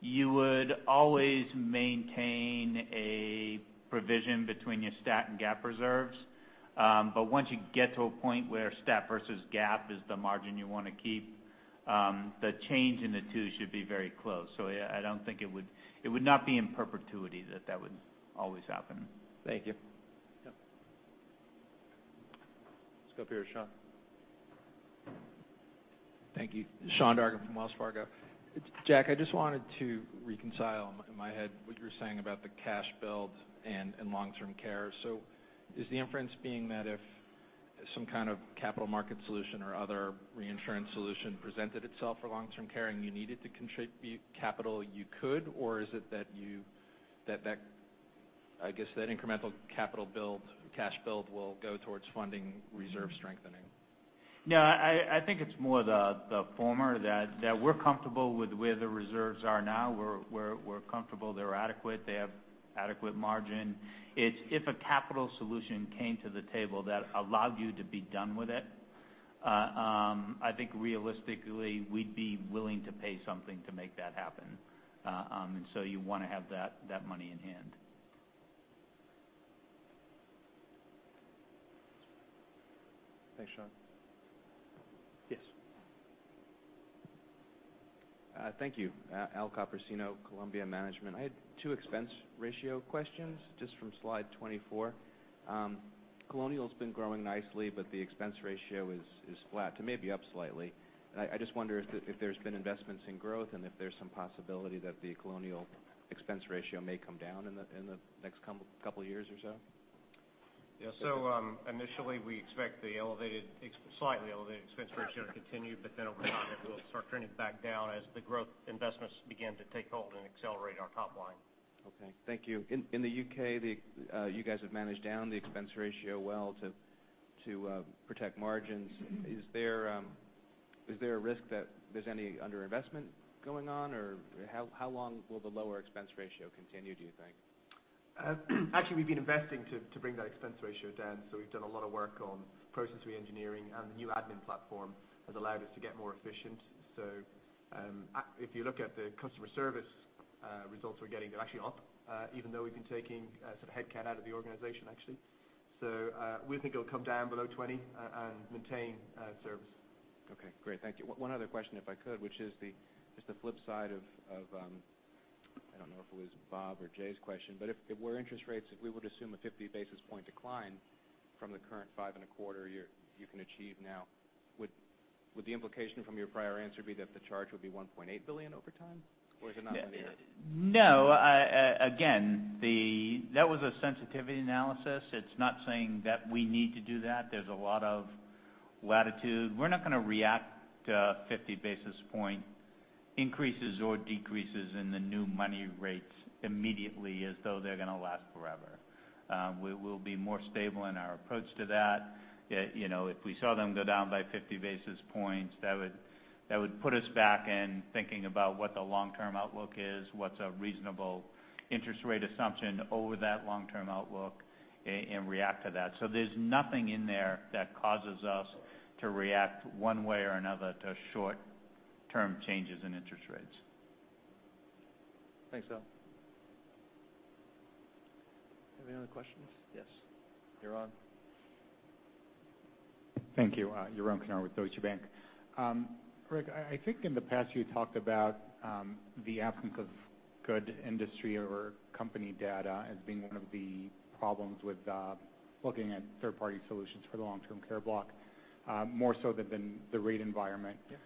You would always maintain a provision between your STAT and GAAP reserves. Once you get to a point where STAT versus GAAP is the margin you want to keep, the change in the two should be very close. It would not be in perpetuity that that would always happen. Thank you. Yeah. Let's go up here with Sean. Thank you. Sean Dargan from Wells Fargo. Jack, I just wanted to reconcile in my head what you were saying about the cash build and long-term care. Is the inference being that if some kind of capital market solution or other reinsurance solution presented itself for long-term care and you needed to contribute capital, you could? Or is it that, I guess, that incremental capital build, cash build will go towards funding reserve strengthening? No, I think it's more the former, that we're comfortable with where the reserves are now. We're comfortable they're adequate. They have adequate margin. If a capital solution came to the table that allowed you to be done with it, I think realistically we'd be willing to pay something to make that happen. You want to have that money in hand. Thanks, Sean. Yes. Thank you. Al Copersino, Columbia Management. I had two expense ratio questions just from slide 24. Colonial's been growing nicely, but the expense ratio is flat to maybe up slightly. I just wonder if there's been investments in growth and if there's some possibility that the Colonial expense ratio may come down in the next couple of years or so. Yeah. Initially we expect the slightly elevated expense ratio to continue, over time it will start trending back down as the growth investments begin to take hold and accelerate our top line. Okay. Thank you. In the U.K., you guys have managed down the expense ratio well to protect margins. Is there a risk that there's any under-investment going on, or how long will the lower expense ratio continue, do you think? We've been investing to bring that expense ratio down. We've done a lot of work on process re-engineering, and the new admin platform has allowed us to get more efficient. If you look at the customer service results we're getting, they're actually up even though we've been taking sort of headcount out of the organization, actually. We think it'll come down below 20% and maintain service. Okay, great. Thank you. One other question, if I could, which is the flip side of, I don't know if it was Bob or Jay's question, but if it were interest rates, if we were to assume a 50 basis point decline from the current 5.25% you can achieve now, would the implication from your prior answer be that the charge would be $1.8 billion over time, or is it not linear? No, again, that was a sensitivity analysis. It's not saying that we need to do that. There's a lot of latitude. We're not going to react to 50 basis point increases or decreases in the new money rates immediately as though they're going to last forever. We will be more stable in our approach to that. If we saw them go down by 50 basis points, that would put us back in thinking about what the long-term outlook is, what's a reasonable interest rate assumption over that long-term outlook, and react to that. There's nothing in there that causes us to react one way or another to short-term changes in interest rates. Thanks, Al. Any other questions? Yes, Yaron. Thank you. Yaron Kinar with Deutsche Bank. Rick, I think in the past you talked about the absence of good industry or company data as being one of the problems with looking at third-party solutions for the long-term care block, more so than the rate environment. Yeah.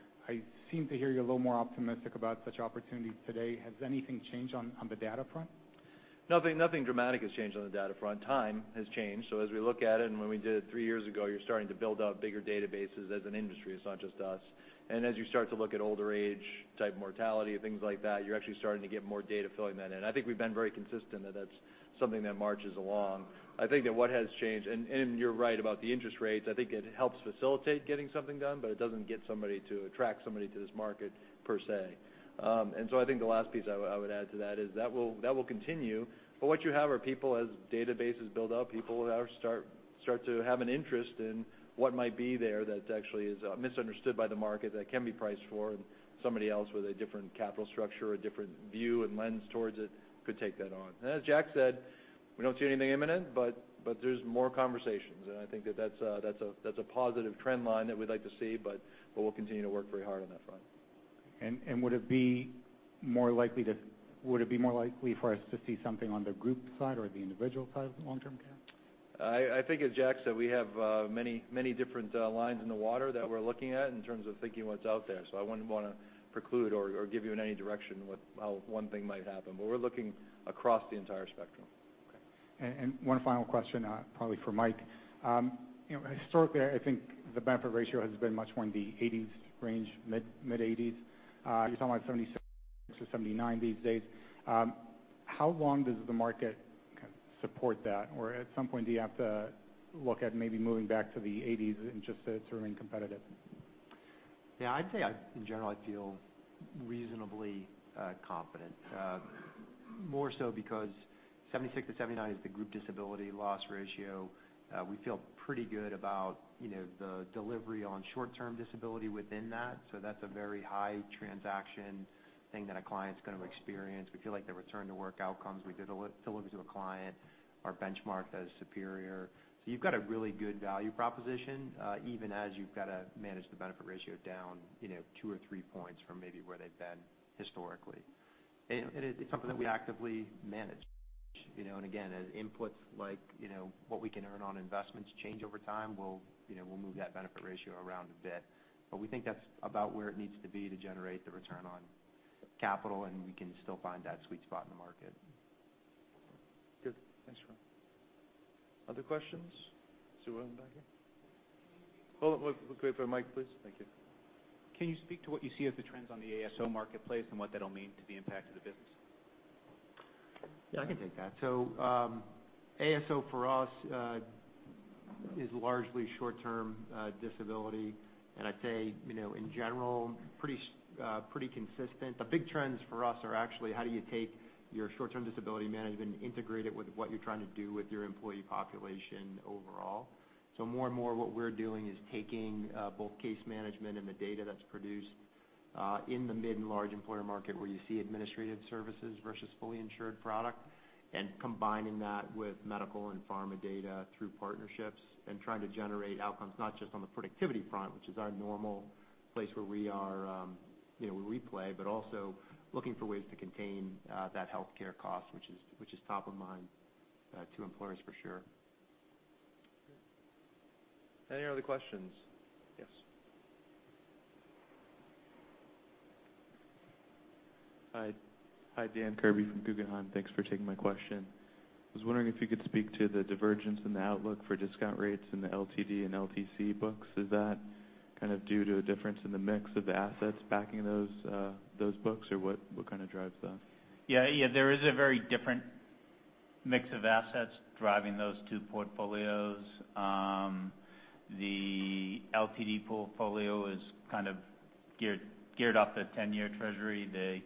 I seem to hear you a little more optimistic about such opportunities today. Has anything changed on the data front? Nothing dramatic has changed on the data front. Time has changed. As we look at it and when we did it three years ago, you're starting to build out bigger databases as an industry. It's not just us. As you start to look at older age type mortality, things like that, you're actually starting to get more data filling that in. I think we've been very consistent, that that's something that marches along. I think that what has changed, and you're right about the interest rates, I think it helps facilitate getting something done, but it doesn't get somebody to attract somebody to this market per se. I think the last piece I would add to that is that will continue, but what you have are people, as databases build out, people will now start to have an interest in what might be there that actually is misunderstood by the market that can be priced for, and somebody else with a different capital structure or a different view and lens towards it could take that on. As Jack said, we don't see anything imminent, but there's more conversations, and I think that that's a positive trend line that we'd like to see, but we'll continue to work very hard on that front. Would it be more likely for us to see something on the group side or the individual side of the long-term care? I think as Jack said, we have many different lines in the water that we're looking at in terms of thinking what's out there. I wouldn't want to preclude or give you in any direction how one thing might happen, but we're looking across the entire spectrum. Okay. One final question, probably for Mike. Historically, I think the benefit ratio has been much more in the 80s range, mid 80s. You're talking about 76%-79% these days. How long does the market support that? Or at some point, do you have to look at maybe moving back to the 80s and just to remain competitive? Yeah. I'd say in general, I feel reasonably confident. More so because 76%-79% is the group disability loss ratio. We feel pretty good about the delivery on short-term disability within that's a very high transaction thing that a client's going to experience. We feel like the return to work outcomes we deliver to a client are benchmarked as superior. You've got a really good value proposition, even as you've got to manage the benefit ratio down two or three points from maybe where they've been historically. It is something that we actively manage. Again, as inputs like what we can earn on investments change over time, we'll move that benefit ratio around a bit. We think that's about where it needs to be to generate the return on capital, and we can still find that sweet spot in the market. Good. Thanks, Mike. Other questions? See one in the back here. Well, wait for Mike, please. Thank you. Can you speak to what you see as the trends on the ASO marketplace and what that'll mean to the impact of the business? Yeah, I can take that. ASO for us is largely short-term disability. I'd say, in general, pretty consistent. The big trends for us are actually how do you take your short-term disability management and integrate it with what you're trying to do with your employee population overall. More and more what we're doing is taking both case management and the data that's produced in the mid and large employer market where you see administrative services versus fully insured product, and combining that with medical and pharma data through partnerships and trying to generate outcomes not just on the productivity front, which is our normal place where we play, but also looking for ways to contain that healthcare cost, which is top of mind to employers for sure. Any other questions? Yes. Hi. Dan Kirby from Guggenheim. Thanks for taking my question. I was wondering if you could speak to the divergence in the outlook for discount rates in the LTD and LTC books. Is that due to a difference in the mix of the assets backing those books or what kind of drives that? Yeah. There is a very different mix of assets driving those two portfolios. The LTD portfolio is kind of geared off the 10-year treasury. The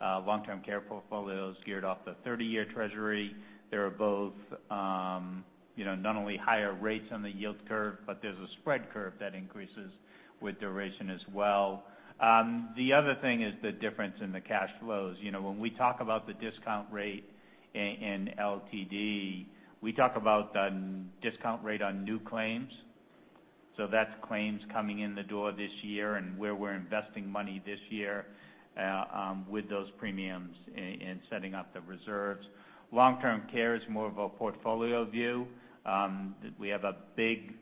long-term care portfolio is geared off the 30-year treasury. They are both not only higher rates on the yield curve, but there's a spread curve that increases with duration as well. The other thing is the difference in the cash flows. When we talk about the discount rate in LTD, we talk about the discount rate on new claims, so that's claims coming in the door this year and where we're investing money this year with those premiums in setting up the reserves. Long-term care is more of a portfolio view. We have a big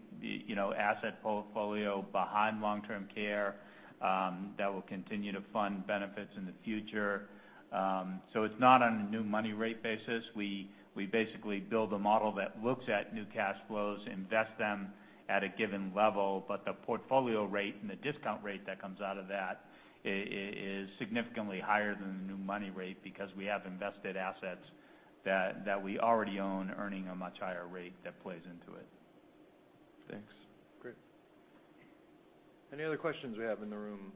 asset portfolio behind long-term care that will continue to fund benefits in the future. It's not on a new money rate basis. We basically build a model that looks at new cash flows, invest them at a given level, the portfolio rate and the discount rate that comes out of that is significantly higher than the new money rate because we have invested assets that we already own, earning a much higher rate that plays into it. Thanks. Great. Any other questions we have in the room?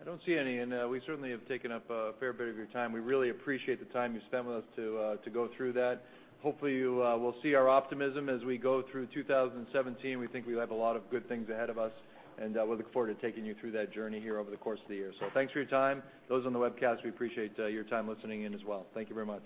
I don't see any, and we certainly have taken up a fair bit of your time. We really appreciate the time you spent with us to go through that. Hopefully, you will see our optimism as we go through 2017. We think we have a lot of good things ahead of us, and we look forward to taking you through that journey here over the course of the year. Thanks for your time. Those on the webcast, we appreciate your time listening in as well. Thank you very much.